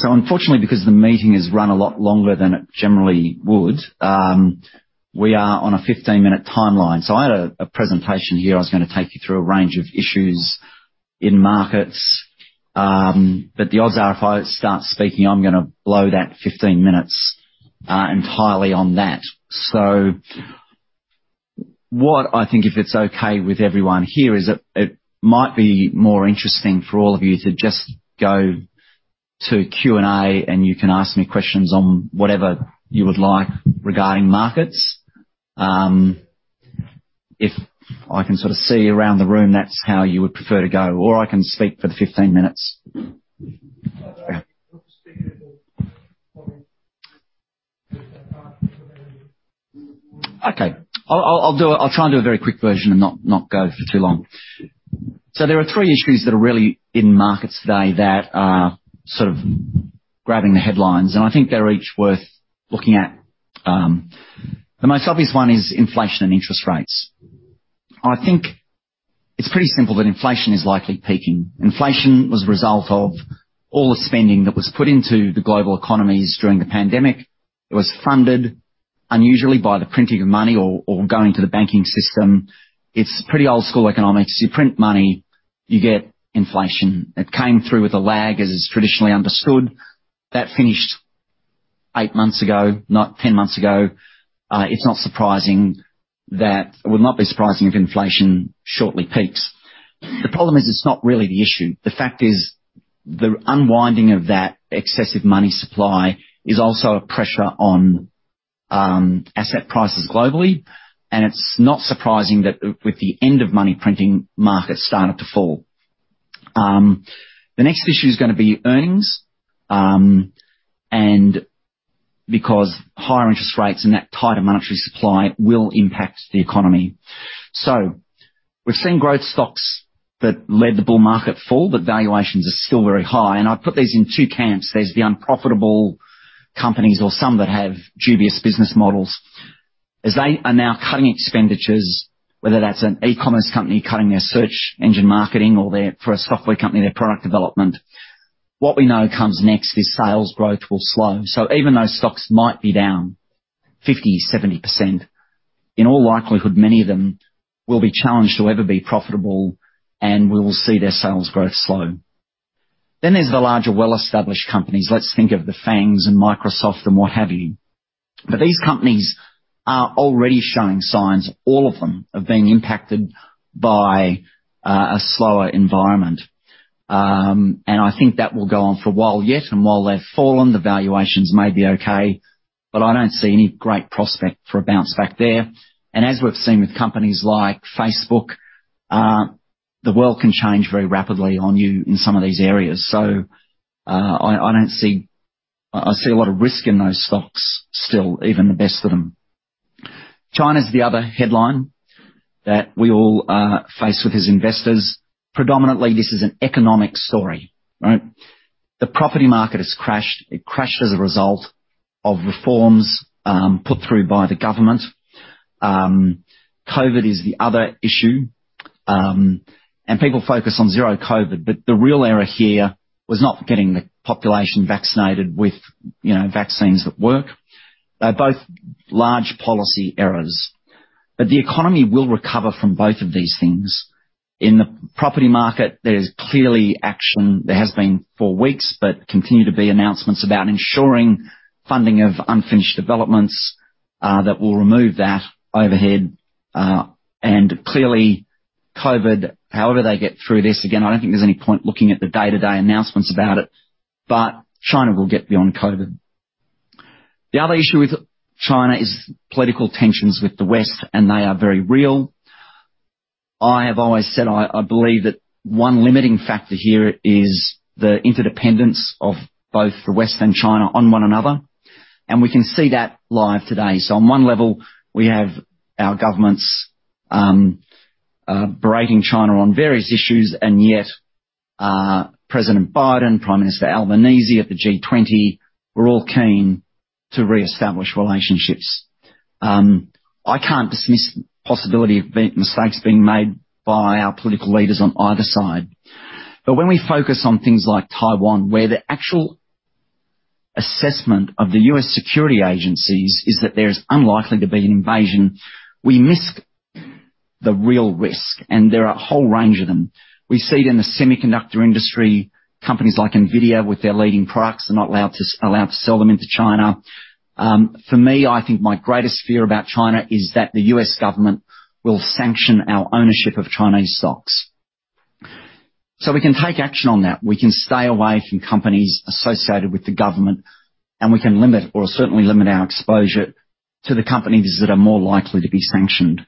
Unfortunately, because the meeting has run a lot longer than it generally would, we are on a 15-minute timeline. I had a presentation here. I was gonna take you through a range of issues in markets, but the odds are if I start speaking, I'm gonna blow that 15 minutes entirely on that. What I think, if it's okay with everyone here, is it might be more interesting for all of you to just go to Q&A, and you can ask me questions on whatever you would like regarding markets. If I can sort of see around the room, that's how you would prefer to go, or I can speak for the 15 minutes. Okay. I'll try and do a very quick version and not go for too long. There are three issues that are really in markets today that are sort of grabbing the headlines, and I think they're each worth looking at. The most obvious one is inflation and interest rates. I think it's pretty simple that inflation is likely peaking. Inflation was a result of all the spending that was put into the global economies during the pandemic. It was funded unusually by the printing of money or going to the banking system. It's pretty old school economics. You print money, you get inflation. It came through with a lag as is traditionally understood. That finished eight months ago, not 10 months ago. It would not be surprising if inflation shortly peaks. The problem is it's not really the issue. The fact is, the unwinding of that excessive money supply is also a pressure on asset prices globally, and it's not surprising that with the end of money printing, markets started to fall. The next issue is gonna be earnings, and because higher interest rates and that tighter monetary supply will impact the economy. We're seeing growth stocks that led the bull market fall, but valuations are still very high. I put these in two camps. There's the unprofitable companies or some that have dubious business models. As they are now cutting expenditures, whether that's an e-commerce company cutting their search engine marketing or their, for a software company, their product development. What we know comes next is sales growth will slow. Even though stocks might be down 50%-70%, in all likelihood, many of them will be challenged to ever be profitable, and we will see their sales growth slow. There's the larger, well-established companies. Let's think of the FANGs and Microsoft and what have you. These companies are already showing signs, all of them, of being impacted by a slower environment. I think that will go on for a while yet, and while they've fallen, the valuations may be okay, but I don't see any great prospect for a bounce back there. As we've seen with companies like Facebook, the world can change very rapidly on you in some of these areas. I see a lot of risk in those stocks still, even the best of them. China's the other headline that we all face with as investors. Predominantly, this is an economic story, right? The property market has crashed. It crashed as a result of reforms put through by the government. COVID is the other issue. People focus on zero COVID, but the real error here was not getting the population vaccinated with, you know, vaccines that work. They're both large policy errors, but the economy will recover from both of these things. In the property market, there's clearly action. There has been for weeks, but continue to be announcements about ensuring funding of unfinished developments that will remove that overhead. Clearly COVID, however they get through this, again, I don't think there's any point looking at the day-to-day announcements about it, but China will get beyond COVID. The other issue with China is political tensions with the West, and they are very real. I have always said I believe that one limiting factor here is the interdependence of both the West and China on one another, and we can see that live today. On one level, we have our governments berating China on various issues, and yet President Biden, Prime Minister Albanese at the G20 were all keen to reestablish relationships. I can't dismiss the possibility of mistakes being made by our political leaders on either side. When we focus on things like Taiwan, where the actual assessment of the U.S. security agencies is that there is unlikely to be an invasion, we miss the real risk, and there are a whole range of them. We see it in the semiconductor industry. Companies like Nvidia with their leading products are not allowed to sell them into China. For me, I think my greatest fear about China is that the U.S. government will sanction our ownership of Chinese stocks. We can take action on that. We can stay away from companies associated with the government, and we can limit or certainly limit our exposure to the companies that are more likely to be sanctioned.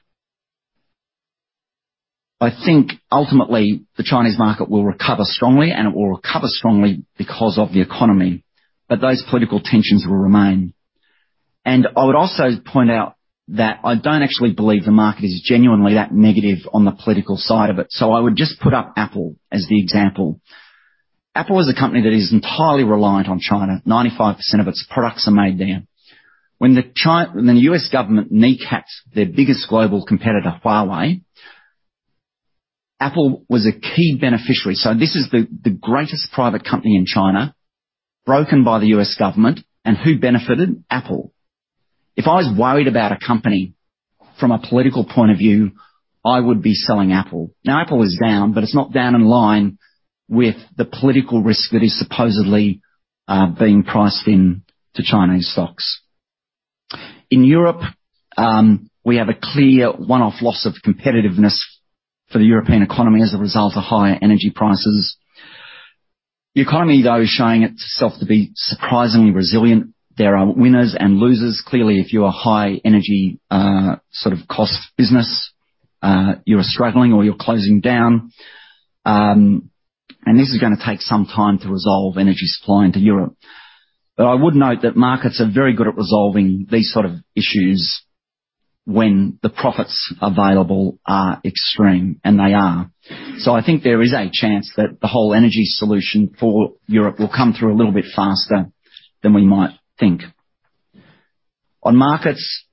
I think ultimately the Chinese market will recover strongly, and it will recover strongly because of the economy, but those political tensions will remain. I would also point out that I don't actually believe the market is genuinely that negative on the political side of it. I would just put up Apple as the example. Apple is a company that is entirely reliant on China. 95% of its products are made there. When the U.S. government kneecapped their biggest global competitor, Huawei, Apple was a key beneficiary. This is the greatest private company in China, broken by the U.S. government, and who benefited? Apple. If I was worried about a company from a political point of view, I would be selling Apple. Now Apple is down, but it's not down in line with the political risk that is supposedly being priced into Chinese stocks. In Europe, we have a clear one-off loss of competitiveness for the European economy as a result of higher energy prices. The economy, though, is showing itself to be surprisingly resilient. There are winners and losers. Clearly, if you're a high energy sort of cost business, you are struggling or you're closing down. This is gonna take some time to resolve energy supply into Europe. I would note that markets are very good at resolving these sort of issues when the profits available are extreme, and they are. I think there is a chance that the whole energy solution for Europe will come through a little bit faster than we might think. On markets,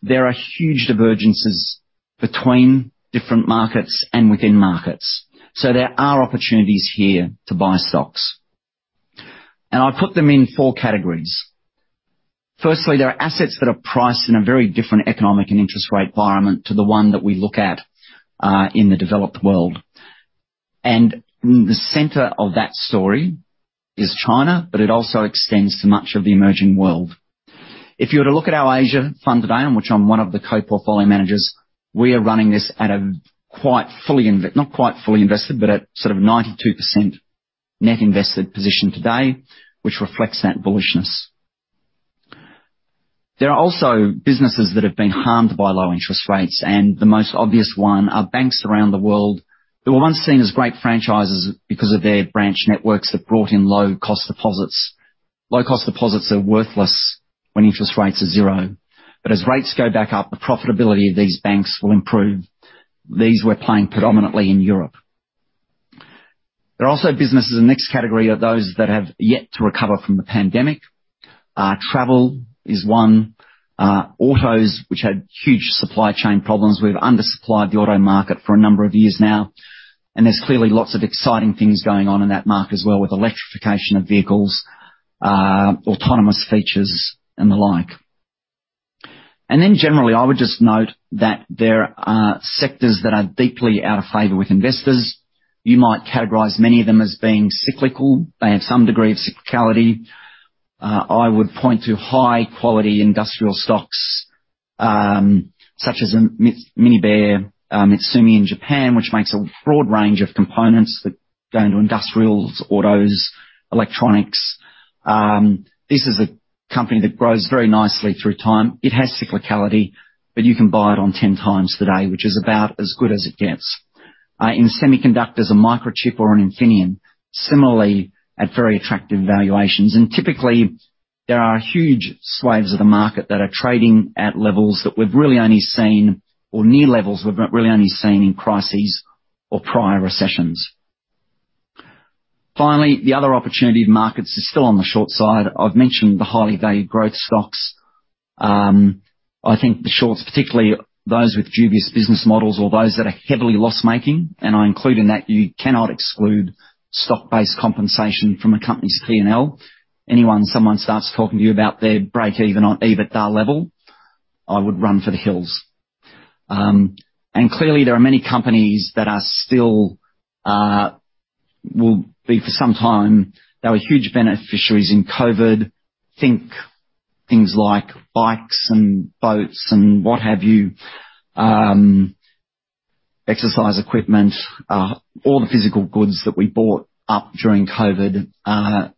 there are huge divergences between different markets and within markets, so there are opportunities here to buy stocks. I put them in four categories. Firstly, there are assets that are priced in a very different economic and interest rate environment to the one that we look at, in the developed world. The center of that story is China, but it also extends to much of the emerging world. If you were to look at our Asia Fund today, on which I'm one of the co-portfolio managers, we are running this at a quite fully inve... Not quite fully invested, but at sort of 92% net invested position today, which reflects that bullishness. There are also businesses that have been harmed by low interest rates, and the most obvious one are banks around the world that were once seen as great franchises because of their branch networks that brought in low cost deposits. Low-cost deposits are worthless when interest rates are zero. As rates go back up, the profitability of these banks will improve. These we're playing predominantly in Europe. There are also businesses in the next category are those that have yet to recover from the pandemic. Travel is one. Autos, which had huge supply chain problems. We've undersupplied the auto market for a number of years now, and there's clearly lots of exciting things going on in that market as well with electrification of vehicles, autonomous features and the like. Generally, I would just note that there are sectors that are deeply out of favor with investors. You might categorize many of them as being cyclical. They have some degree of cyclicality. I would point to high quality industrial stocks, such as MinebeaMitsumi in Japan, which makes a broad range of components that go into industrials, autos, electronics. This is a company that grows very nicely through time. It has cyclicality, but you can buy it on 10x today, which is about as good as it gets. In semiconductors, a Microchip or an Infineon similarly at very attractive valuations. Typically there are huge swathes of the market that are trading at levels or near levels we've really only seen in crises or prior recessions. Finally, the other opportunity in markets is still on the short side. I've mentioned the highly valued growth stocks. I think the shorts, particularly those with dubious business models or those that are heavily loss-making, and I include in that, you cannot exclude stock-based compensation from a company's P&L. Someone starts talking to you about their break-even on an EBITDA level, I would run for the hills. And clearly there are many companies that will be for some time that were huge beneficiaries in COVID. Think things like bikes and boats and what have you, exercise equipment, all the physical goods that we bought up during COVID.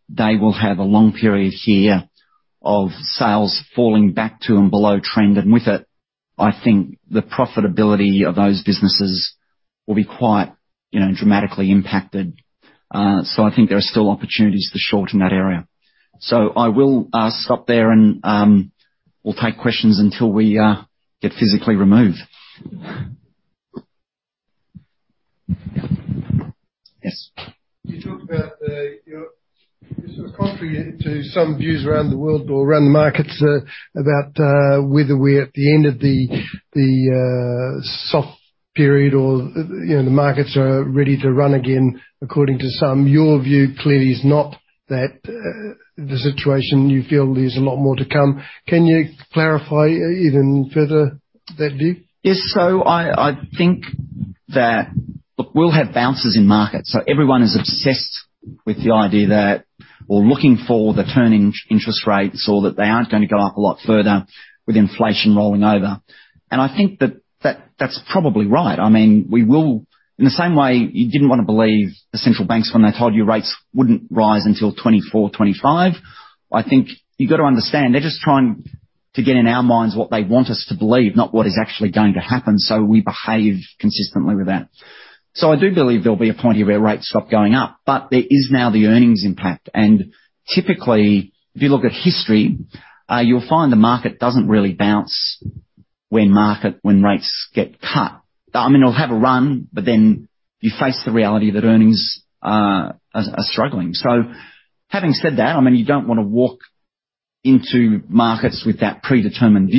They will have a long period here of sales falling back to and below trend. With it, I think the profitability of those businesses will be quite, you know, dramatically impacted. I think there are still opportunities to short in that area. I will stop there and we'll take questions until we get physically removed. Yes. You talked about, you're sort of contrary to some views around the world or around the markets about whether we're at the end of the soft period or, you know, the markets are ready to run again, according to some. Your view clearly is not that the situation. You feel there's a lot more to come. Can you clarify even further that view? Yes. I think that, look, we'll have bounces in markets. Everyone is obsessed with the idea that, or looking for the turning point in interest rates or that they aren't going to go up a lot further with inflation rolling over. I think that's probably right. I mean, we will. In the same way you didn't want to believe the central banks when they told you rates wouldn't rise until 2024, 2025. I think you got to understand, they're just trying to get in our minds what they want us to believe, not what is actually going to happen. We behave consistently with that. I do believe there'll be a point here where rates stop going up, but there is now the earnings impact. Typically, if you look at history, you'll find the market doesn't really bounce when rates get cut. I mean, it'll have a run, but then you face the reality that earnings are struggling. Having said that, I mean, you don't want to walk into markets with that predetermined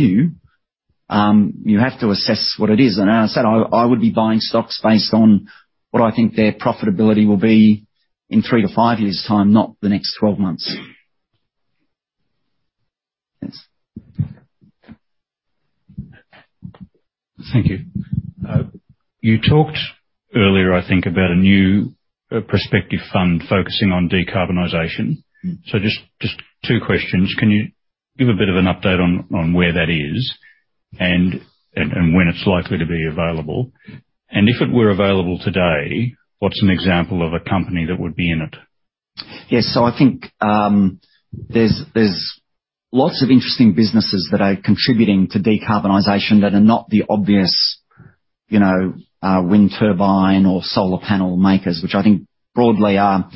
view. You have to assess what it is. As I said, I would be buying stocks based on what I think their profitability will be in three to five years' time, not the next 12 months. Yes. Thank you. You talked earlier, I think, about a new prospective fund focusing on decarbonization. Mm-hmm. Just two questions. Can you give a bit of an update on where that is and when it's likely to be available? If it were available today, what's an example of a company that would be in it? Yes. I think there's lots of interesting businesses that are contributing to decarbonization that are not the obvious, you know, wind turbine or solar panel makers, which I think broadly are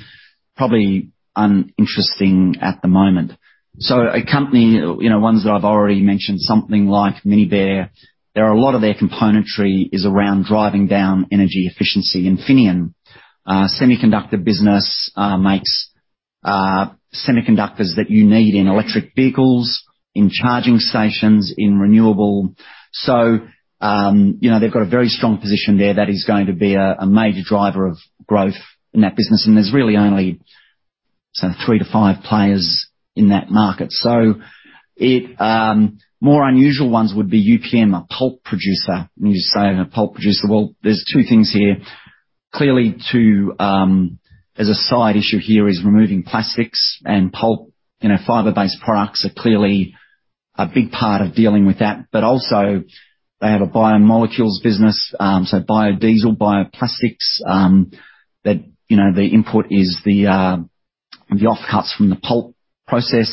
probably uninteresting at the moment. A company, you know, ones that I've already mentioned, something like MinebeaMitsumi, there are a lot of their components is around driving down energy efficiency. Infineon semiconductor business makes semiconductors that you need in electric vehicles, in charging stations, in renewables. You know, they've got a very strong position there that is going to be a major driver of growth in that business. And there's really only some 3-5 players in that market. More unusual ones would be UPM, a pulp producer. And you say a pulp producer. Well, there's two things here. Clearly, too, as a side issue here is removing plastics and pulp. You know, fiber-based products are clearly a big part of dealing with that. But also they have a biomolecules business, so biodiesel, bioplastics, that, you know, the input is the offcuts from the pulp process,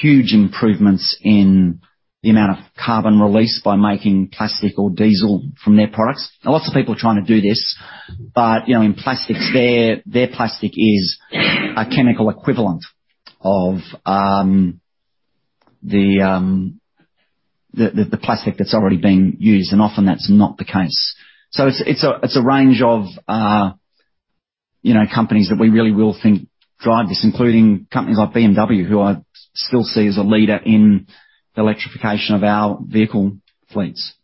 huge improvements in the amount of carbon released by making plastic or diesel from their products. There are lots of people trying to do this, but, you know, in plastics, their plastic is a chemical equivalent of the plastic that's already been used, and often that's not the case. So it's a range of, you know, companies that we really think will drive this, including companies like BMW, who I still see as a leader in the electrification of our vehicle fleets.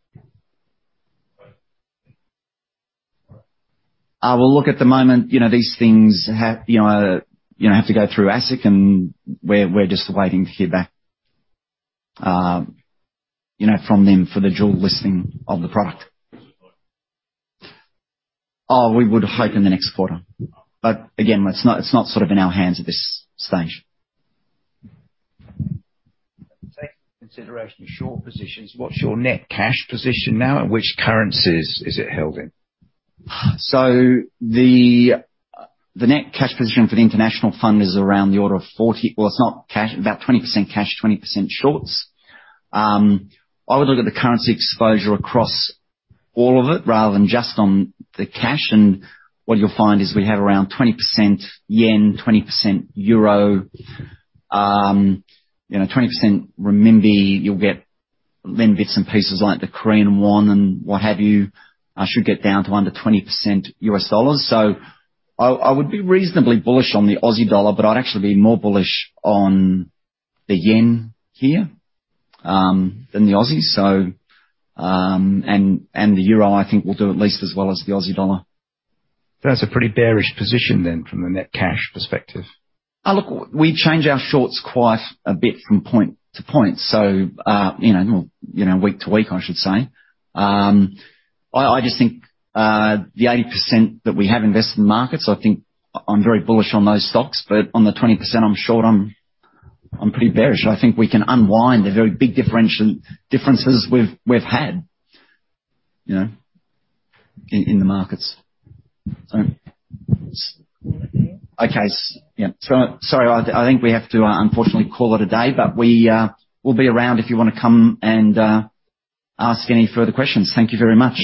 Well, look, at the moment, you know, these things have to go through ASIC, and we're just waiting to hear back, you know, from them for the dual listing of the product. Oh, we would hope in the next quarter. Again, it's not sort of in our hands at this stage. Taking into consideration your short positions, what's your net cash position now, and which currencies is it held in? The net cash position for the international fund. Well, it's not cash. About 20% cash, 20% shorts. I would look at the currency exposure across all of it rather than just on the cash. What you'll find is we have around 20% yen, 20% euro, you know, 20% renminbi. You'll get little bits and pieces like the Korean won and what have you. I should get down to under 20% U.S dollars. I would be reasonably bullish on the Aussie dollar, but I'd actually be more bullish on the yen here than the Aussie. The euro, I think, will do at least as well as the Aussie dollar. That's a pretty bearish position then from the net cash perspective. Look, we change our shorts quite a bit from point to point. You know, week-to-week, I should say. I just think the 80% that we have invested in markets, I think I'm very bullish on those stocks. On the 20% I'm short, I'm pretty bearish. I think we can unwind the very big differences we've had, you know, in the markets. Okay. Sorry, I think we have to unfortunately call it a day. We will be around if you wanna come and ask any further questions. Thank you very much.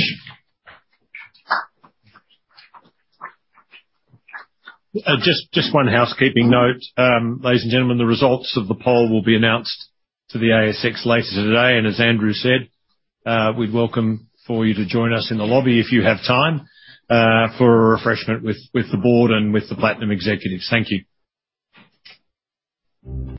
Just one housekeeping note. Ladies and gentlemen, the results of the poll will be announced to the ASX later today. As Andrew said, we'd welcome for you to join us in the lobby if you have time, for a refreshment with the board and with the Platinum executives. Thank you.